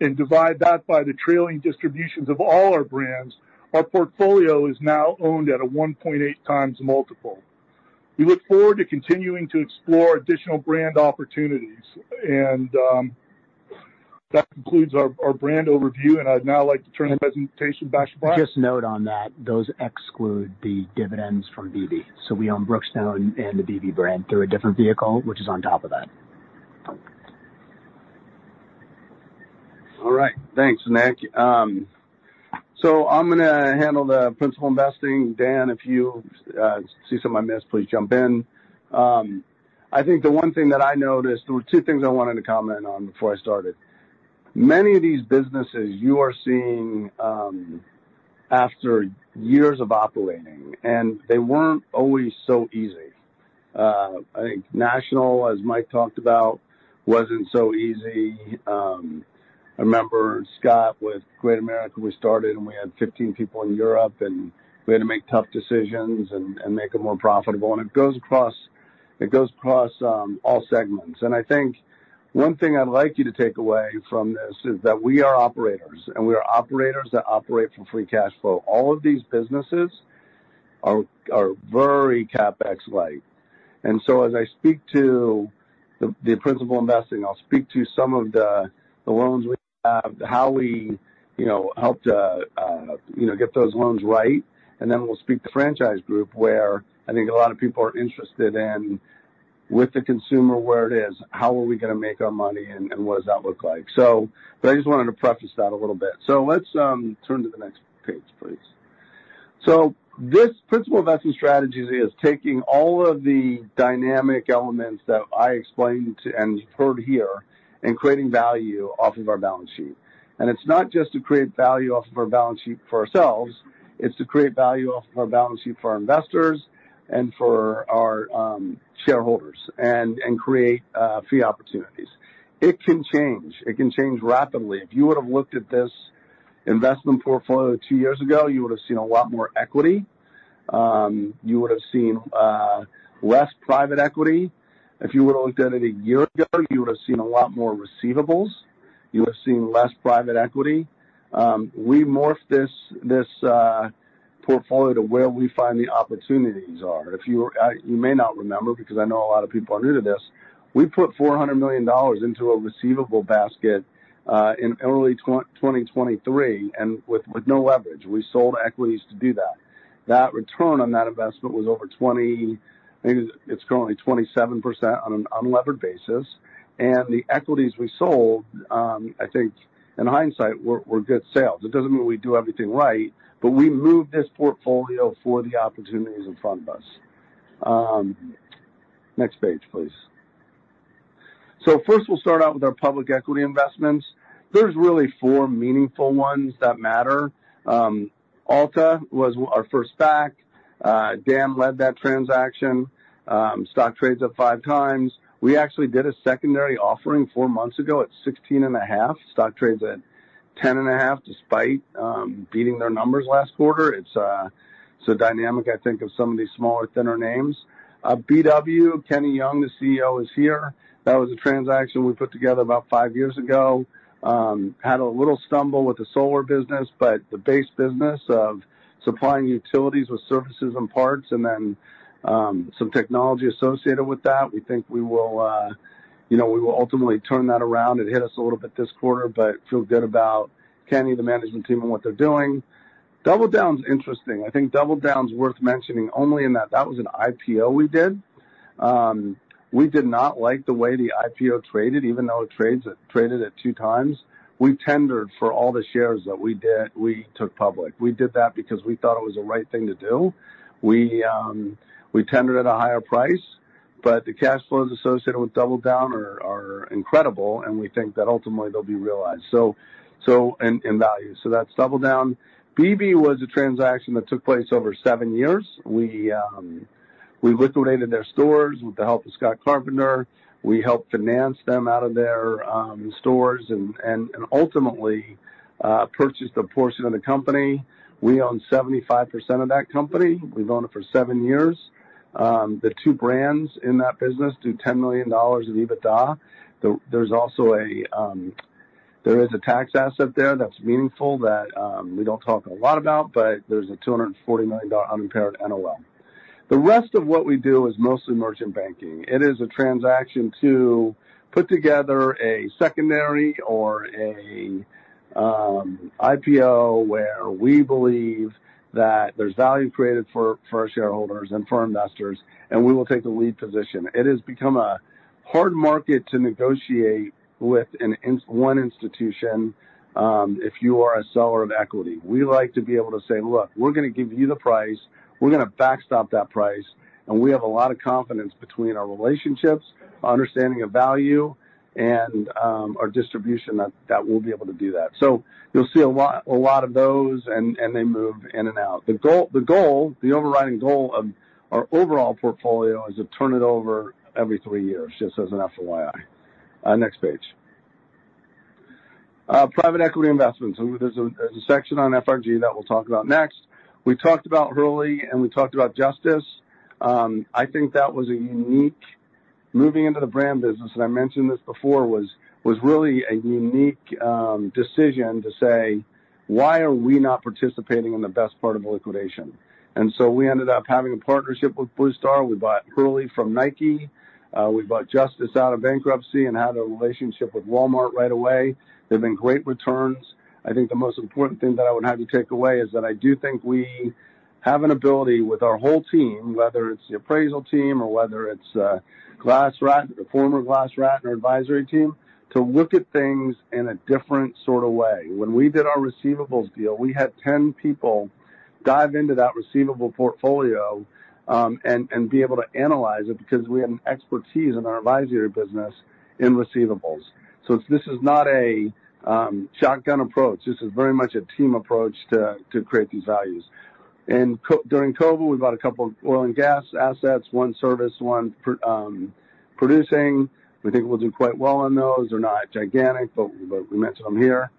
and divide that by the trailing distributions of all our brands, our portfolio is now owned at a 1.8x multiple. We look forward to continuing to explore additional brand opportunities. And, that concludes our brand overview, and I'd now like to turn the presentation back to Bryant. Just a note on that, those exclude the dividends from bebe. So we own Brookstone and the bebe brand through a different vehicle, which is on top of that. All right. Thanks, Nick. So I'm gonna handle the principal investing. Dan, if you see something I missed, please jump in. I think the one thing that I noticed... There were two things I wanted to comment on before I started. Many of these businesses you are seeing after years of operating, and they weren't always so easy. I think National, as Mike talked about, wasn't so easy. I remember Scott with Great American, we started, and we had 15 people in Europe, and we had to make tough decisions and make them more profitable. And it goes across, it goes across all segments. And I think one thing I'd like you to take away from this is that we are operators, and we are operators that operate for free cash flow. All of these businesses are very CapEx light. And so as I speak to the principal investing, I'll speak to some of the loans we have, how we, you know, helped, you know, get those loans right. And then we'll speak to Franchise Group, where I think a lot of people are interested in, with the consumer, where it is, how are we gonna make our money, and, and what does that look like? So but I just wanted to preface that a little bit. So let's turn to the next page.... So this principal investment strategies is taking all of the dynamic elements that I explained to you and heard here, and creating value off of our balance sheet. And it's not just to create value off of our balance sheet for ourselves, it's to create value off of our balance sheet for our investors and for our shareholders, and create fee opportunities. It can change. It can change rapidly. If you would have looked at this investment portfolio two years ago, you would have seen a lot more equity. You would have seen less private equity. If you would have looked at it a year ago, you would have seen a lot more receivables. You would have seen less private equity. We morphed this portfolio to where we find the opportunities are. If you may not remember, because I know a lot of people are new to this, we put $400 million into a receivable basket in early 2023, and with no leverage. We sold equities to do that. That return on that investment was over 20. I think it's currently 27% on an unlevered basis, and the equities we sold, I think in hindsight, were good sales. It doesn't mean we do everything right, but we moved this portfolio for the opportunities in front of us. Next page, please. First, we'll start out with our public equity investments. There's really four meaningful ones that matter. Alta was our first SPAC. Dan led that transaction. Stock trades at 5 times. We actually did a secondary offering four months ago at 16.5. Stock trades at 10.5, despite beating their numbers last quarter. It's a dynamic, I think, of some of these smaller, thinner names. BW, Kenny Young, the CEO, is here. That was a transaction we put together about five years ago. Had a little stumble with the solar business, but the base business of supplying utilities with services and parts, and then, some technology associated with that, we think we will, you know, we will ultimately turn that around. It hit us a little bit this quarter, but feel good about Kenny, the management team, and what they're doing. DoubleDown's interesting. I think DoubleDown's worth mentioning only in that that was an IPO we did. We did not like the way the IPO traded, even though it trades, it traded at 2x. We tendered for all the shares that we did, we took public. We did that because we thought it was the right thing to do. We, we tendered at a higher price, but the cash flows associated with DoubleDown are incredible, and we think that ultimately they'll be realized, so and in value. So that's DoubleDown. Bebe was a transaction that took place over seven years. We liquidated their stores with the help of Scott Carpenter. We helped finance them out of their stores and ultimately purchased a portion of the company. We own 75% of that company. We've owned it for seven years. The two brands in that business do $10 million in EBITDA. There's also a tax asset there that's meaningful that we don't talk a lot about, but there's a $240 million unimpaired NOL. The rest of what we do is mostly merchant banking. It is a transaction to put together a secondary or a IPO, where we believe that there's value created for, for our shareholders and for our investors, and we will take the lead position. It has become a hard market to negotiate with one institution, if you are a seller of equity. We like to be able to say, "Look, we're gonna give you the price, we're gonna backstop that price, and we have a lot of confidence between our relationships, understanding of value, and our distribution, that, that we'll be able to do that." So you'll see a lot, a lot of those, and, and they move in and out. The goal, the goal, the overriding goal of our overall portfolio is to turn it over every three years, just as an FYI. Next page. Private equity investments. There's a section on FRG that we'll talk about next. We talked about Hurley and we talked about Justice. I think that was a unique... Moving into the brand business, and I mentioned this before, was really a unique decision to say, "Why are we not participating in the best part of a liquidation?" And so we ended up having a partnership with Blue Star. We bought Hurley from Nike. We bought Justice out of bankruptcy and had a relationship with Walmart right away. They've been great returns. I think the most important thing that I would have you take away is that I do think we have an ability with our whole team, whether it's the appraisal team or whether it's GlassRatner, the former GlassRatner, or advisory team, to look at things in a different sort of way. When we did our receivables deal, we had 10 people dive into that receivable portfolio, and be able to analyze it because we had an expertise in our advisory business in receivables. So this is not a shotgun approach. This is very much a team approach to create these values. During COVID, we bought a couple of oil and gas assets, one service, one pro, producing. We think we'll do quite well on those. They're not gigantic, but we mentioned them here.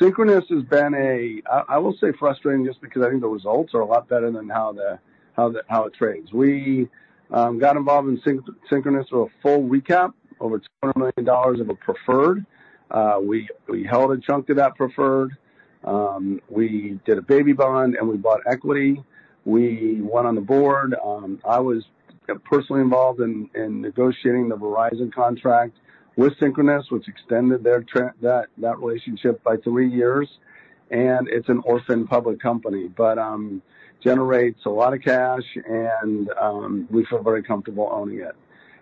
Synchronoss has been a, I will say frustrating, just because I think the results are a lot better than how the, how it trades. We got involved in Synchronoss through a full recap over $200 million of a preferred. We held a chunk of that preferred. We did a baby bond, and we bought equity. We went on the board. I was personally involved in negotiating the Verizon contract with Synchronoss, which extended their term, that relationship by three years, and it's an orphan public company, but generates a lot of cash, and we feel very comfortable owning it.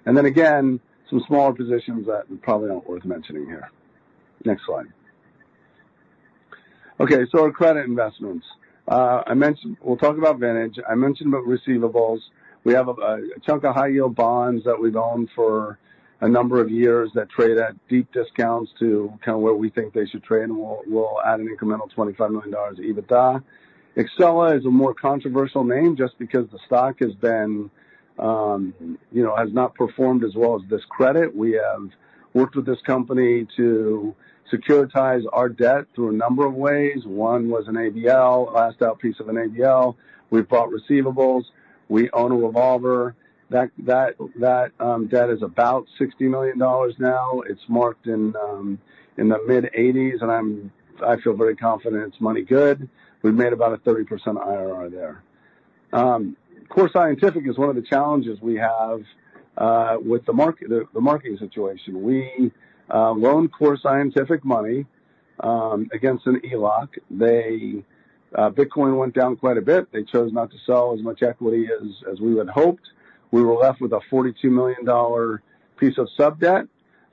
And then again, some smaller positions that probably aren't worth mentioning here. Next slide. Okay, so credit investments. I mentioned, we'll talk about Vantage. I mentioned about receivables. We have a chunk of high-yield bonds that we've owned for a number of years that trade at deep discounts to kind of where we think they should trade, and we'll add an incremental $25 million EBITDA. Exela is a more controversial name just because the stock has been, you know, has not performed as well as this credit. We have worked with this company to securitize our debt through a number of ways. One was an ABL, last out piece of an ABL. We bought receivables. We own a revolver. That debt is about $60 million now. It's marked in, in the mid-80s, and I feel very confident it's money good. We've made about a 30% IRR there. Core Scientific is one of the challenges we have with the market, the marketing situation. We loaned Core Scientific money against an ELOC. They, Bitcoin went down quite a bit. They chose not to sell as much equity as, as we had hoped. We were left with a $42 million piece of sub debt.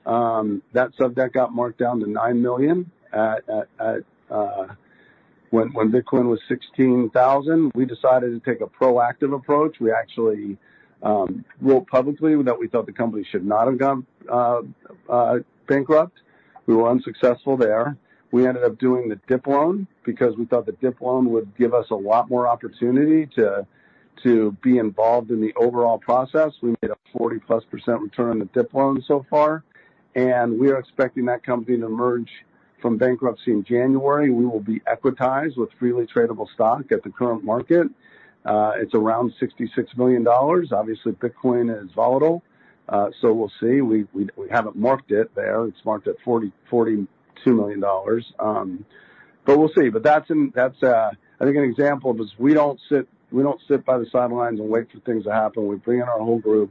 That sub debt got marked down to $9 million at when Bitcoin was $16,000, we decided to take a proactive approach. We actually wrote publicly that we thought the company should not have gone bankrupt. We were unsuccessful there. We ended up doing the DIP loan because we thought the DIP loan would give us a lot more opportunity to be involved in the overall process. We made a 40+% return on the DIP loan so far, and we are expecting that company to emerge from bankruptcy in January. We will be equitized with freely tradable stock at the current market. It's around $66 million. Obviously, Bitcoin is volatile, so we'll see. We haven't marked it there. It's marked at $42 million. But we'll see. But that's, I think, an example of this. We don't sit by the sidelines and wait for things to happen. We bring in our whole group,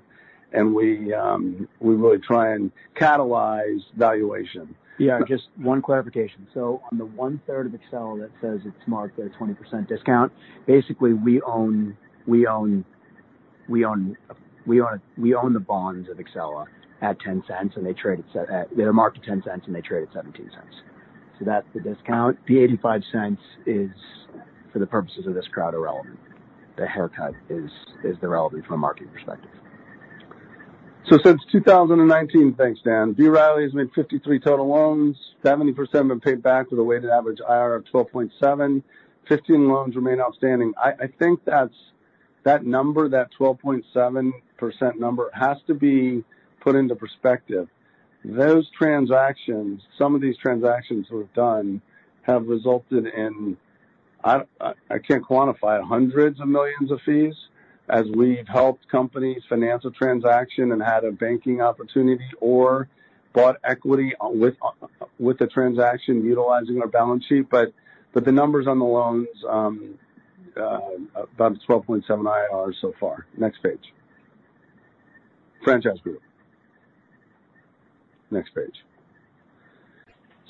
and we really try and catalyze valuation. Yeah, just one clarification. So on the 1/3 of Exela that says it's marked at a 20% discount, basically, we own the bonds of Exela at $0.10, and they trade at—they are marked at $0.10, and they trade at $0.17. So that's the discount. The $0.85 is, for the purposes of this crowd, irrelevant. The haircut is irrelevant from a market perspective. Since 2019, thanks, Dan. B. Riley has made 53 total loans, 70% have been paid back with a weighted average IRR of 12.7. 15 loans remain outstanding. I think that's, that number, that 12.7% number, has to be put into perspective. Those transactions, some of these transactions we've done, have resulted in... I can't quantify $hundreds of millions of fees as we've helped companies finance a transaction and had a banking opportunity or bought equity on with the transaction, utilizing our balance sheet. But the numbers on the loans, about 12.7 IRR so far. Next page. Franchise Group. Next page.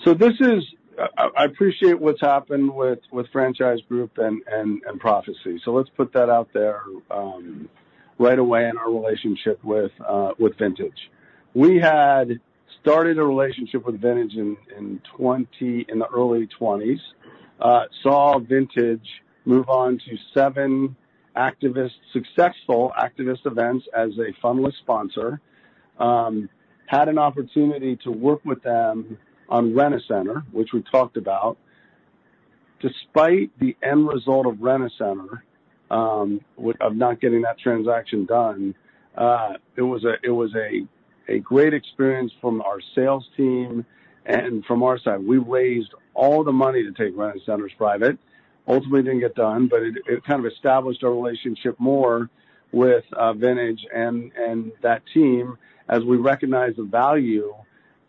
This is... I appreciate what's happened with Franchise Group and Prophecy. So let's put that out there right away in our relationship with Vantage. We had started a relationship with Vantage in the early twenties. Saw Vantage move on to 7 activist, successful activist events as a fundless sponsor. Had an opportunity to work with them on Rent-A-Center, which we talked about. Despite the end result of Rent-A-Center, with not getting that transaction done, it was a great experience from our sales team and from our side. We raised all the money to take Rent-A-Center private. Ultimately, didn't get done, but it kind of established our relationship more with Vantage and that team, as we recognized the value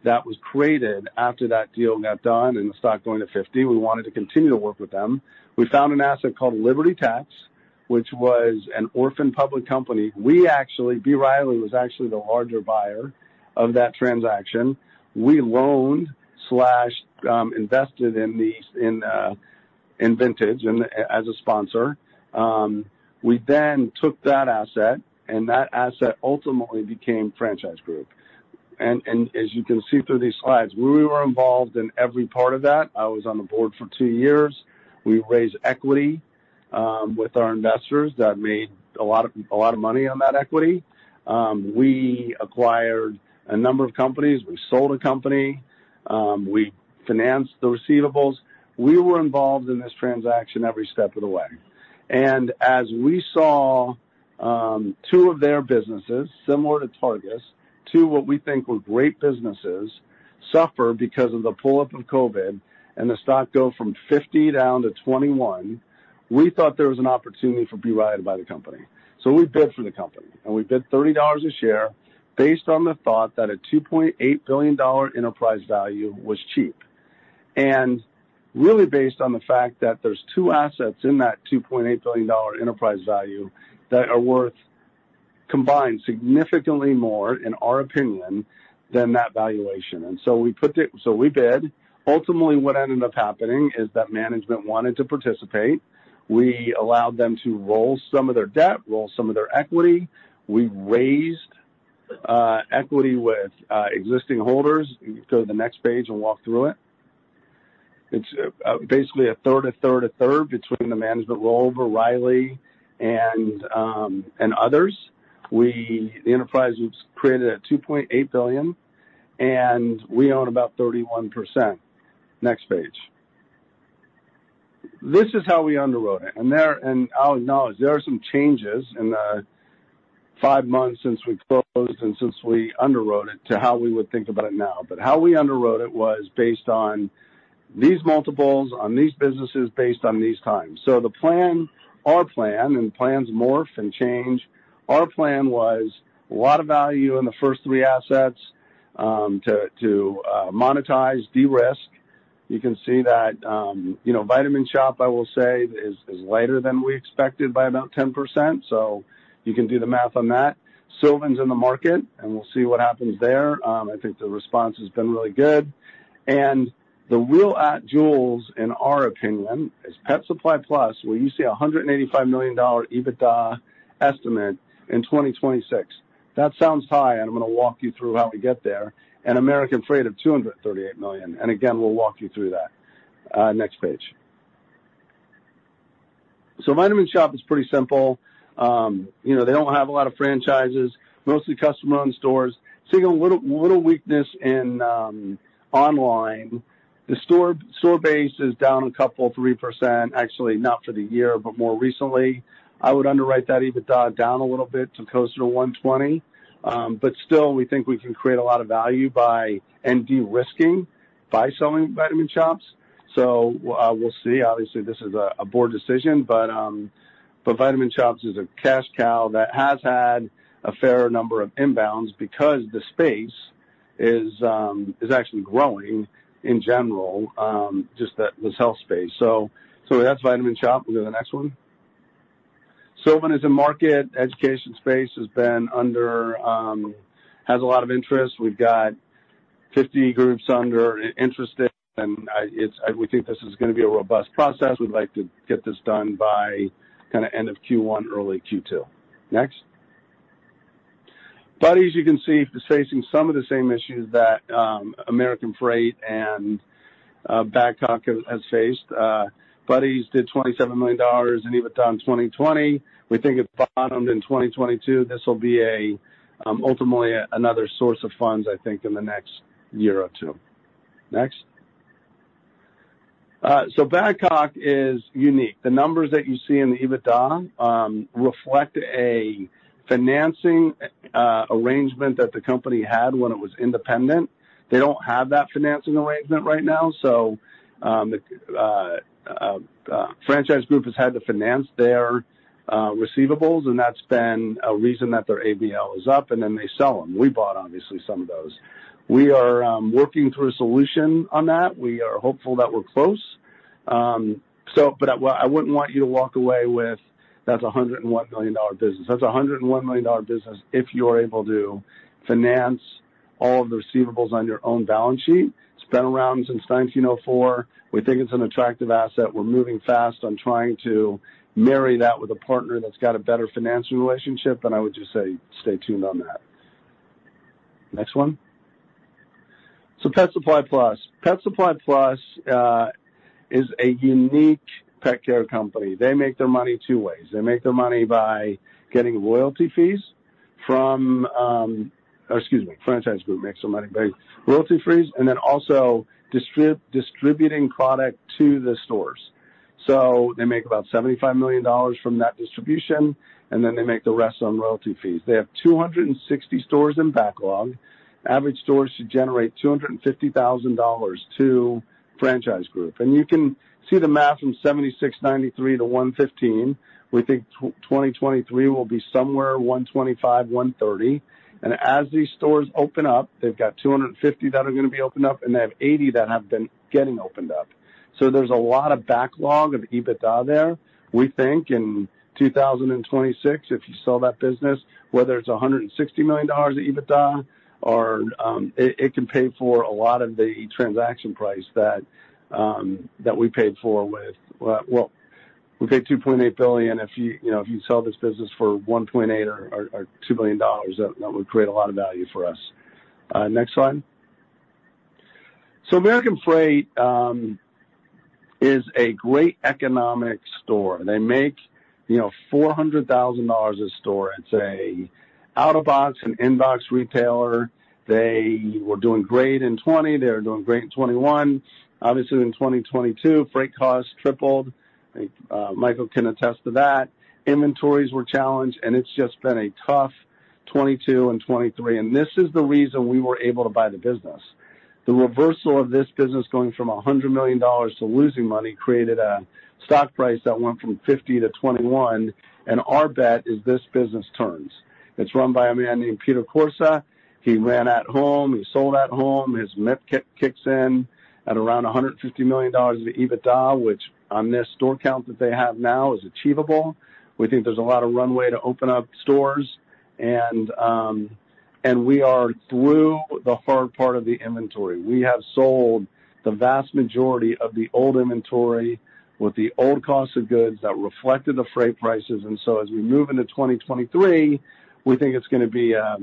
that was created after that deal got done and the stock going to 50, we wanted to continue to work with them. We found an asset called Liberty Tax, which was an orphan public company. We actually, B. Riley, was actually the larger buyer of that transaction. We loaned slash invested in these, in Vantage and as a sponsor. We then took that asset, and that asset ultimately became Franchise Group. And as you can see through these slides, we were involved in every part of that. I was on the board for two years. We raised equity with our investors that made a lot of money on that equity. We acquired a number of companies. We sold a company. We financed the receivables. We were involved in this transaction every step of the way. As we saw, two of their businesses, similar to Targus, two what we think were great businesses, suffered because of the pullback of COVID and the stock went from 50 down to 21. We thought there was an opportunity for B. Riley to buy the company. So we bid for the company, and we bid $30 a share based on the thought that a $2.8 billion enterprise value was cheap. Really based on the fact that there are two assets in that $2.8 billion enterprise value that are worth, combined, significantly more, in our opinion, than that valuation. So we bid. Ultimately, what ended up happening is that management wanted to participate. We allowed them to roll some of their debt, roll some of their equity. We raised equity with existing holders. You can go to the next page and walk through it. It's basically a third, a third, a third between the management rollover, Riley and others. We the enterprise was created at $2.8 billion, and we own about 31%. Next page. This is how we underwrote it, and I'll acknowledge, there are some changes in the five months since we closed and since we underwrote it to how we would think about it now. But how we underwrote it was based on these multiples, on these businesses, based on these times. So the plan, our plan, and plans morph and change. Our plan was a lot of value in the first three assets, to monetize, de-risk. You can see that, you know, Vitamin Shoppe, I will say, is lighter than we expected by about 10%, so you can do the math on that. Sylvan's in the market, and we'll see what happens there. I think the response has been really good. And the real jewels, in our opinion, is Pet Supplies Plus, where you see a $185 million EBITDA estimate in 2026. That sounds high, and I'm going to walk you through how we get there, and American Freight of $238 million. And again, we'll walk you through that. Next page. So Vitamin Shoppe is pretty simple. You know, they don't have a lot of franchises, mostly customer-owned stores. Seeing a little weakness in online. The store base is down a couple, 3%, actually, not for the year, but more recently. I would underwrite that EBITDA down a little bit to closer to 120. But still, we think we can create a lot of value by and de-risking by selling Vitamin Shoppe. So we'll see. Obviously, this is a board decision, but Vitamin Shoppe is a cash cow that has had a fair number of inbounds because the space is actually growing in general, just that this health space. So that's Vitamin Shoppe. We'll go to the next one. Sylvan is in market. Education space has been under—has a lot of interest. We've got 50 groups interested, and it's—we think this is gonna be a robust process. We'd like to get this done by kind of end of Q1, early Q2. Next. Buddy's, you can see, is facing some of the same issues that, American Freight and, Badcock has, has faced. Buddy's did $27 million in EBITDA in 2020. We think it bottomed in 2022. This will be a, ultimately, another source of funds, I think, in the next year or two. Next. So Badcock is unique. The numbers that you see in the EBITDA, reflect a financing, arrangement that the company had when it was independent. They don't have that financing arrangement right now, so, Franchise Group has had to finance their, receivables, and that's been a reason that their ABL is up, and then they sell them. We bought, obviously, some of those. We are working through a solution on that. We are hopeful that we're close. But I wouldn't want you to walk away with that's a $101 million business. That's a $101 million business if you're able to finance all of the receivables on your own balance sheet. It's been around since 1904. We think it's an attractive asset. We're moving fast on trying to marry that with a partner that's got a better financing relationship, and I would just say stay tuned on that. Next one. So Pet Supplies Plus. Pet Supplies Plus is a unique pet care company. They make their money two ways. They make their money by getting royalty fees from... Excuse me, Franchise Group makes their money by royalty fees and then also distributing product to the stores. So they make about $75 million from that distribution, and then they make the rest on royalty fees. They have 260 stores in backlog. Average stores should generate $250,000 to Franchise Group. You can see the math from 76.93-115. We think 2023 will be somewhere 125-130. As these stores open up, they've got 250 that are going to be opened up, and they have 80 that have been getting opened up. So there's a lot of backlog of EBITDA there. We think in 2026, if you sell that business, whether it's $160 million of EBITDA or it can pay for a lot of the transaction price that we paid for with... Well, well, we paid $2.8 billion. If you, you know, if you sell this business for $1.8-$2 billion, that, that would create a lot of value for us. Next slide. So American Freight is a great economic store. They make, you know, $400,000 a store. It's a out-of-box and in-box retailer. They were doing great in 2020. They were doing great in 2021. Obviously, in 2022, freight costs tripled. Michael can attest to that. Inventories were challenged, and it's just been a tough 2022 and 2023, and this is the reason we were able to buy the business. The reversal of this business going from $100 million to losing money created a stock price that went from 50 to 21, and our bet is this business turns. It's run by a man named Peter Corsa. He ran At Home, he sold At Home. His kicks in at around $150 million of EBITDA, which on this store count that they have now, is achievable. We think there's a lot of runway to open up stores, and, and we are through the hard part of the inventory. We have sold the vast majority of the old inventory with the old cost of goods that reflected the freight prices. And so as we move into 2023, we think it's gonna be a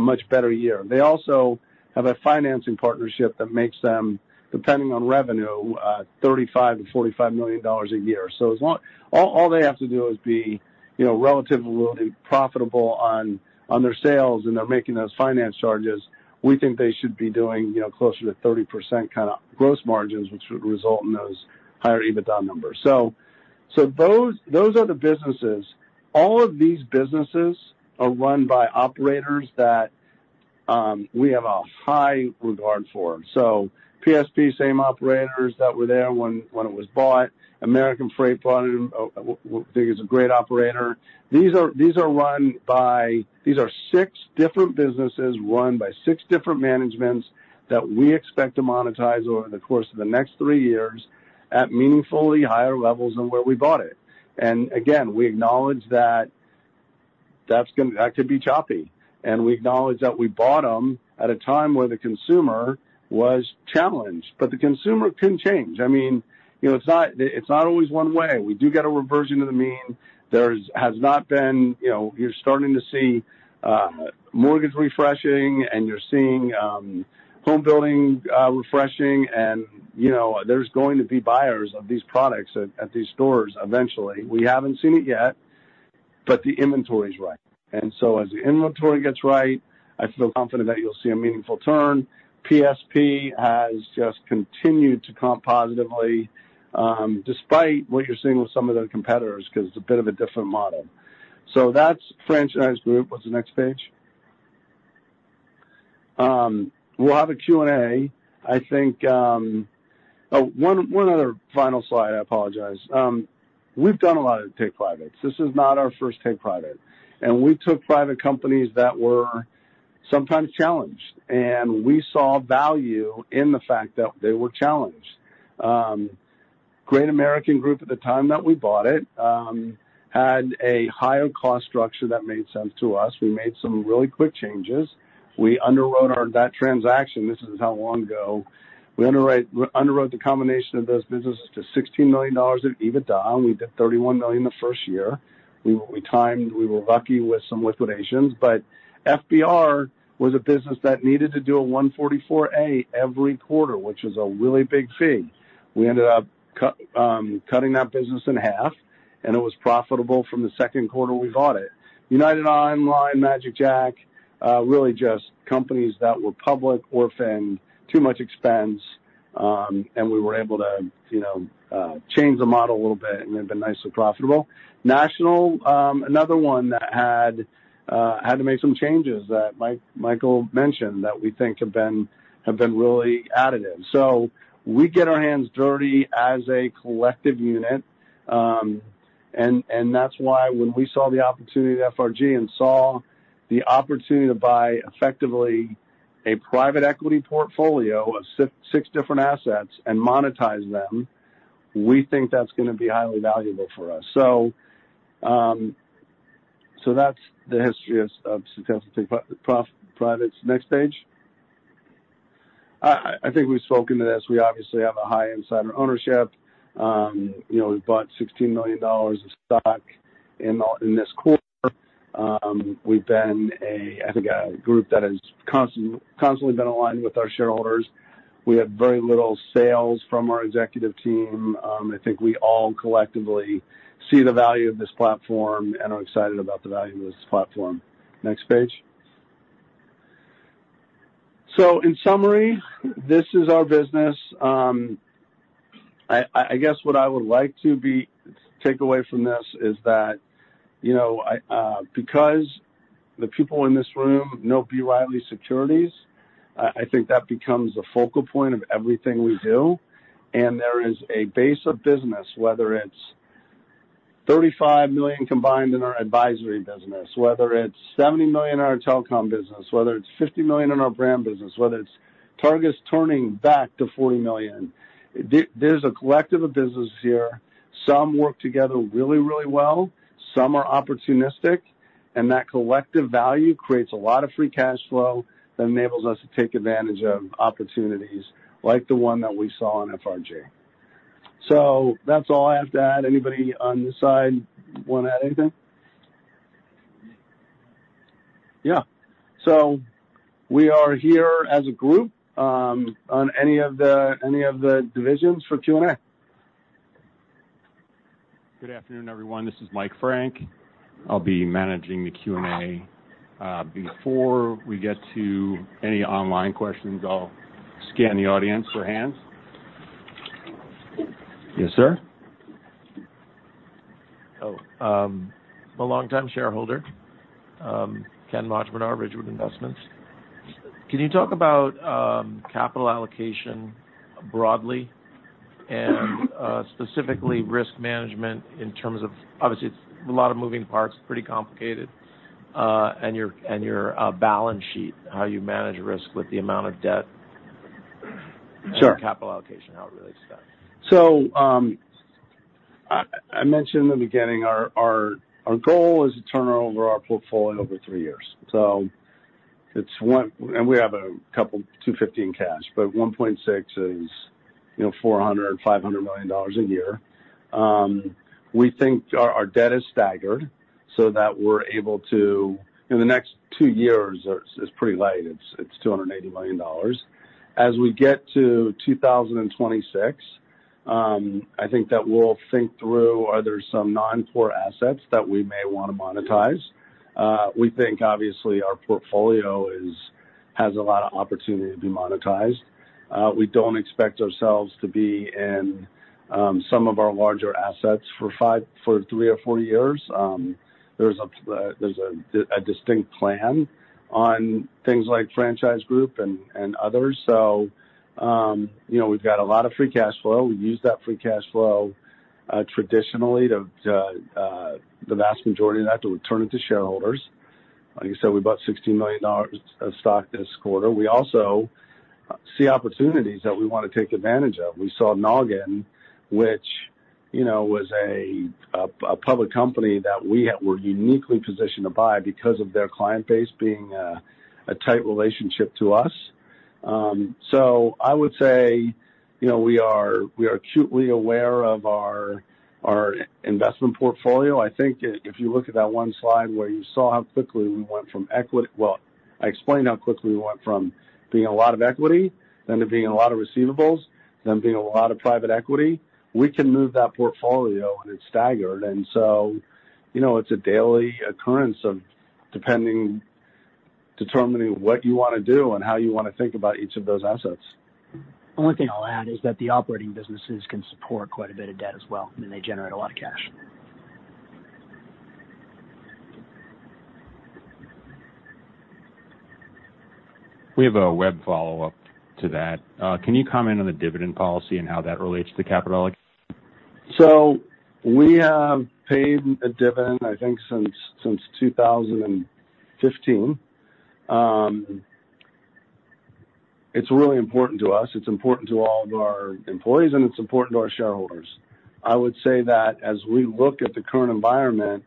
much better year. They also have a financing partnership that makes them, depending on revenue, $35 million-$45 million a year. So as long as all they have to do is be, you know, relatively profitable on, on their sales, and they're making those finance charges. We think they should be doing, you know, closer to 30% kind of gross margins, which would result in those higher EBITDA numbers. So those are the businesses. All of these businesses are run by operators that we have a high regard for. So PSP, same operators that were there when it was bought. American Freight bought it, we think is a great operator. These are run by these are six different businesses run by six different managements that we expect to monetize over the course of the next three years at meaningfully higher levels than where we bought it. And again, we acknowledge that that's gonna that could be choppy, and we acknowledge that we bought them at a time where the consumer was challenged. But the consumer can change. I mean, you know, it's not always one way. We do get a reversion to the mean. There has not been... You know, you're starting to see, mortgage refreshing, and you're seeing, home building, refreshing, and, you know, there's going to be buyers of these products at these stores eventually. We haven't seen it yet, but the inventory is right. And so as the inventory gets right, I feel confident that you'll see a meaningful turn. PSP has just continued to comp positively, despite what you're seeing with some of their competitors, because it's a bit of a different model. So that's Franchise Group. What's the next page? We'll have a Q&A. I think... Oh, one other final slide. I apologize. We've done a lot of take privates. This is not our first take private, and we took private companies that were sometimes challenged, and we saw value in the fact that they were challenged. Great American Group, at the time that we bought it, had a higher cost structure that made sense to us. We made some really quick changes. We underwrote that transaction, this is not long ago. We underwrote the combination of those businesses to $16 million in EBITDA, and we did $31 million the first year. We timed. We were lucky with some liquidations, but FBR was a business that needed to do a 144A every quarter, which is a really big fee. We ended up cutting that business in half, and it was profitable from the second quarter we bought it. United Online, magicJack, really just companies that were public, orphaned, too much expense, and we were able to, you know, change the model a little bit, and they've been nice and profitable. National, another one that had to make some changes that Michael mentioned, that we think have been really additive. So we get our hands dirty as a collective unit, and that's why when we saw the opportunity at FRG and saw the opportunity to buy effectively a private equity portfolio of six different assets and monetize them, we think that's gonna be highly valuable for us. So, that's the history of successful take privates. Next page. I think we've spoken to this. We obviously have a high insider ownership. You know, we bought $16 million of stock in this quarter. We've been, I think, a group that has constantly, constantly been aligned with our shareholders. We have very little sales from our executive team. I think we all collectively see the value of this platform and are excited about the value of this platform. Next page. So in summary, this is our business. I guess what I would like to take away from this is that, you know, because the people in this room know B. Riley Securities, I think that becomes a focal point of everything we do. There is a base of business, whether it's $35 million combined in our advisory business, whether it's $70 million in our telecom business, whether it's $50 million in our brand business, whether it's Targus turning back to $40 million, there, there's a collective of businesses here. Some work together really, really well, some are opportunistic, and that collective value creates a lot of free cash flow that enables us to take advantage of opportunities like the one that we saw on FRG. So that's all I have to add. Anybody on this side want to add anything? Yeah. So we are here as a group, on any of the, any of the divisions for Q&A. Good afternoon, everyone. This is Mike Frank. I'll be managing the Q&A. Before we get to any online questions, I'll scan the audience for hands. Yes, sir? Oh, I'm a longtime shareholder, Ken Majmudar, Ridgewood Investments. Can you talk about capital allocation broadly and specifically risk management in terms of... Obviously, it's a lot of moving parts, pretty complicated, and your balance sheet, how you manage risk with the amount of debt- Sure. And capital allocation, how it relates to that? So, I mentioned in the beginning, our goal is to turn over our portfolio over three years. So it's one and we have a couple, $215 million cash, but $1.6 billion is, you know, $400-$500 million a year. We think our debt is staggered so that we're able to, in the next two years, it's pretty light. It's $280 million. As we get to 2026, I think that we'll think through, are there some non-core assets that we may want to monetize? We think, obviously, our portfolio has a lot of opportunity to be monetized. We don't expect ourselves to be in some of our larger assets for three or four years. There's a distinct plan on things like Franchise Group and others. So, you know, we've got a lot of free cash flow. We use that free cash flow traditionally to the vast majority of that to return it to shareholders. Like I said, we bought $16 million of stock this quarter. We also see opportunities that we want to take advantage of. We saw Nogin, which, you know, was a public company that we were uniquely positioned to buy because of their client base being a tight relationship to us. So I would say, you know, we are acutely aware of our investment portfolio. I think if you look at that one slide where you saw how quickly we went from equity, well, I explained how quickly we went from being a lot of equity, then to being a lot of receivables, then being a lot of private equity. We can move that portfolio, and it's staggered, and so, you know, it's a daily occurrence of determining what you want to do and how you want to think about each of those assets. The only thing I'll add is that the operating businesses can support quite a bit of debt as well, and they generate a lot of cash. We have a web follow-up to that. Can you comment on the dividend policy and how that relates to capital allocation? So we have paid a dividend, I think, since, since 2015. It's really important to us, it's important to all of our employees, and it's important to our shareholders. I would say that as we look at the current environment,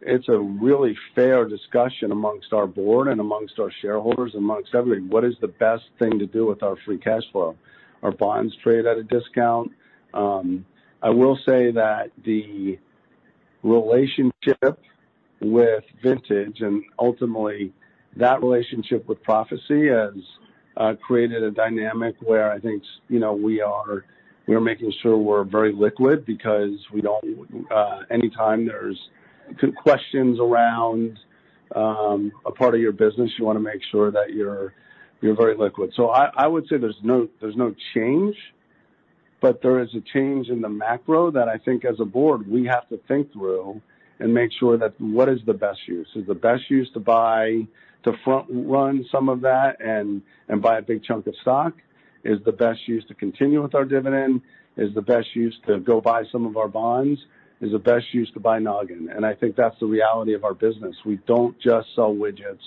it's a really fair discussion among our board and among our shareholders, among everybody. What is the best thing to do with our free cash flow? Our bonds trade at a discount. I will say that the relationship with Vantage, and ultimately that relationship with Prophecy, has created a dynamic where I think, you know, we are—we are making sure we're very liquid because we don't, anytime there's questions around, a part of your business, you wanna make sure that you're, you're very liquid. So I would say there's no change, but there is a change in the macro that I think as a board, we have to think through and make sure that what is the best use? Is the best use to buy, to front run some of that and buy a big chunk of stock? Is the best use to continue with our dividend? Is the best use to go buy some of our bonds? Is the best use to buy Nogin? And I think that's the reality of our business. We don't just sell widgets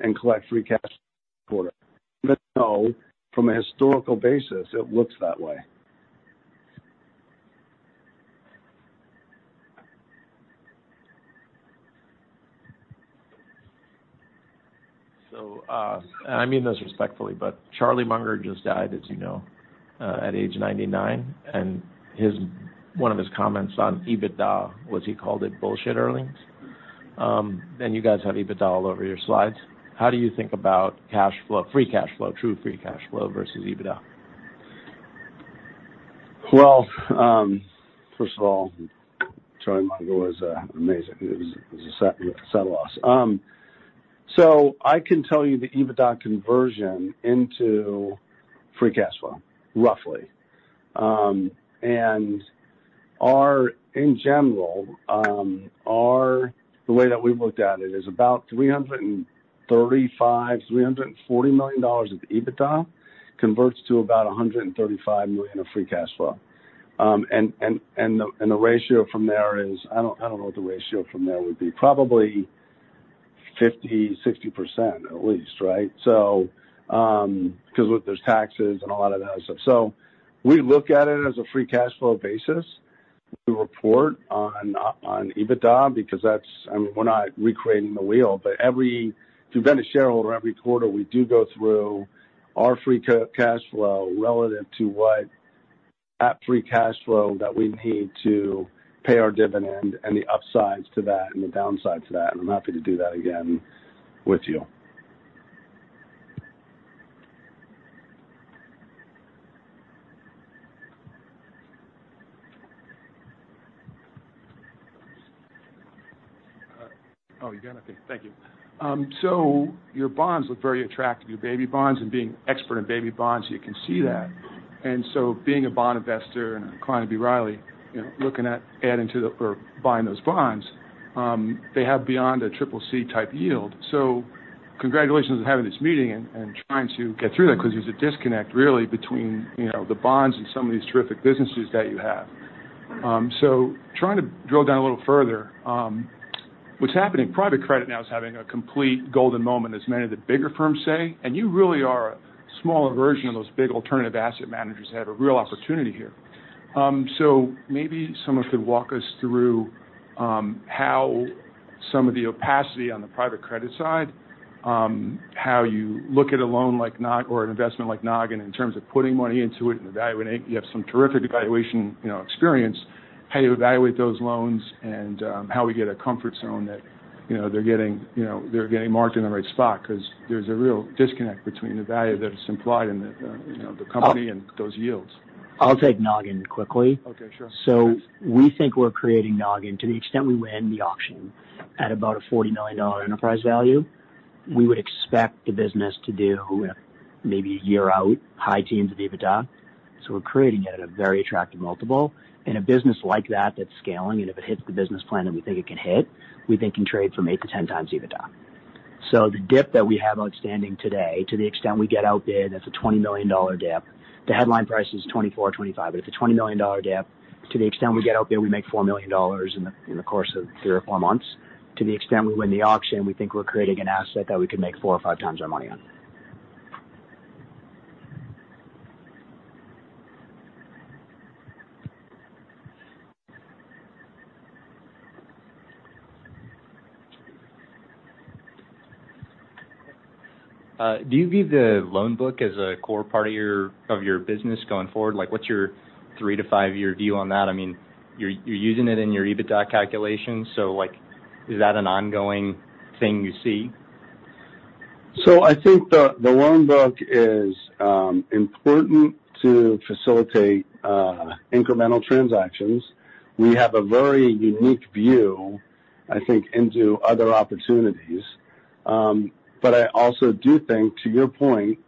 and collect free cash flow. Even though, from a historical basis, it looks that way. So, and I mean this respectfully, but Charlie Munger just died, as you know, at age 99, and his one of his comments on EBITDA was, he called it bullshit earnings. And you guys have EBITDA all over your slides. How do you think about cash flow, free cash flow, true free cash flow versus EBITDA? Well, first of all, Charlie Munger was amazing. It was, it was a sad, sad loss. So I can tell you the EBITDA conversion into free cash flow, roughly. And our... In general, our, the way that we've looked at it is about $335-$340 million of EBITDA converts to about $135 million of free cash flow. And, and, and the, and the ratio from there is, I don't, I don't know what the ratio from there would be. Probably 50%-60% at least, right? So, because with there's taxes and a lot of that other stuff. So we look at it as a free cash flow basis. We report on, on EBITDA because that's... I mean, we're not recreating the wheel, but every... To every shareholder, every quarter, we do go through our free cash flow relative to what that free cash flow that we need to pay our dividend and the upsides to that and the downsides to that, and I'm happy to do that again with you. Oh, you're good? Okay, thank you. So your bonds look very attractive, your baby bonds, and being expert in baby bonds, you can see that. And so being a bond investor and a client of B. Riley, you know, looking at adding to the or buying those bonds, they have beyond a triple C type yield. So congratulations on having this meeting and, and trying to get through that, because there's a disconnect really between, you know, the bonds and some of these terrific businesses that you have. So trying to drill down a little further, what's happening, private credit now is having a complete golden moment, as many of the bigger firms say, and you really are a smaller version of those big alternative asset managers that have a real opportunity here. So maybe someone could walk us through how some of the opacity on the private credit side, how you look at a loan like Nogin or an investment like Nogin in terms of putting money into it and evaluating it. You have some terrific evaluation, you know, experience. How you evaluate those loans and how we get a comfort zone that, you know, they're getting, you know, they're getting marked in the right spot, because there's a real disconnect between the value that is implied and the, the, you know, the company and those yields. I'll take Nogin quickly. Okay, sure. So we think we're creating Nogin to the extent we win the auction at about a $49 million enterprise value. We would expect the business to do maybe a year out, high teens of EBITDA. So we're creating it at a very attractive multiple. In a business like that, that's scaling, and if it hits the business plan that we think it can hit, we think can trade from 8-10x EBITDA. So the DIP that we have outstanding today, to the extent we get out there, that's a $20 million DIP. The headline price is $24-$25, but it's a $20 million DIP. To the extent we get out there, we make $4 million in the course of 3-4 months. To the extent we win the auction, we think we're creating an asset that we could make four or 5x our money on. Do you view the loan book as a core part of your, of your business going forward? Like, what's your 3-5-year view on that? I mean, you're, you're using it in your EBITDA calculation, so, like, is that an ongoing thing you see? So I think the loan book is important to facilitate incremental transactions. We have a very unique view, I think, into other opportunities. But I also do think, to your point,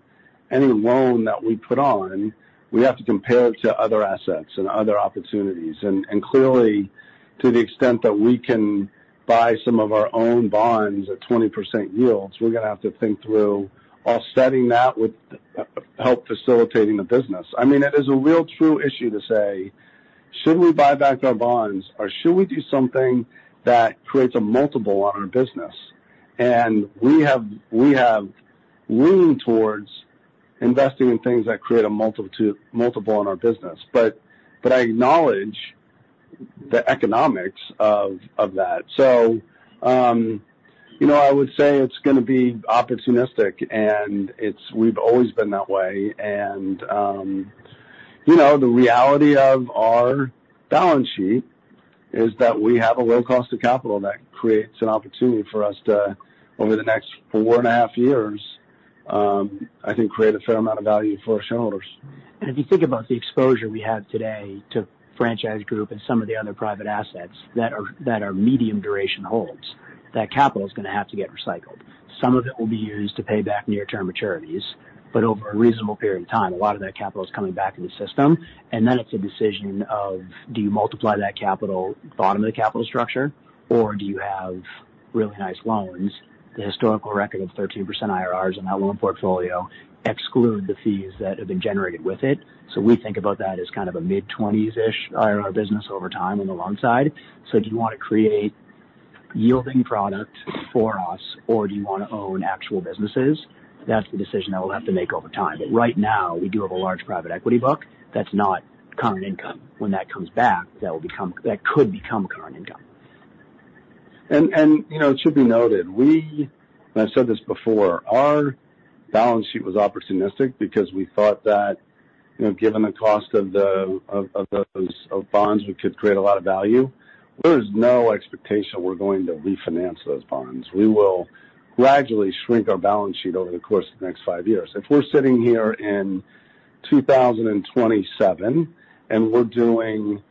any loan that we put on, we have to compare it to other assets and other opportunities. And clearly, to the extent that we can buy some of our own bonds at 20% yields, we're gonna have to think through offsetting that with help facilitating the business. I mean, it is a real true issue to say, should we buy back our bonds, or should we do something that creates a multiple on our business? And we have leaned towards investing in things that create a multiple on our business. But I acknowledge the economics of that. You know, I would say it's gonna be opportunistic, and it's, we've always been that way. You know, the reality of our balance sheet is that we have a low cost of capital that creates an opportunity for us to, over the next four and a half years, I think, create a fair amount of value for our shareholders. And if you think about the exposure we have today to Franchise Group and some of the other private assets that are, that are medium duration holds, that capital is gonna have to get recycled. Some of it will be used to pay back near-term maturities, but over a reasonable period of time, a lot of that capital is coming back in the system, and then it's a decision of do you multiply that capital bottom of the capital structure, or do you have really nice loans? The historical record of 13% IRRs in our loan portfolio exclude the fees that have been generated with it. So we think about that as kind of a mid-20s-ish IRR business over time on the loan side. So do you want to create yielding product for us, or do you want to own actual businesses? That's the decision that we'll have to make over time. But right now, we do have a large private equity book that's not current income. When that comes back, that will become—that could become current income. It should be noted, we, and I've said this before, our balance sheet was opportunistic because we thought that, you know, given the cost of those bonds, we could create a lot of value. There is no expectation we're going to refinance those bonds. We will gradually shrink our balance sheet over the course of the next five years. If we're sitting here in 2027, and we're doing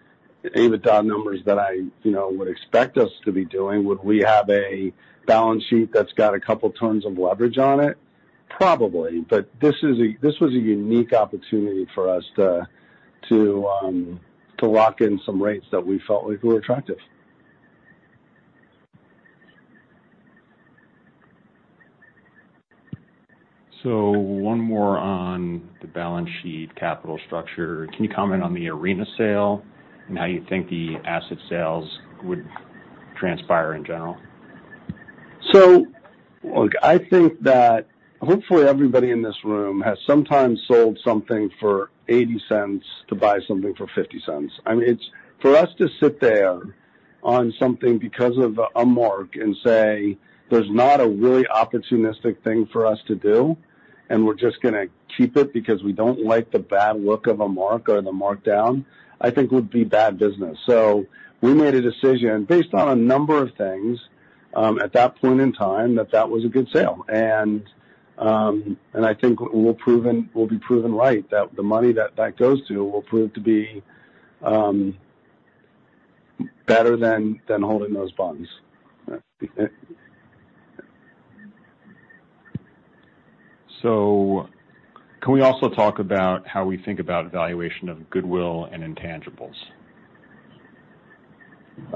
EBITDA numbers that I, you know, would expect us to be doing, would we have a balance sheet that's got a couple tons of leverage on it? Probably. But this was a unique opportunity for us to lock in some rates that we felt like were attractive. One more on the balance sheet capital structure. Can you comment on the Aearo sale and how you think the asset sales would transpire in general? So, look, I think that hopefully everybody in this room has sometimes sold something for 80 cents to buy something for 50 cents. I mean, it's for us to sit there on something because of a mark and say, there's not a really opportunistic thing for us to do, and we're just gonna keep it because we don't like the bad look of a mark or the markdown, I think would be bad business. So we made a decision based on a number of things at that point in time, that that was a good sale. And I think we'll proven, we'll be proven right, that the money that that goes to will prove to be better than holding those bonds. Can we also talk about how we think about valuation of goodwill and intangibles?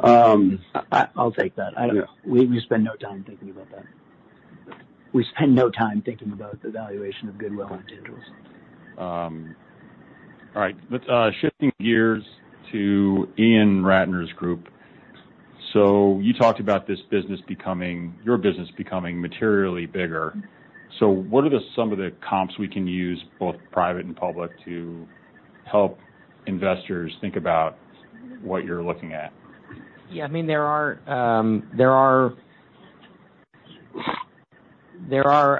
I'll take that. Yeah. I don't. We spend no time thinking about that.... we spend no time thinking about the valuation of goodwill or intangibles. All right, let's shifting gears to Ian Ratner's group. So you talked about this business becoming your business becoming materially bigger. So what are some of the comps we can use, both private and public, to help investors think about what you're looking at? Yeah, I mean, there are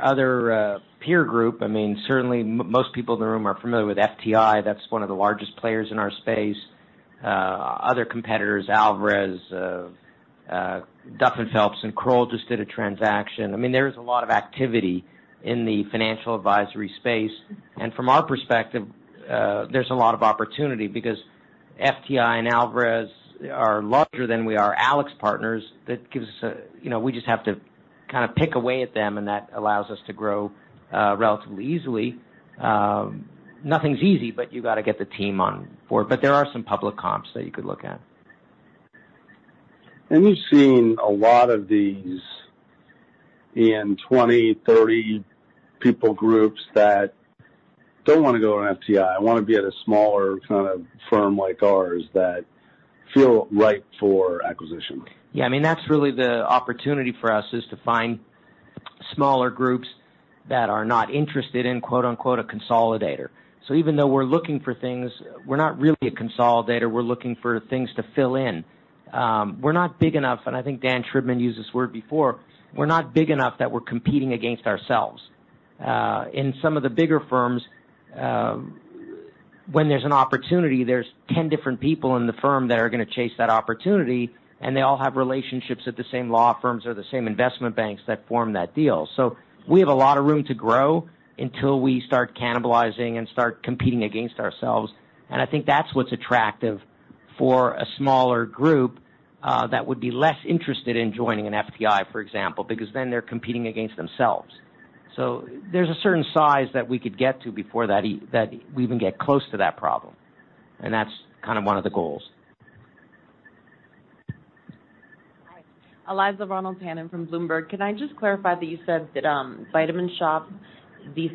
other peer group. I mean, certainly most people in the room are familiar with FTI. That's one of the largest players in our space. Other competitors, Alvarez, Duff & Phelps, and Kroll just did a transaction. I mean, there is a lot of activity in the financial advisory space. And from our perspective, there's a lot of opportunity because FTI and Alvarez are larger than we are. AlixPartners, that gives us a... You know, we just have to kind of pick away at them, and that allows us to grow, relatively easily. Nothing's easy, but you got to get the team on board. But there are some public comps that you could look at. We've seen a lot of these in 20, 30 people groups that don't want to go to an FTI, and want to be at a smaller kind of firm like ours that feel right for acquisition. Yeah, I mean, that's really the opportunity for us, is to find smaller groups that are not interested in, quote-unquote, "a consolidator." So even though we're looking for things, we're not really a consolidator, we're looking for things to fill in. We're not big enough, and I think Dan Shribman used this word before, we're not big enough that we're competing against ourselves. In some of the bigger firms, when there's an opportunity, there's 10 different people in the firm that are gonna chase that opportunity, and they all have relationships at the same law firms or the same investment banks that form that deal. So we have a lot of room to grow until we start cannibalizing and start competing against ourselves. I think that's what's attractive for a smaller group that would be less interested in joining an FTI, for example, because then they're competing against themselves. There's a certain size that we could get to before that we even get close to that problem, and that's kind of one of the goals. Hi. Eliza Ronalds-Hannon from Bloomberg. Can I just clarify that you said that, Vitamin Shoppe,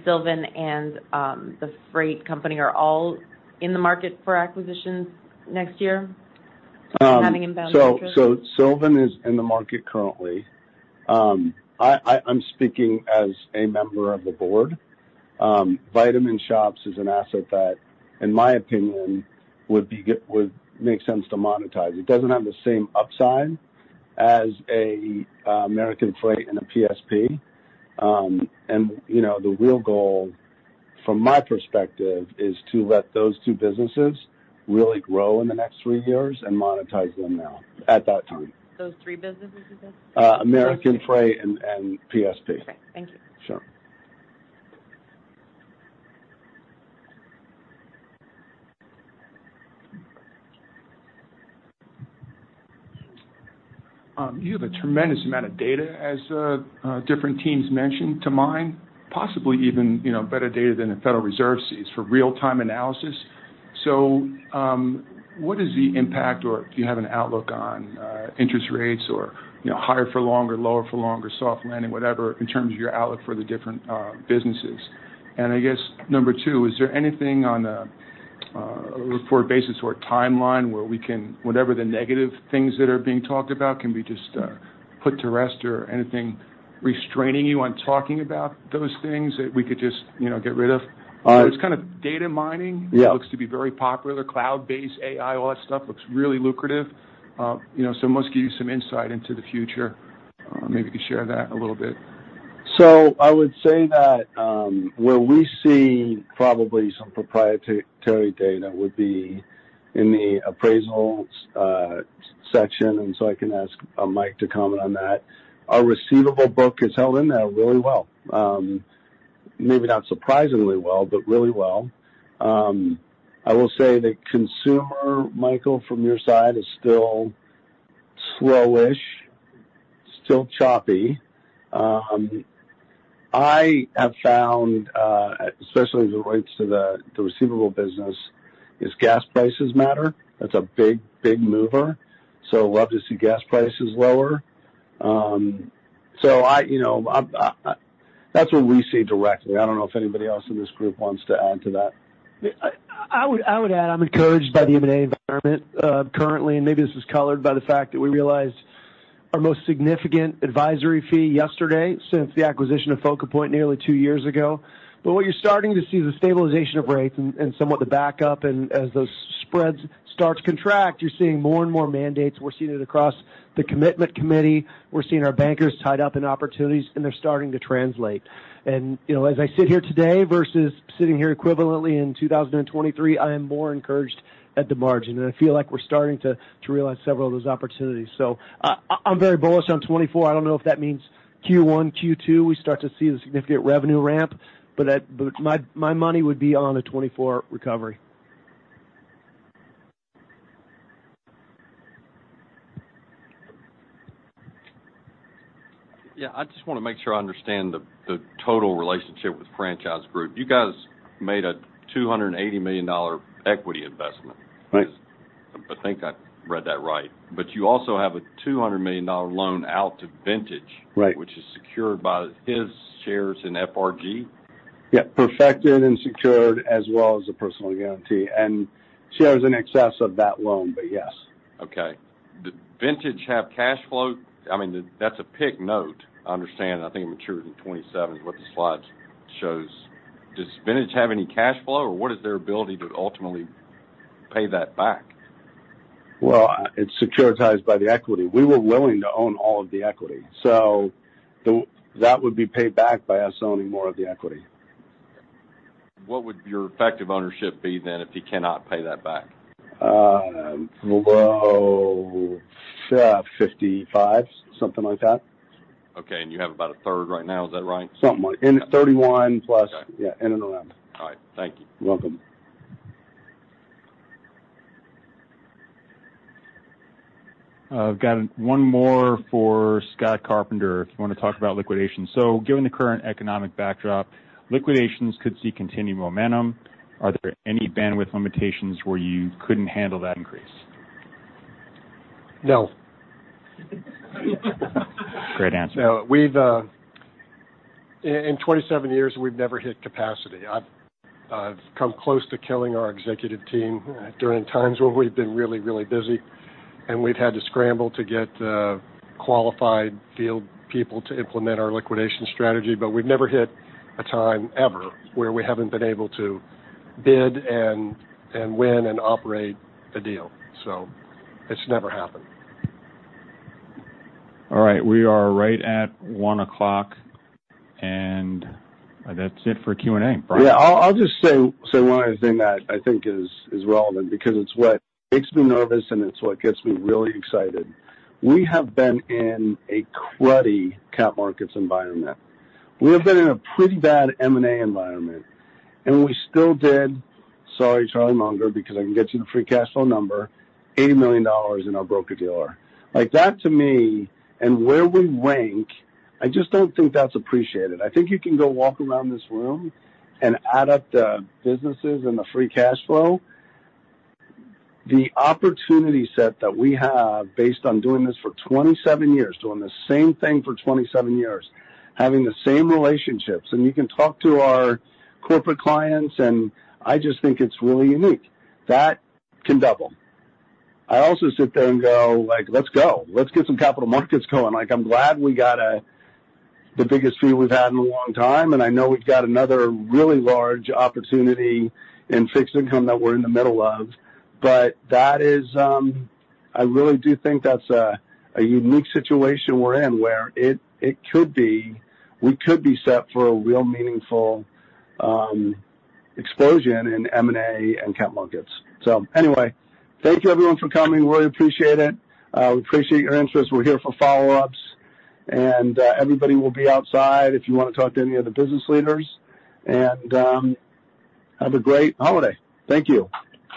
Sylvan Learning, and American Freight are all in the market for acquisitions next year, having inbound interest? Sylvan is in the market currently. I'm speaking as a member of the board. Vitamin Shoppe is an asset that, in my opinion, would make sense to monetize. It doesn't have the same upside as American Freight and a PSP. And, you know, the real goal, from my perspective, is to let those two businesses really grow in the next three years and monetize them now, at that time. Those three businesses, you said? American Freight and PSP. Okay, thank you. Sure. You have a tremendous amount of data, as different teams mentioned to mine, possibly even, you know, better data than the Federal Reserve sees for real-time analysis. So, what is the impact, or do you have an outlook on, interest rates or, you know, higher for longer, lower for longer, soft landing, whatever, in terms of your outlook for the different businesses? And I guess, number two, is there anything on a report basis or a timeline where we can-- whatever the negative things that are being talked about, can be just put to rest or anything restraining you on talking about those things that we could just, you know, get rid of? Uh- It's kind of data mining. Yeah. It looks to be very popular. Cloud-based AI, all that stuff, looks really lucrative. You know, so it must give you some insight into the future. Maybe you can share that a little bit. So I would say that where we see probably some proprietary data would be in the appraisal section, and so I can ask Mike to comment on that. Our receivable book is held in there really well. Maybe not surprisingly well, but really well. I will say that consumer, Michael, from your side, is still slowish, still choppy. I have found especially as it relates to the receivable business, is gas prices matter. That's a big, big mover, so love to see gas prices lower. So you know, that's what we see directly. I don't know if anybody else in this group wants to add to that. I would add, I'm encouraged by the M&A environment currently, and maybe this is colored by the fact that we realized our most significant advisory fee yesterday since the acquisition of FocalPoint nearly two years ago. What you're starting to see is the stabilization of rates and somewhat the backup. As those spreads start to contract, you're seeing more and more mandates. We're seeing it across the commitment committee. We're seeing our bankers tied up in opportunities, and they're starting to translate. You know, as I sit here today versus sitting here equivalently in 2023, I am more encouraged at the margin, and I feel like we're starting to realize several of those opportunities. I'm very bullish on 2024. I don't know if that means Q1, Q2, we start to see the significant revenue ramp, but my money would be on a 2024 recovery. Yeah, I just want to make sure I understand the total relationship with Franchise Group. You guys made a $280 million equity investment. Right.... I think I read that right. But you also have a $200 million loan out to Vantage- Right. - which is secured by his shares in FRG? Yep, perfected and secured, as well as a personal guarantee, and shares in excess of that loan, but yes. Okay. Did Vintage have cash flow? I mean, that's a PIK note, I understand. I think it matures in 2027, what the slide shows. Does Vintage have any cash flow, or what is their ability to ultimately pay that back? Well, it's securitized by the equity. We were willing to own all of the equity, so that would be paid back by us owning more of the equity. What would your effective ownership be then, if he cannot pay that back? Below 55, something like that. Okay. And you have about a third right now, is that right? Something like... End of 31 plus- Okay. Yeah, in and around. All right. Thank you. You're welcome. I've got one more for Scott Carpenter, if you want to talk about liquidation. Given the current economic backdrop, liquidations could see continued momentum. Are there any bandwidth limitations where you couldn't handle that increase? No. Great answer. No, we've... In 27 years, we've never hit capacity. I've come close to killing our executive team during times where we've been really, really busy, and we've had to scramble to get qualified field people to implement our liquidation strategy, but we've never hit a time, ever, where we haven't been able to bid and win and operate a deal. So it's never happened. All right. We are right at 1:00 P.M., and that's it for Q&A. Bryant? Yeah. I'll just say one other thing that I think is relevant because it's what makes me nervous, and it's what gets me really excited. We have been in a cruddy capital markets environment. We have been in a pretty bad M&A environment, and we still did... Sorry, Charlie Munger, because I can get you the free cash flow number, $80 million in our broker-dealer. Like, that, to me, and where we rank, I just don't think that's appreciated. I think you can go walk around this room and add up the businesses and the free cash flow. The opportunity set that we have, based on doing this for 27 years, doing the same thing for 27 years, having the same relationships, and you can talk to our corporate clients, and I just think it's really unique. That can double. I also sit there and go, like, "Let's go. Let's get some capital markets going." Like, I'm glad we got a-- the biggest fee we've had in a long time, and I know we've got another really large opportunity in fixed income that we're in the middle of, but that is, I really do think that's a, a unique situation we're in, where it, it could be-- we could be set for a real meaningful, explosion in M&A and capital markets. So anyway, thank you everyone for coming. We really appreciate it. We appreciate your interest. We're here for follow-ups, and, everybody will be outside if you want to talk to any of the business leaders. And, have a great holiday. Thank you.